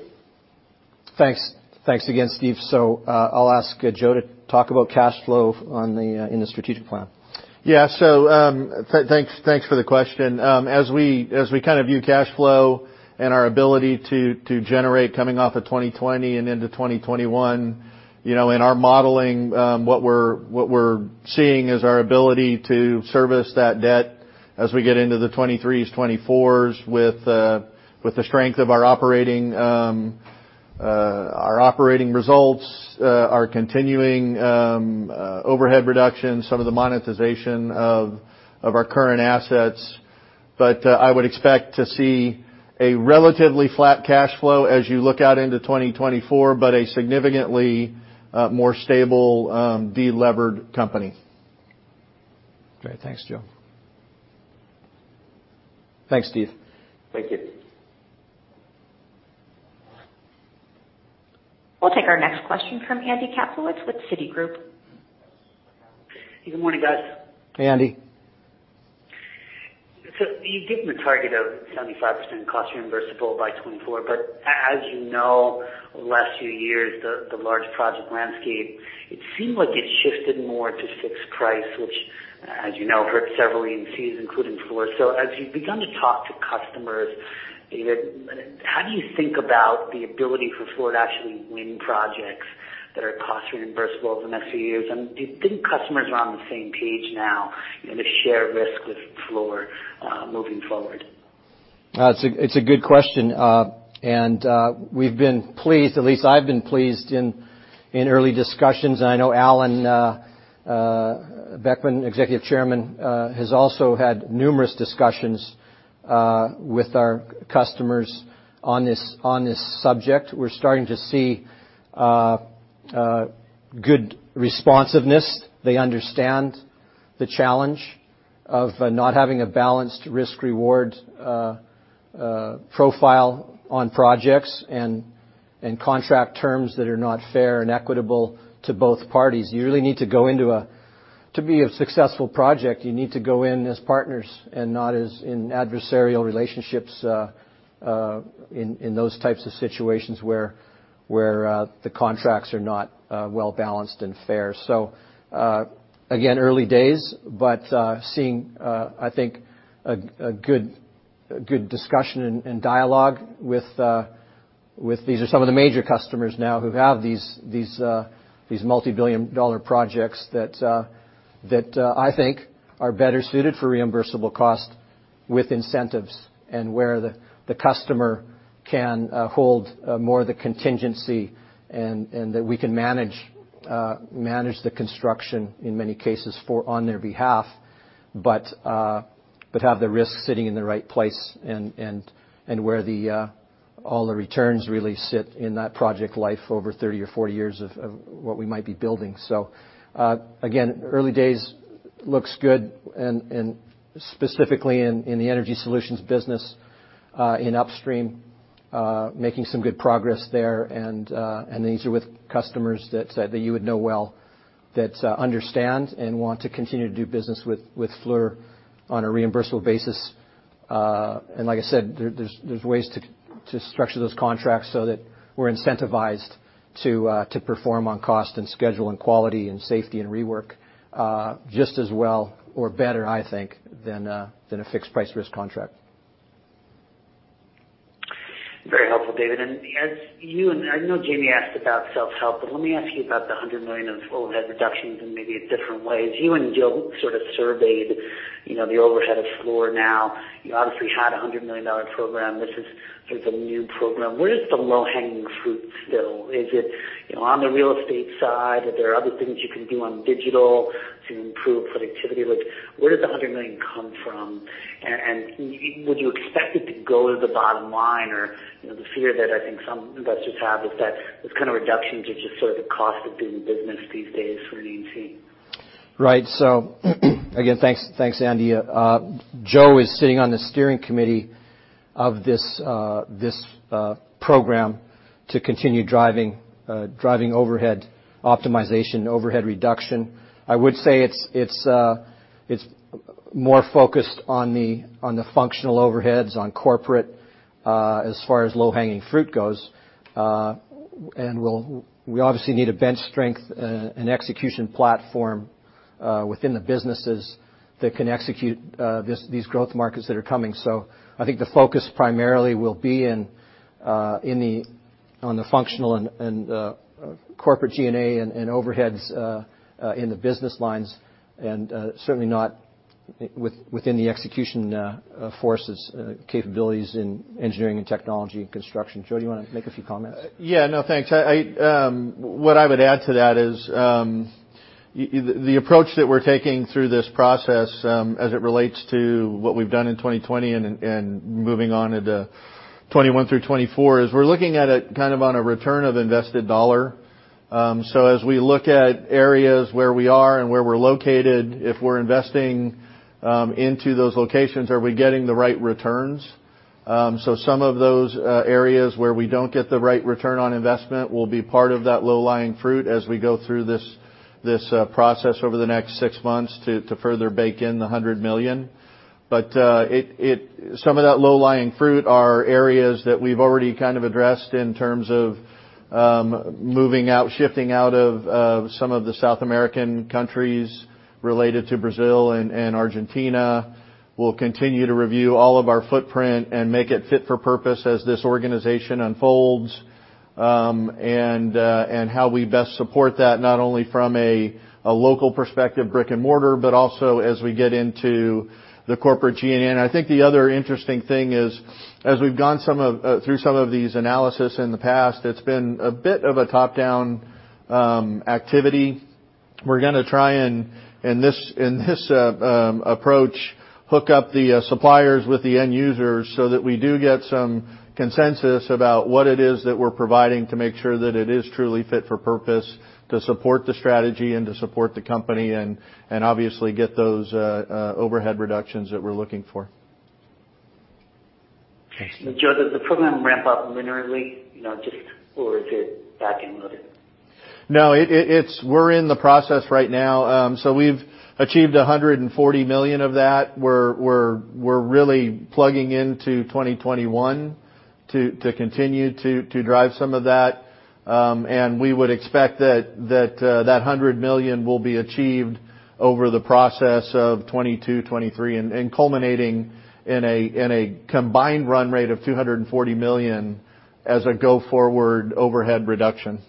Thanks. Thanks again, Steve. So I'll ask Joe to talk about cash flow in the strategic plan. Yeah. So thanks for the question. As we kind of view cash flow and our ability to generate coming off of 2020 and into 2021, in our modeling, what we're seeing is our ability to service that debt as we get into the 2023s, 2024s with the strength of our operating results, our continuing overhead reduction, some of the monetization of our current assets. But I would expect to see a relatively flat cash flow as you look out into 2024, but a significantly more stable, delevered company. Great. Thanks, Joe. Thanks, Steve. Thank you. We'll take our next question from Andy Kaplowitz with Citigroup. Good morning, guys. Hey, Andy. So you give them a target of 75% cost reimbursable by 2024. But as you know, over the last few years, the large project landscape, it seemed like it shifted more to fixed price, which, as you know, hurt several E&Cs, including Fluor. So as you've begun to talk to customers, David, how do you think about the ability for Fluor to actually win projects that are cost reimbursable over the next few years? And do you think customers are on the same page now to share risk with Fluor moving forward? It's a good question. And we've been pleased, at least I've been pleased in early discussions. And I know Alan Boeckmann, Executive Chairman, has also had numerous discussions with our customers on this subject. We're starting to see good responsiveness. They understand the challenge of not having a balanced risk-reward profile on projects and contract terms that are not fair and equitable to both parties. You really need to go into to be a successful project, you need to go in as partners and not as in adversarial relationships in those types of situations where the contracts are not well-balanced and fair. So, again, early days, but seeing, I think, a good discussion and dialogue with, these are some of the major customers now who have these multi-billion-dollar projects that I think are better suited for reimbursable cost with incentives and where the customer can hold more of the contingency and that we can manage the construction in many cases on their behalf, but have the risk sitting in the right place and where all the returns really sit in that project life over 30 or 40 years of what we might be building. So, again, early days looks good, and specifically in the energy solutions business in upstream, making some good progress there. And these are with customers that you would know well that understand and want to continue to do business with Fluor on a reimbursable basis. And like I said, there's ways to structure those contracts so that we're incentivized to perform on cost and schedule and quality and safety and rework just as well or better, I think, than a fixed price risk contract. Very helpful, David. And I know Jamie asked about self-help, but let me ask you about the $100 million of overhead reductions in maybe a different way. As you and Joe sort of surveyed the overhead of Fluor now, you obviously had a $100 million program. This is sort of a new program. Where is the low-hanging fruit still? Is it on the real estate side? Are there other things you can do on digital to improve productivity? Where did the $100 million come from? And would you expect it to go to the bottom line? Or the fear that I think some investors have is that those kind of reductions are just sort of the cost of doing business these days for an E&C. Right. So, again, thanks, Andy. Joe is sitting on the steering committee of this program to continue driving overhead optimization, overhead reduction. I would say it's more focused on the functional overheads, on corporate as far as low-hanging fruit goes. And we obviously need a bench strength and execution platform within the businesses that can execute these growth markets that are coming. So I think the focus primarily will be on the functional and corporate G&A and overheads in the Business Lines, and certainly not within the execution forces, capabilities in engineering and technology and construction. Joe, do you want to make a few comments? Yeah. No, thanks. What I would add to that is the approach that we're taking through this process as it relates to what we've done in 2020 and moving on into 2021 through 2024 is we're looking at it kind of on a return of invested dollar. So as we look at areas where we are and where we're located, if we're investing into those locations, are we getting the right returns? So some of those areas where we don't get the right return on investment will be part of that low-lying fruit as we go through this process over the next six months to further bake in the $100 million. But some of that low-lying fruit are areas that we've already kind of addressed in terms of moving out, shifting out of some of the South American countries related to Brazil and Argentina. We'll continue to review all of our footprint and make it fit for purpose as this organization unfolds and how we best support that, not only from a local perspective, brick and mortar, but also as we get into the corporate G&A. And I think the other interesting thing is, as we've gone through some of these analyses in the past, it's been a bit of a top-down activity. We're going to try and, in this approach, hook up the suppliers with the end users so that we do get some consensus about what it is that we're providing to make sure that it is truly fit for purpose to support the strategy and to support the company and obviously get those overhead reductions that we're looking for. Thanks. And Joe, does the program ramp up linearly, just or is it back and loaded? No, we're in the process right now. So we've achieved $140 million of that. We're really plugging into 2021 to continue to drive some of that. And we would expect that that $100 million will be achieved over the process of 2022, 2023 and culminating in a combined run rate of $240 million as a go-forward overhead reduction.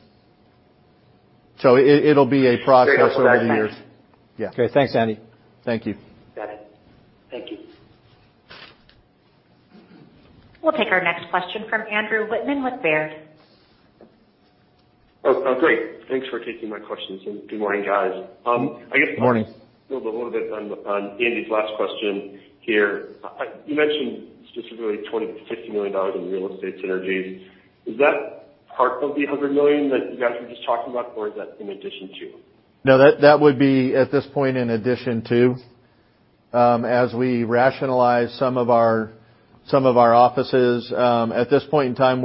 So it'll be a process over the years. Okay. Thanks, Andy. Thank you. Got it. Thank you. We'll take our next question from Andrew Whitman with Baird. Oh, great. Thanks for taking my questions. And good morning, guys. I guess. Good morning. We'll build a little bit on Andy's last question here. You mentioned specifically $20-$50 million in real estate synergies. Is that part of the $100 million that you guys were just talking about, or is that in addition to? No, that would be, at this point, in addition to, as we rationalize some of our offices. At this point in time,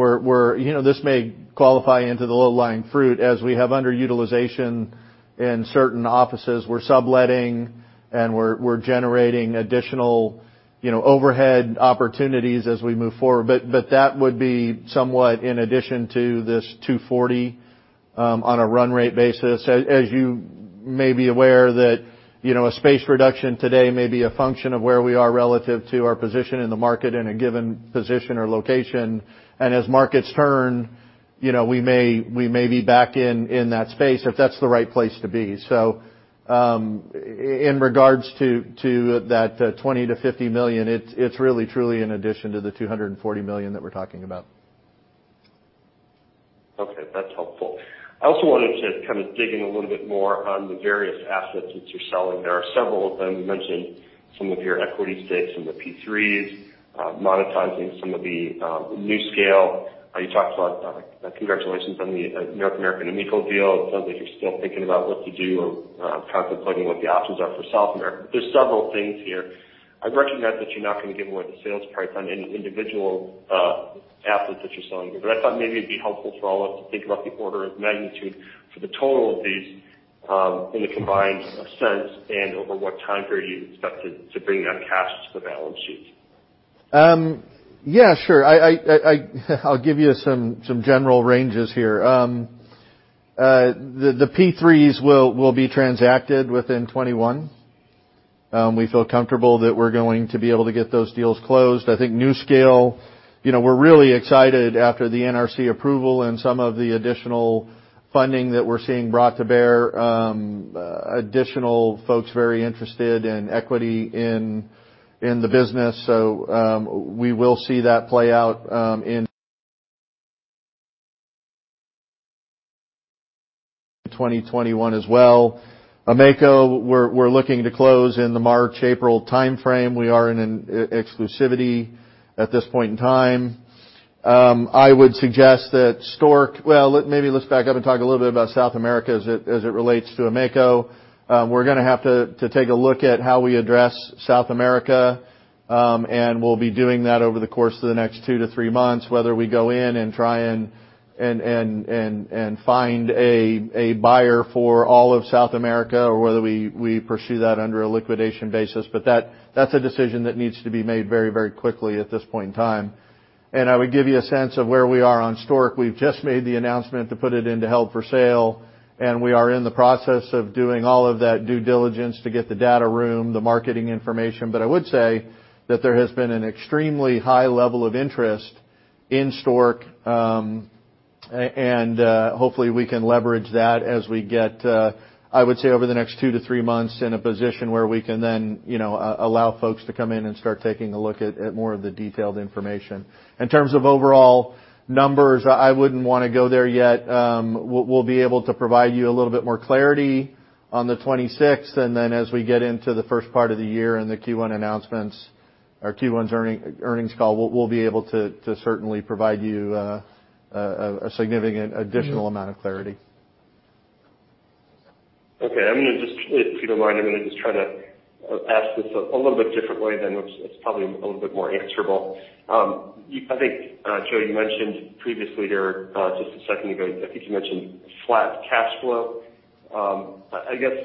this may qualify into the low-hanging fruit as we have underutilization in certain offices. We're subletting, and we're generating additional overhead opportunities as we move forward. But that would be somewhat in addition to this $240 million on a run rate basis. As you may be aware, a space reduction today may be a function of where we are relative to our position in the market in a given position or location. And as markets turn, we may be back in that space if that's the right place to be. So in regards to that $20 million-$50 million, it's really, truly in addition to the $240 million that we're talking about. Okay. That's helpful. I also wanted to kind of dig in a little bit more on the various assets that you're selling. There are several of them. You mentioned some of your equity stakes in the P3s, monetizing some of the NuScale. You talked about congratulations on the North American AMECO deal. It sounds like you're still thinking about what to do or contemplating what the options are for South America. But there's several things here. I recognize that you're not going to give away the sales price on any individual assets that you're selling. But I thought maybe it'd be helpful for all of us to think about the order of magnitude for the total of these in a combined sense and over what time period you expect to bring that cash to the balance sheet. Yeah, sure. I'll give you some general ranges here. The P3s will be transacted within 2021. We feel comfortable that we're going to be able to get those deals closed. I think NuScale, we're really excited after the NRC approval and some of the additional funding that we're seeing brought to bear, additional folks very interested in equity in the business. So we will see that play out in 2021 as well. AMECO, we're looking to close in the March-April timeframe. We are in an exclusivity at this point in time. I would suggest that Stork—well, maybe let's back up and talk a little bit about South America as it relates to AMECO. We're going to have to take a look at how we address South America, and we'll be doing that over the course of the next two to three months, whether we go in and try and find a buyer for all of South America or whether we pursue that under a liquidation basis. But that's a decision that needs to be made very, very quickly at this point in time. And I would give you a sense of where we are on Stork. We've just made the announcement to put it into held for sale, and we are in the process of doing all of that due diligence to get the data room, the marketing information. But I would say that there has been an extremely high level of interest in Stork, and hopefully we can leverage that as we get, I would say, over the next 2-3 months in a position where we can then allow folks to come in and start taking a look at more of the detailed information. In terms of overall numbers, I wouldn't want to go there yet. We'll be able to provide you a little bit more clarity on the 26th, and then as we get into the first part of the year and the Q1 announcements or Q1 earnings call, we'll be able to certainly provide you a significant additional amount of clarity. Okay. I'm going to just, if you don't mind, I'm going to just try to ask this a little bit different way than it's probably a little bit more answerable. I think, Joe, you mentioned previously there just a second ago, I think you mentioned flat cash flow. I guess,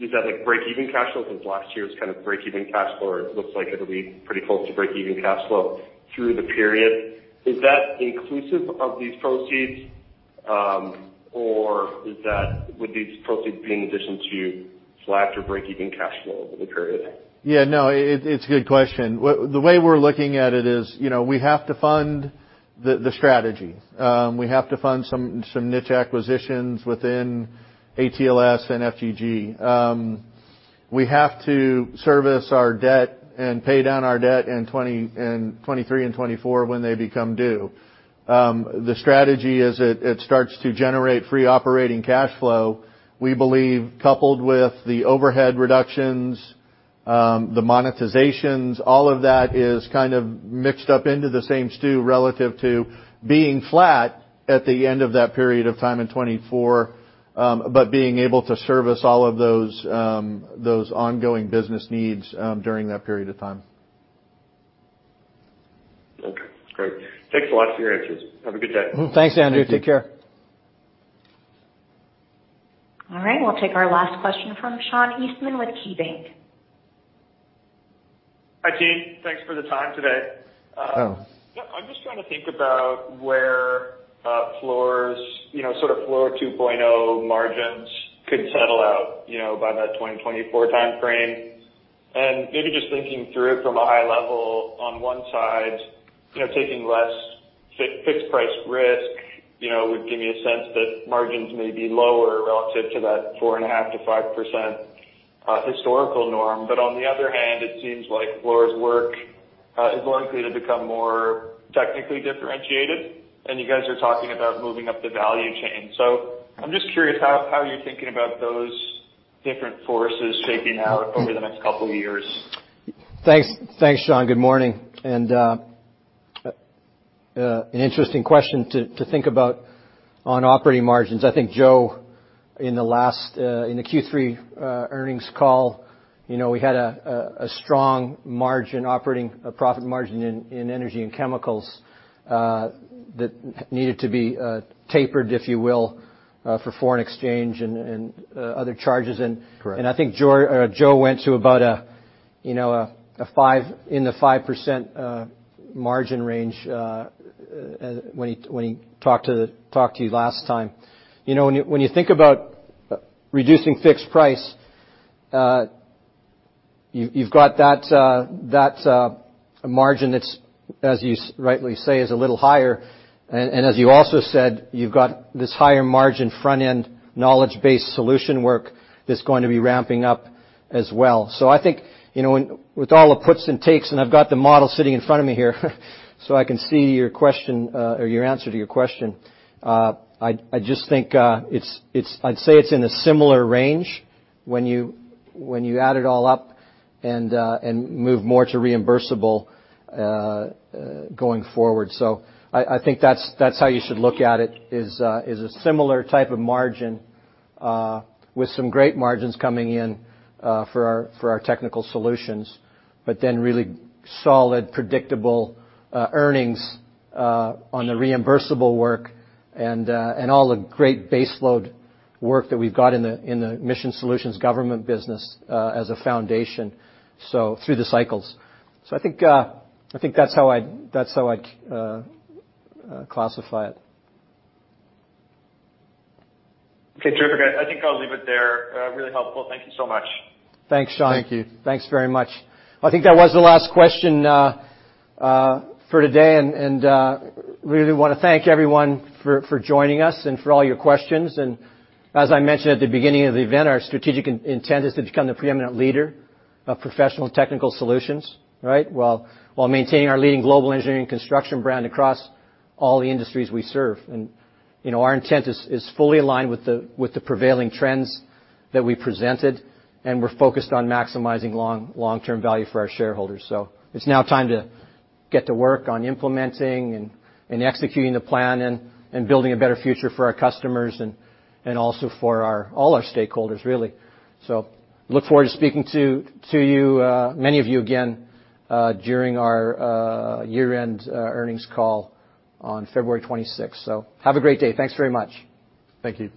is that break-even cash flow? Because last year's kind of break-even cash flow, it looks like it'll be pretty close to break-even cash flow through the period. Is that inclusive of these proceeds, or would these proceeds be in addition to flat or break-even cash flow over the period? Yeah. No, it's a good question. The way we're looking at it is we have to fund the strategy. We have to fund some niche acquisitions within ATLS and FGG. We have to service our debt and pay down our debt in 2023 and 2024 when they become due. The strategy is it starts to generate free operating cash flow. We believe, coupled with the overhead reductions, the monetizations, all of that is kind of mixed up into the same stew relative to being flat at the end of that period of time in 2024, but being able to service all of those ongoing business needs during that period of time. Okay. Great. Thanks a lot for your answers. Have a good day. Thanks, Andrew. Take care. All right. We'll take our last question from Sean Eastman with KeyBanc. Hi, team. Thanks for the time today. Yep. I'm just trying to think about where sort of Fluor 2.0 margins could settle out by that 2024 timeframe. And maybe just thinking through it from a high level, on one side, taking less fixed price risk would give me a sense that margins may be lower relative to that 4.5%-5% historical norm. But on the other hand, it seems like Fluor's work is likely to become more technically differentiated, and you guys are talking about moving up the value chain. So I'm just curious how you're thinking about those different forces shaking out over the next couple of years. Thanks, Sean. Good morning. An interesting question to think about on operating margins. I think, Joe, in the Q3 earnings call, we had a strong profit margin in Energy & Chemicals that needed to be tapered, if you will, for foreign exchange and other charges. I think Joe went to about a 5% margin range when he talked to you last time. When you think about reducing fixed price, you've got that margin that, as you rightly say, is a little higher. And as you also said, you've got this higher margin front-end knowledge-based solution work that's going to be ramping up as well. So I think, with all the puts and takes, and I've got the model sitting in front of me here so I can see your question or your answer to your question, I just think I'd say it's in a similar range when you add it all up and move more to reimbursable going forward. So I think that's how you should look at it, is a similar type of margin with some great margins coming in for our technical solutions, but then really solid, predictable earnings on the reimbursable work and all the great baseload work that we've got in the Mission Solutions government business as a foundation through the cycles. So I think that's how I'd classify it. Okay. Terrific. I think I'll leave it there. Really helpful. Thank you so much. Thanks, Sean. Thank you. Thanks very much. I think that was the last question for today. Really want to thank everyone for joining us and for all your questions. As I mentioned at the beginning of the event, our strategic intent is to become the preeminent leader of professional technical solutions, right, while maintaining our leading global engineering construction brand across all the industries we serve. Our intent is fully aligned with the prevailing trends that we presented, and we're focused on maximizing long-term value for our shareholders. It's now time to get to work on implementing and executing the plan and building a better future for our customers and also for all our stakeholders, really. Look forward to speaking to you, many of you again, during our year-end earnings call on February 26th. Have a great day. Thanks very much. Thank you.